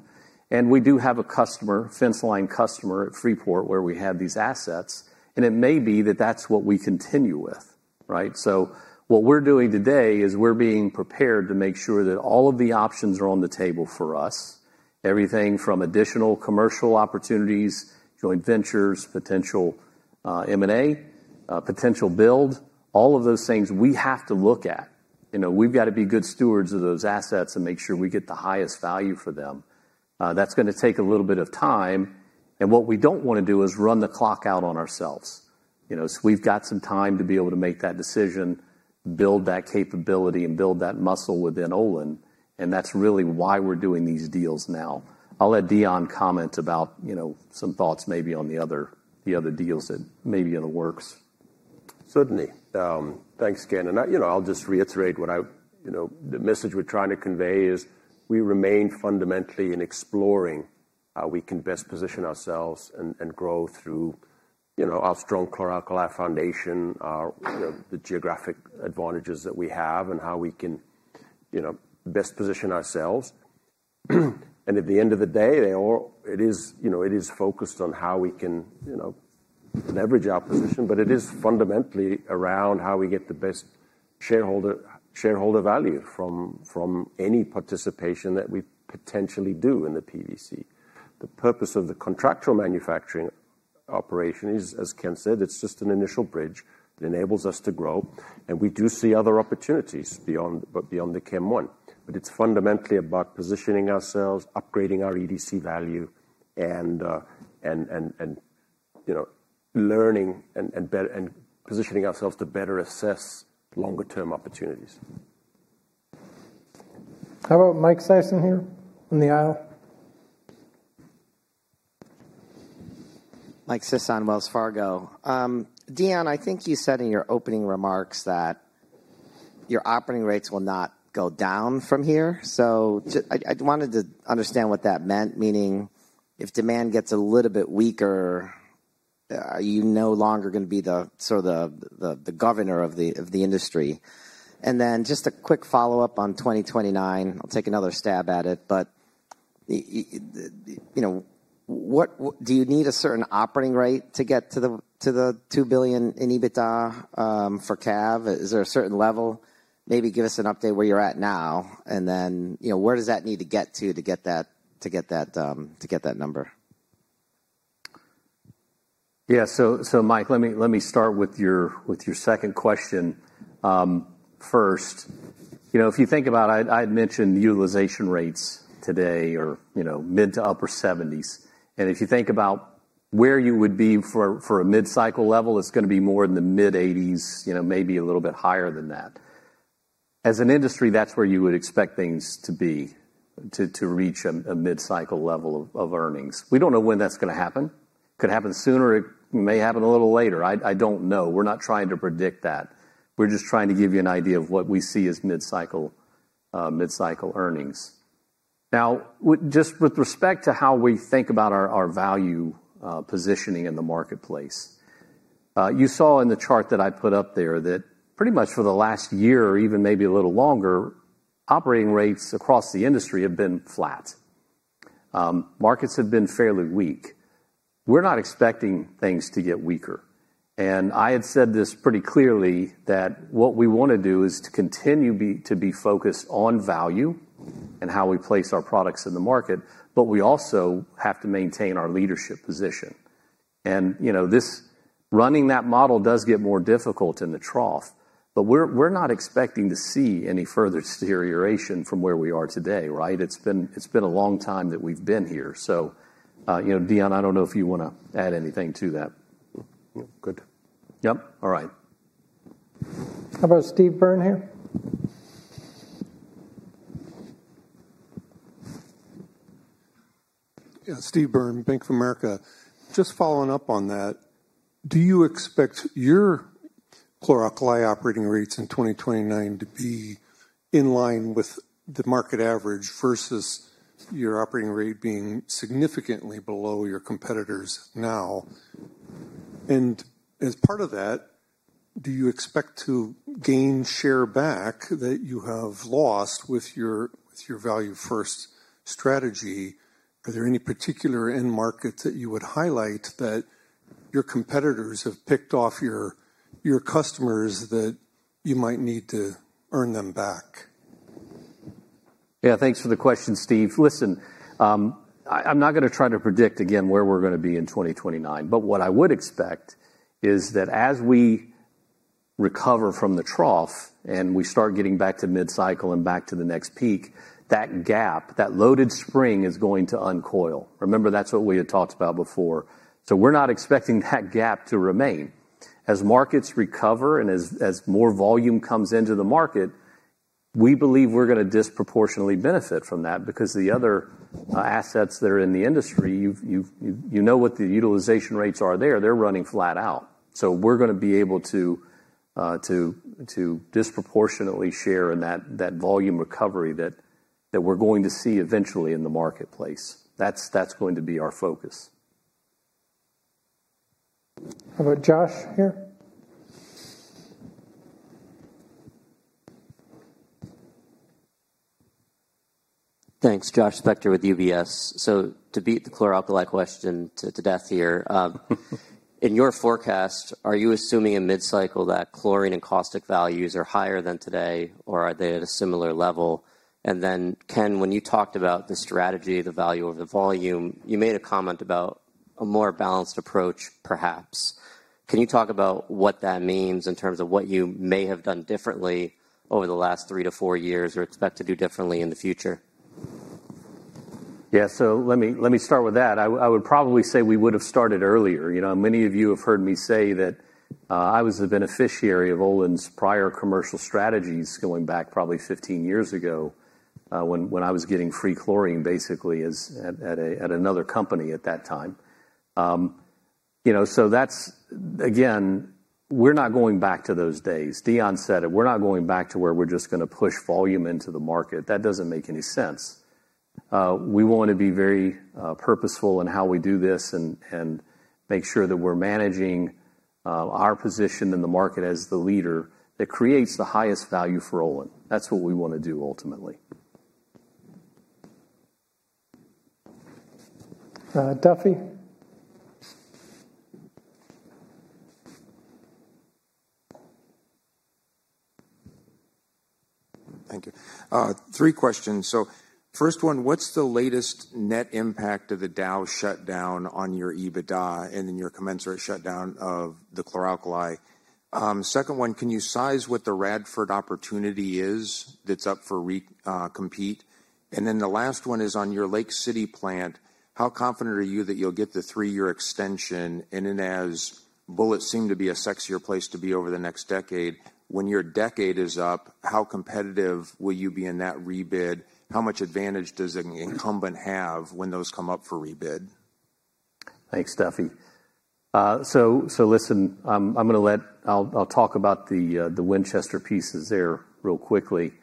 And we do have a customer, fenceline customer at Freeport, where we have these assets. And it may be that that's what we continue with, right? So what we're doing today is we're being prepared to make sure that all of the options are on the table for us. Everything from additional commercial opportunities, joint ventures, potential M&A, potential build, all of those things we have to look at. We've got to be good stewards of those assets and make sure we get the highest value for them. That's going to take a little bit of time. And what we don't want to do is run the clock out on ourselves. So we've got some time to be able to make that decision, build that capability, and build that muscle within Olin. And that's really why we're doing these deals now. I'll let Deon comment about some thoughts maybe on the other deals that may be in the works.
Certainly. Thanks, Ken. And I'll just reiterate what the message we're trying to convey is we remain fundamentally in exploring how we can best position ourselves and grow through our chlor alkali foundation, the geographic advantages that we have, and how we can best position ourselves. And at the end of the day, it is focused on how we can leverage our position. But it is fundamentally around how we get the best shareholder value from any participation that we potentially do in the PVC. The purpose of the contractual manufacturing operation is, as Ken said, it's just an initial bridge that enables us to grow. And we do see other opportunities beyond the Kem One. But it's fundamentally about positioning ourselves, upgrading our EDC value, and learning and positioning ourselves to better assess longer-term opportunities.
How about Mike Sison here in the aisle?
Mike Sison, Wells Fargo. Deon, I think you said in your opening remarks that your operating rates will not go down from here. So I wanted to understand what that meant, meaning if demand gets a little bit weaker, you're no longer going to be the sort of the governor of the industry. And then just a quick follow-up on 2029. I'll take another stab at it. But do you need a certain operating rate to get to the $2 billion in EBITDA for CAPV? Is there a certain level? Maybe give us an update where you're at now. And then where does that need to get to get that number?
Yeah. So Mike, let me start with your second question first. If you think about it, I had mentioned utilization rates today are mid- to upper 70s. And if you think about where you would be for a mid-cycle level, it's going to be more in the mid-80s, maybe a little bit higher than that. As an industry, that's where you would expect things to be, to reach a mid-cycle level of earnings. We don't know when that's going to happen. It could happen sooner. It may happen a little later. I don't know. We're not trying to predict that. We're just trying to give you an idea of what we see as mid-cycle earnings. Now, just with respect to how we think about our value positioning in the marketplace, you saw in the chart that I put up there that pretty much for the last year, even maybe a little longer, operating rates across the industry have been flat. Markets have been fairly weak. We're not expecting things to get weaker. And I had said this pretty clearly that what we want to do is to continue to be focused on value and how we place our products in the market. But we also have to maintain our leadership position. And running that model does get more difficult in the trough. But we're not expecting to see any further deterioration from where we are today, right? It's been a long time that we've been here. So Deon, I don't know if you want to add anything to that.
Good.
Yep. All right.
How about Steve Byrne here?
Yeah. Steve Byrne, Bank of America. Just following up on that, do you expect chlor alkali operating rates in 2029 to be in line with the market average versus your operating rate being significantly below your competitors now? And as part of that, do you expect to gain share back that you have lost with your value-first strategy? Are there any particular end markets that you would highlight that your competitors have picked off your customers that you might need to earn them back?
Yeah. Thanks for the question, Steve. Listen, I'm not going to try to predict, again, where we're going to be in 2029. But what I would expect is that as we recover from the trough and we start getting back to mid-cycle and back to the next peak, that gap, that loaded spring is going to uncoil. Remember, that's what we had talked about before. So we're not expecting that gap to remain. As markets recover and as more volume comes into the market, we believe we're going to disproportionately benefit from that because the other assets that are in the industry, you know what the utilization rates are there. They're running flat out. So we're going to be able to disproportionately share in that volume recovery that we're going to see eventually in the marketplace. That's going to be our focus.
How about Josh here?
Thanks. Josh Spector with UBS. So to beat the chlor alkali question to death here, in your forecast, are you assuming in mid-cycle that chlorine and caustic values are higher than today, or are they at a similar level? And then, Ken, when you talked about the strategy, the value over the volume, you made a comment about a more balanced approach, perhaps. Can you talk about what that means in terms of what you may have done differently over the last three to four years or expect to do differently in the future?
Yeah, so let me start with that. I would probably say we would have started earlier. Many of you have heard me say that I was the beneficiary of Olin's prior commercial strategies going back probably 15 years ago when I was getting free chlorine, basically, at another company at that time. So that's, again, we're not going back to those days. Deon said it. We're not going back to where we're just going to push volume into the market. That doesn't make any sense. We want to be very purposeful in how we do this and make sure that we're managing our position in the market as the leader that creates the highest value for Olin. That's what we want to do ultimately.
Duffy.
Thank you. Three questions. So first one, what's the latest net impact of the Dow shutdown on your EBITDA and then your commensurate shutdown of chlor alkali? second one, can you size what the Radford opportunity is that's up for competition? And then the last one is on your Lake City plant. How confident are you that you'll get the three-year extension? And as bullets seem to be a sexier place to be over the next decade, when your decade is up, how competitive will you be in that rebid? How much advantage does an incumbent have when those come up for rebid?
Thanks, Duffy. So listen, I'm going to let. I'll talk about the Winchester pieces there real quickly.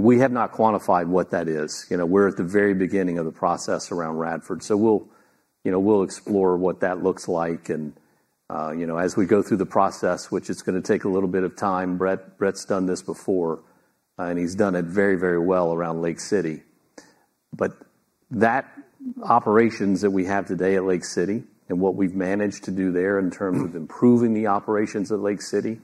We have not quantified what that is. We're at the very beginning of the process around Radford. So we'll explore what that looks like. And as we go through the process, which is going to take a little bit of time, Brett's done this before. And he's done it very, very well around Lake City. But the operations that we have today at Lake City and what we've managed to do there in terms of improving the operations at Lake City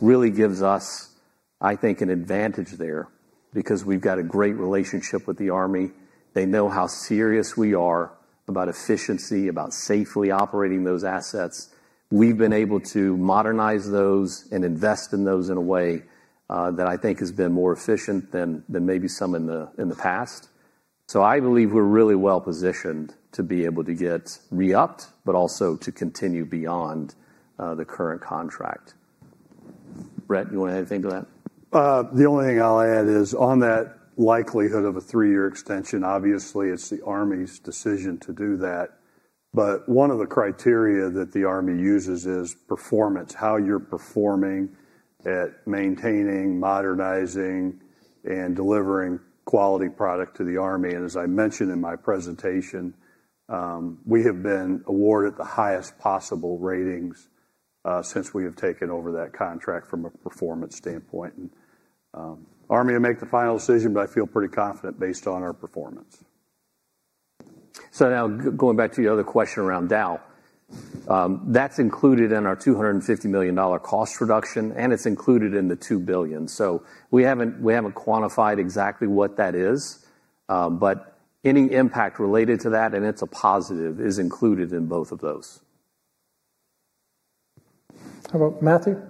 really gives us, I think, an advantage there because we've got a great relationship with the Army. They know how serious we are about efficiency, about safely operating those assets. We've been able to modernize those and invest in those in a way that I think has been more efficient than maybe some in the past. So I believe we're really well positioned to be able to get re-upped but also to continue beyond the current contract. Brett, you want to add anything to that?
The only thing I'll add is on that likelihood of a three-year extension. Obviously, it's the Army's decision to do that, but one of the criteria that the Army uses is performance, how you're performing at maintaining, modernizing, and delivering quality product to the Army, and as I mentioned in my presentation, we have been awarded the highest possible ratings since we have taken over that contract from a performance standpoint, and Army will make the final decision, but I feel pretty confident based on our performance.
Now going back to your other question around Dow, that's included in our $250 million cost reduction, and it's included in the $2 billion. We haven't quantified exactly what that is. Any impact related to that, and it's a positive, is included in both of those.
How about Matthew?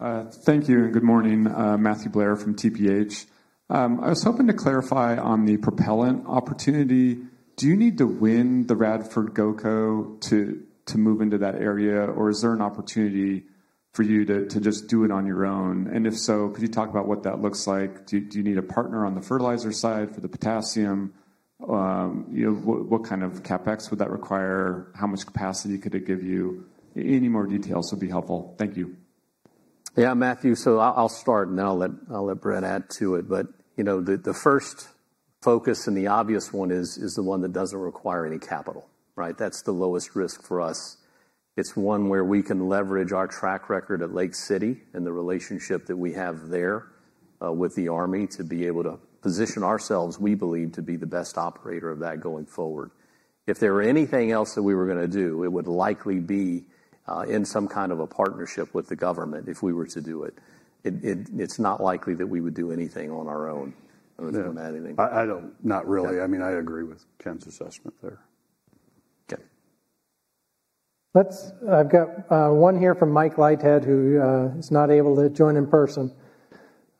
Thank you, and good morning, Matthew Blair from TPH. I was hoping to clarify on the propellant opportunity. Do you need to win the Radford GOCO to move into that area, or is there an opportunity for you to just do it on your own? And if so, could you talk about what that looks like? Do you need a partner on the fertilizer side for the potassium? What kind of CapEx would that require? How much capacity could it give you? Any more details would be helpful.
Thank you. Yeah, Matthew. So I'll start, and then I'll let Brett add to it. But the first focus and the obvious one is the one that doesn't require any capital, right? That's the lowest risk for us. It's one where we can leverage our track record at Lake City and the relationship that we have there with the Army to be able to position ourselves, we believe, to be the best operator of that going forward. If there were anything else that we were going to do, it would likely be in some kind of a partnership with the government if we were to do it. It's not likely that we would do anything on our own.
I don't know if you want to add anything. Not really. I mean, I agree with Ken's assessment there.
Okay. I've got one here from Mike Leithead, who is not able to join in person.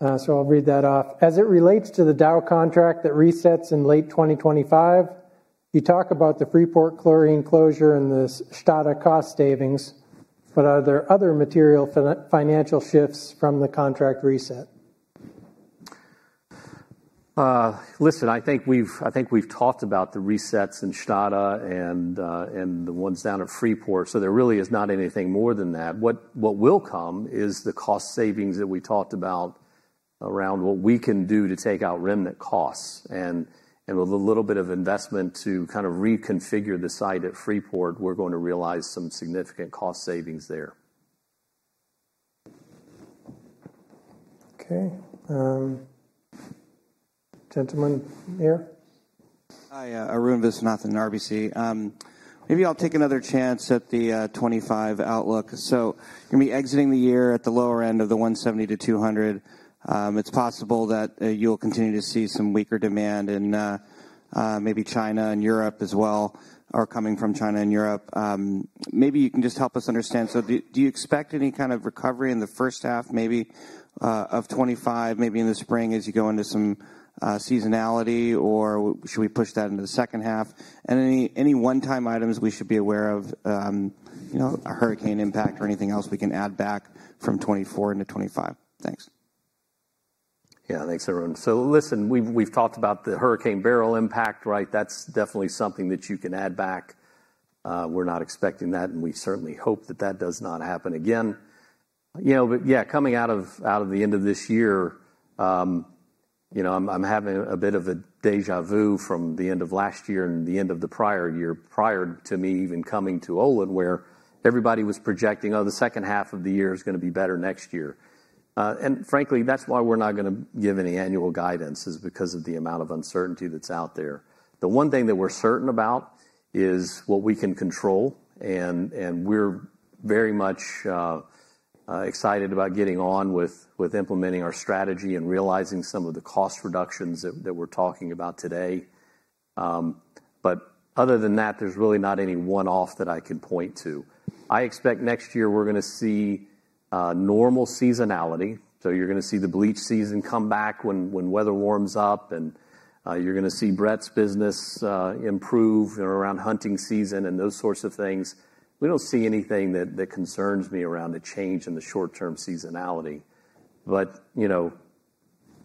So I'll read that off. As it relates to the Dow contract that resets in late 2025, you talk about the Freeport Chlorine closure and the Stade cost savings. But are there other material financial shifts from the contract reset?
Listen, I think we've talked about the resets in Stade and the ones down at Freeport. So there really is not anything more than that. What will come is the cost savings that we talked about around what we can do to take out remnant costs. And with a little bit of investment to kind of reconfigure the site at Freeport, we're going to realize some significant cost savings there.
Okay. Gentlemen here?
Hi. Arun Viswanathan, RBC. Maybe I'll take another chance at the 2025 outlook. So going to be exiting the year at the lower end of the 170-200. It's possible that you'll continue to see some weaker demand in maybe China and Europe as well or coming from China and Europe. Maybe you can just help us understand. So do you expect any kind of recovery in the first half, maybe of 2025, maybe in the spring as you go into some seasonality, or should we push that into the second half? And any one-time items we should be aware of, hurricane impact or anything else we can add back from 2024 into 2025? Thanks.
Yeah. Thanks, Arun. So listen, we've talked about the Hurricane Beryl impact, right? That's definitely something that you can add back. We're not expecting that. And we certainly hope that that does not happen again. But yeah, coming out of the end of this year, I'm having a bit of a déjà vu from the end of last year and the end of the prior year prior to me even coming to Olin, where everybody was projecting, "Oh, the second half of the year is going to be better next year." And frankly, that's why we're not going to give any annual guidance, is because of the amount of uncertainty that's out there. The one thing that we're certain about is what we can control. And we're very much excited about getting on with implementing our strategy and realizing some of the cost reductions that we're talking about today. But other than that, there's really not any one-off that I can point to. I expect next year we're going to see normal seasonality. So you're going to see the bleach season come back when weather warms up. And you're going to see Brett's business improve around hunting season and those sorts of things. We don't see anything that concerns me around a change in the short-term seasonality. But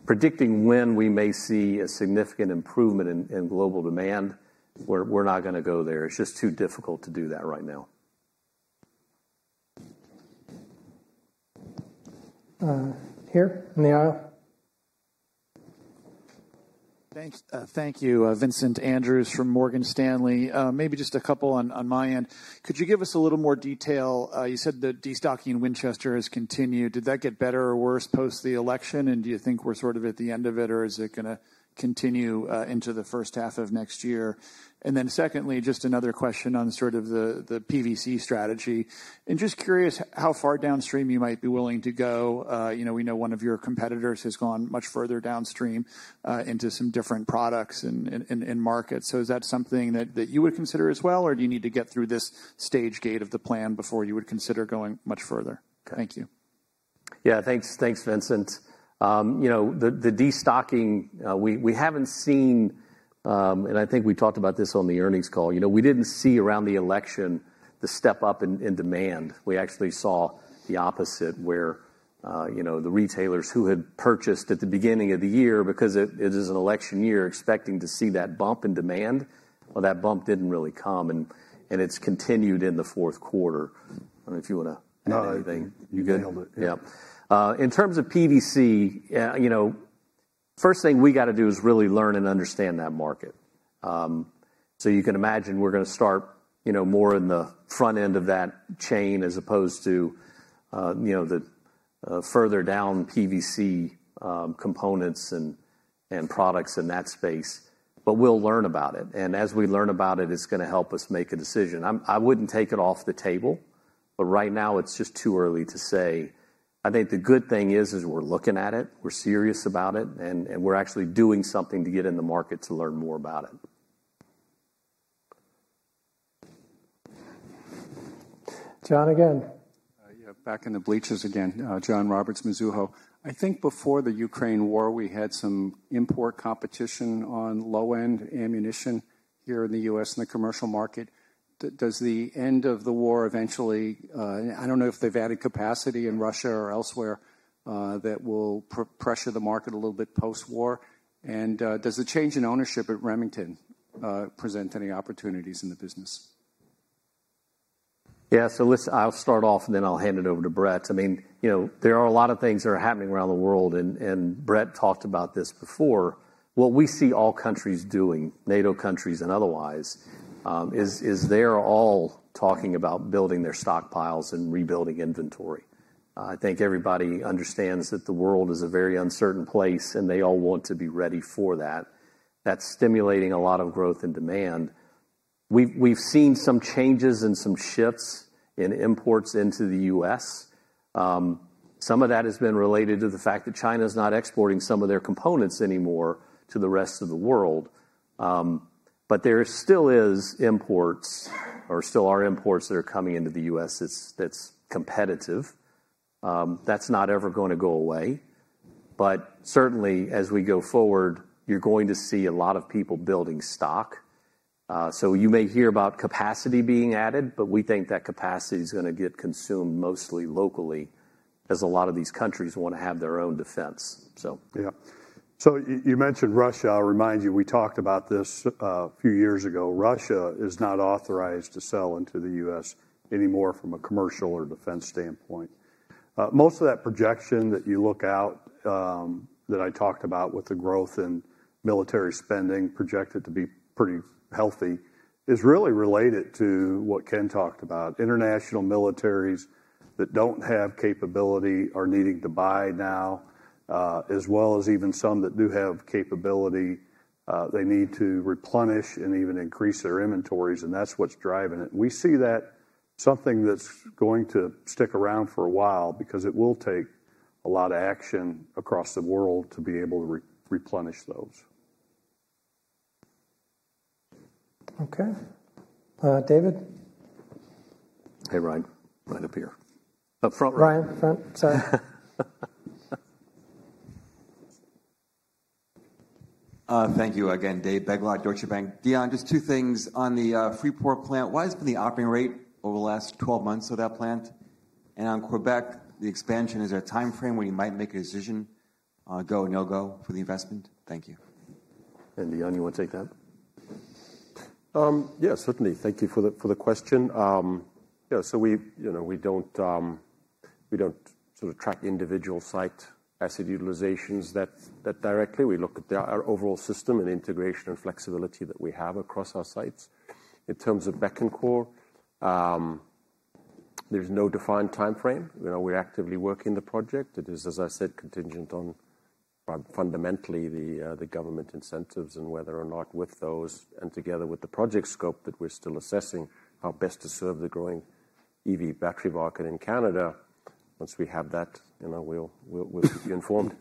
predicting when we may see a significant improvement in global demand, we're not going to go there. It's just too difficult to do that right now.
Here in the aisle.
Thanks. Thank you. Vincent Andrews from Morgan Stanley. Maybe just a couple on my end. Could you give us a little more detail? You said the destocking in Winchester has continued. Did that get better or worse post the election? And do you think we're sort of at the end of it, or is it going to continue into the first half of next year? And then secondly, just another question on sort of the PVC strategy. And just curious how far downstream you might be willing to go. We know one of your competitors has gone much further downstream into some different products and markets. So is that something that you would consider as well, or do you need to get through this stage gate of the plan before you would consider going much further? Thank you.
Yeah. Thanks, Vincent. The destocking, we haven't seen, and I think we talked about this on the earnings call. We didn't see around the election the step up in demand. We actually saw the opposite, where the retailers who had purchased at the beginning of the year, because it is an election year, expecting to see that bump in demand, well, that bump didn't really come. And it's continued in the fourth quarter. I don't know if you want to add anything. You good? Yeah. In terms of PVC, first thing we got to do is really learn and understand that market. So you can imagine we're going to start more in the front end of that chain as opposed to the further down PVC components and products in that space. But we'll learn about it. And as we learn about it, it's going to help us make a decision. I wouldn't take it off the table, but right now it's just too early to say. I think the good thing is we're looking at it. We're serious about it. And we're actually doing something to get in the market to learn more about it.
John again.
Yeah. Back in the bleaches again, John Roberts, Mizuho. I think before the Ukraine war, we had some import competition on low-end ammunition here in the U.S. and the commercial market. Does the end of the war eventually, I don't know if they've added capacity in Russia or elsewhere, that will pressure the market a little bit post-war, and does the change in ownership at Remington present any opportunities in the business?
Yeah, so listen, I'll start off, and then I'll hand it over to Brett. I mean, there are a lot of things that are happening around the world, and Brett talked about this before. What we see all countries doing, NATO countries and otherwise, is they're all talking about building their stockpiles and rebuilding inventory. I think everybody understands that the world is a very uncertain place, and they all want to be ready for that. That's stimulating a lot of growth and demand. We've seen some changes and some shifts in imports into the U.S. Some of that has been related to the fact that China is not exporting some of their components anymore to the rest of the world. But there still is imports, or still are imports that are coming into the U.S. that's competitive. That's not ever going to go away. But certainly, as we go forward, you're going to see a lot of people building stock. So you may hear about capacity being added, but we think that capacity is going to get consumed mostly locally as a lot of these countries want to have their own defense, so.
Yeah. So you mentioned Russia. I'll remind you, we talked about this a few years ago. Russia is not authorized to sell into the U.S. anymore from a commercial or defense standpoint. Most of that projection that you look out that I talked about with the growth in military spending projected to be pretty healthy is really related to what Ken talked about. International militaries that don't have capability are needing to buy now, as well as even some that do have capability. They need to replenish and even increase their inventories, and that's what's driving it. We see that something that's going to stick around for a while because it will take a lot of action across the world to be able to replenish those.
Okay. David? Hey, Ryan. Right up here. Up front, Ryan. Right in front. Sorry.
Thank you again, Dave Begleiter, Deutsche Bank. Deon, just two things. On the Freeport plant, why has it been the operating rate over the last 12 months of that plant? And on Quebec, the expansion, is there a timeframe when you might make a decision, go, no go for the investment? Thank you.
And Deon, you want to take that?
Yeah, certainly. Thank you for the question. Yeah. So we don't sort of track individual site asset utilizations that directly. We look at our overall system and integration and flexibility that we have across our sites. In terms of Bécancour, there's no defined timeframe. We're actively working the project. It is, as I said, contingent on fundamentally the government incentives and whether or not with those and together with the project scope that we're still assessing how best to serve the growing EV battery market in Canada. Once we have that, we'll keep you informed.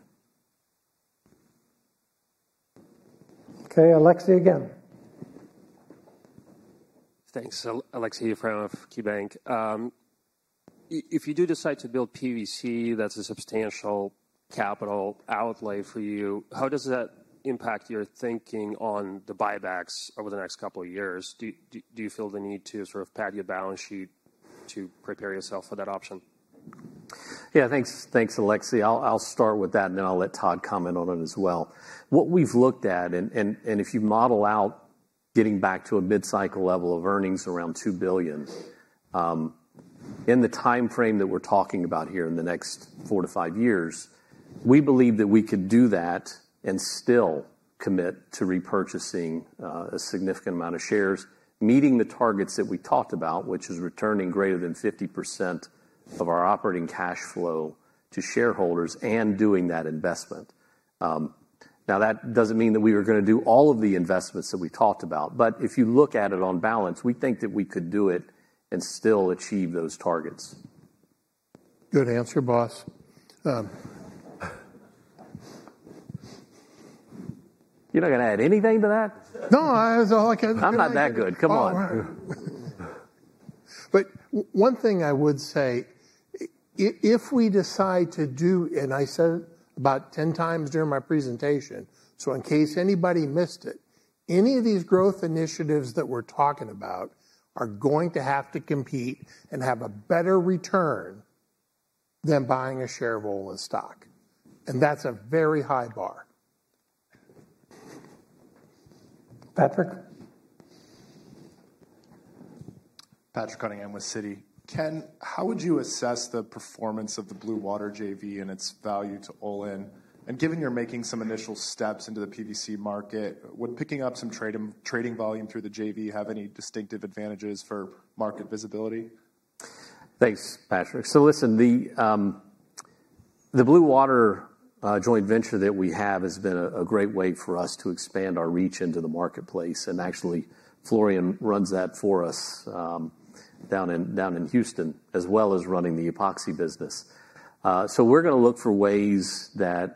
Okay. Aleksey again.
Thanks. Aleksey from KeyBanc. If you do decide to build PVC, that's a substantial capital outlay for you. How does that impact your thinking on the buybacks over the next couple of years? Do you feel the need to sort of pad your balance sheet to prepare yourself for that option?
Yeah. Thanks, Aleksey. I'll start with that, and then I'll let Todd comment on it as well. What we've looked at, and if you model out getting back to a mid-cycle level of earnings around $2 billion in the timeframe that we're talking about here in the next four to five years, we believe that we could do that and still commit to repurchasing a significant amount of shares, meeting the targets that we talked about, which is returning greater than 50% of our operating cash flow to shareholders and doing that investment. Now, that doesn't mean that we were going to do all of the investments that we talked about. But if you look at it on balance, we think that we could do it and still achieve those targets.
Good answer, boss.
You're not going to add anything to that?
No. I was all I could think of.
I'm not that good. Come on.
But one thing I would say, if we decide to do, and I said about 10x during my presentation, so in case anybody missed it, any of these growth initiatives that we're talking about are going to have to compete and have a better return than buying a share of Olin stock. And that's a very high bar.
Patrick?
Patrick Cunningham with Citi. Ken, how would you assess the performance of the Blue Water JV and its value to Olin? And given you're making some initial steps into the PVC market, would picking up some trading volume through the JV have any distinctive advantages for market visibility?
Thanks, Patrick. So listen, the Blue Water joint venture that we have has been a great way for us to expand our reach into the marketplace. And actually, Florian runs that for us down in Houston, as well as running the Epoxy business. So we're going to look for ways that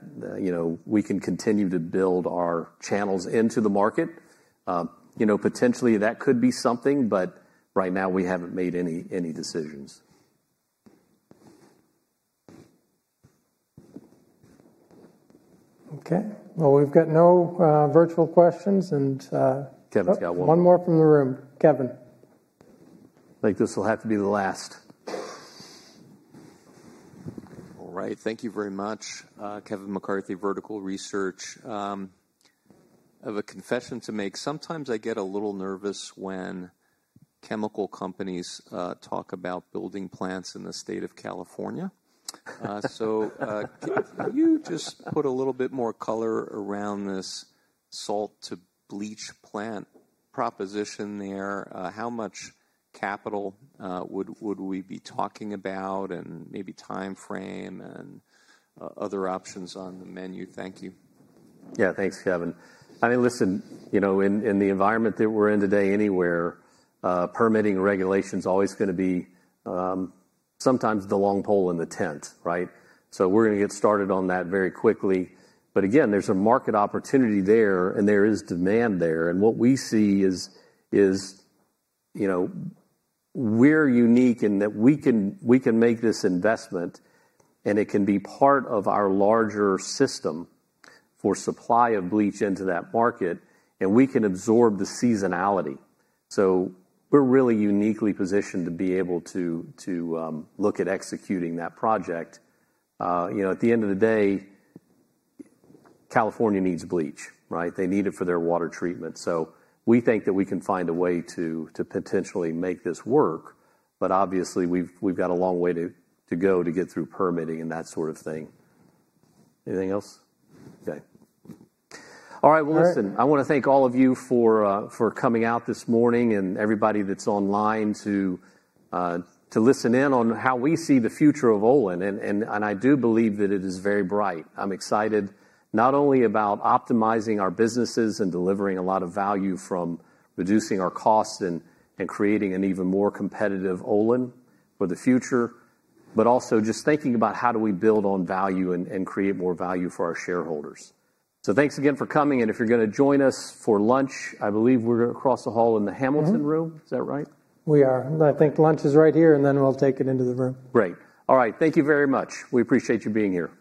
we can continue to build our channels into the market. Potentially, that could be something, but right now, we haven't made any decisions.
Okay. Well, we've got no virtual questions. And Kevin's got one. One more from the room. Kevin. I think this will have to be the last.
All right. Thank you very much. Kevin McCarthy, Vertical Research. I have a confession to make. Sometimes I get a little nervous when chemical companies talk about building plants in the state of California. So can you just put a little bit more color around this salt-to-bleach plant proposition there? How much capital would we be talking about, and maybe timeframe and other options on the menu? Thank you.
Yeah. Thanks, Kevin. I mean, listen, in the environment that we're in today, anywhere, permitting regulation is always going to be sometimes the long pole in the tent, right? So we're going to get started on that very quickly. But again, there's a market opportunity there, and there is demand there. And what we see is we're unique in that we can make this investment, and it can be part of our larger system for supply of bleach into that market, and we can absorb the seasonality. So we're really uniquely positioned to be able to look at executing that project. At the end of the day, California needs bleach, right? They need it for their water treatment. So we think that we can find a way to potentially make this work. But obviously, we've got a long way to go to get through permitting and that sort of thing. Anything else? Okay. All right. Well, listen, I want to thank all of you for coming out this morning and everybody that's online to listen in on how we see the future of Olin. And I do believe that it is very bright. I'm excited not only about optimizing our businesses and delivering a lot of value from reducing our costs and creating an even more competitive Olin for the future, but also just thinking about how do we build on value and create more value for our shareholders. Thanks again for coming. If you're going to join us for lunch, I believe we're across the hall in the Hamilton Room. Is that right?
We are. I think lunch is right here, and then we'll take it into the room.
Great. All right. Thank you very much. We appreciate you being here.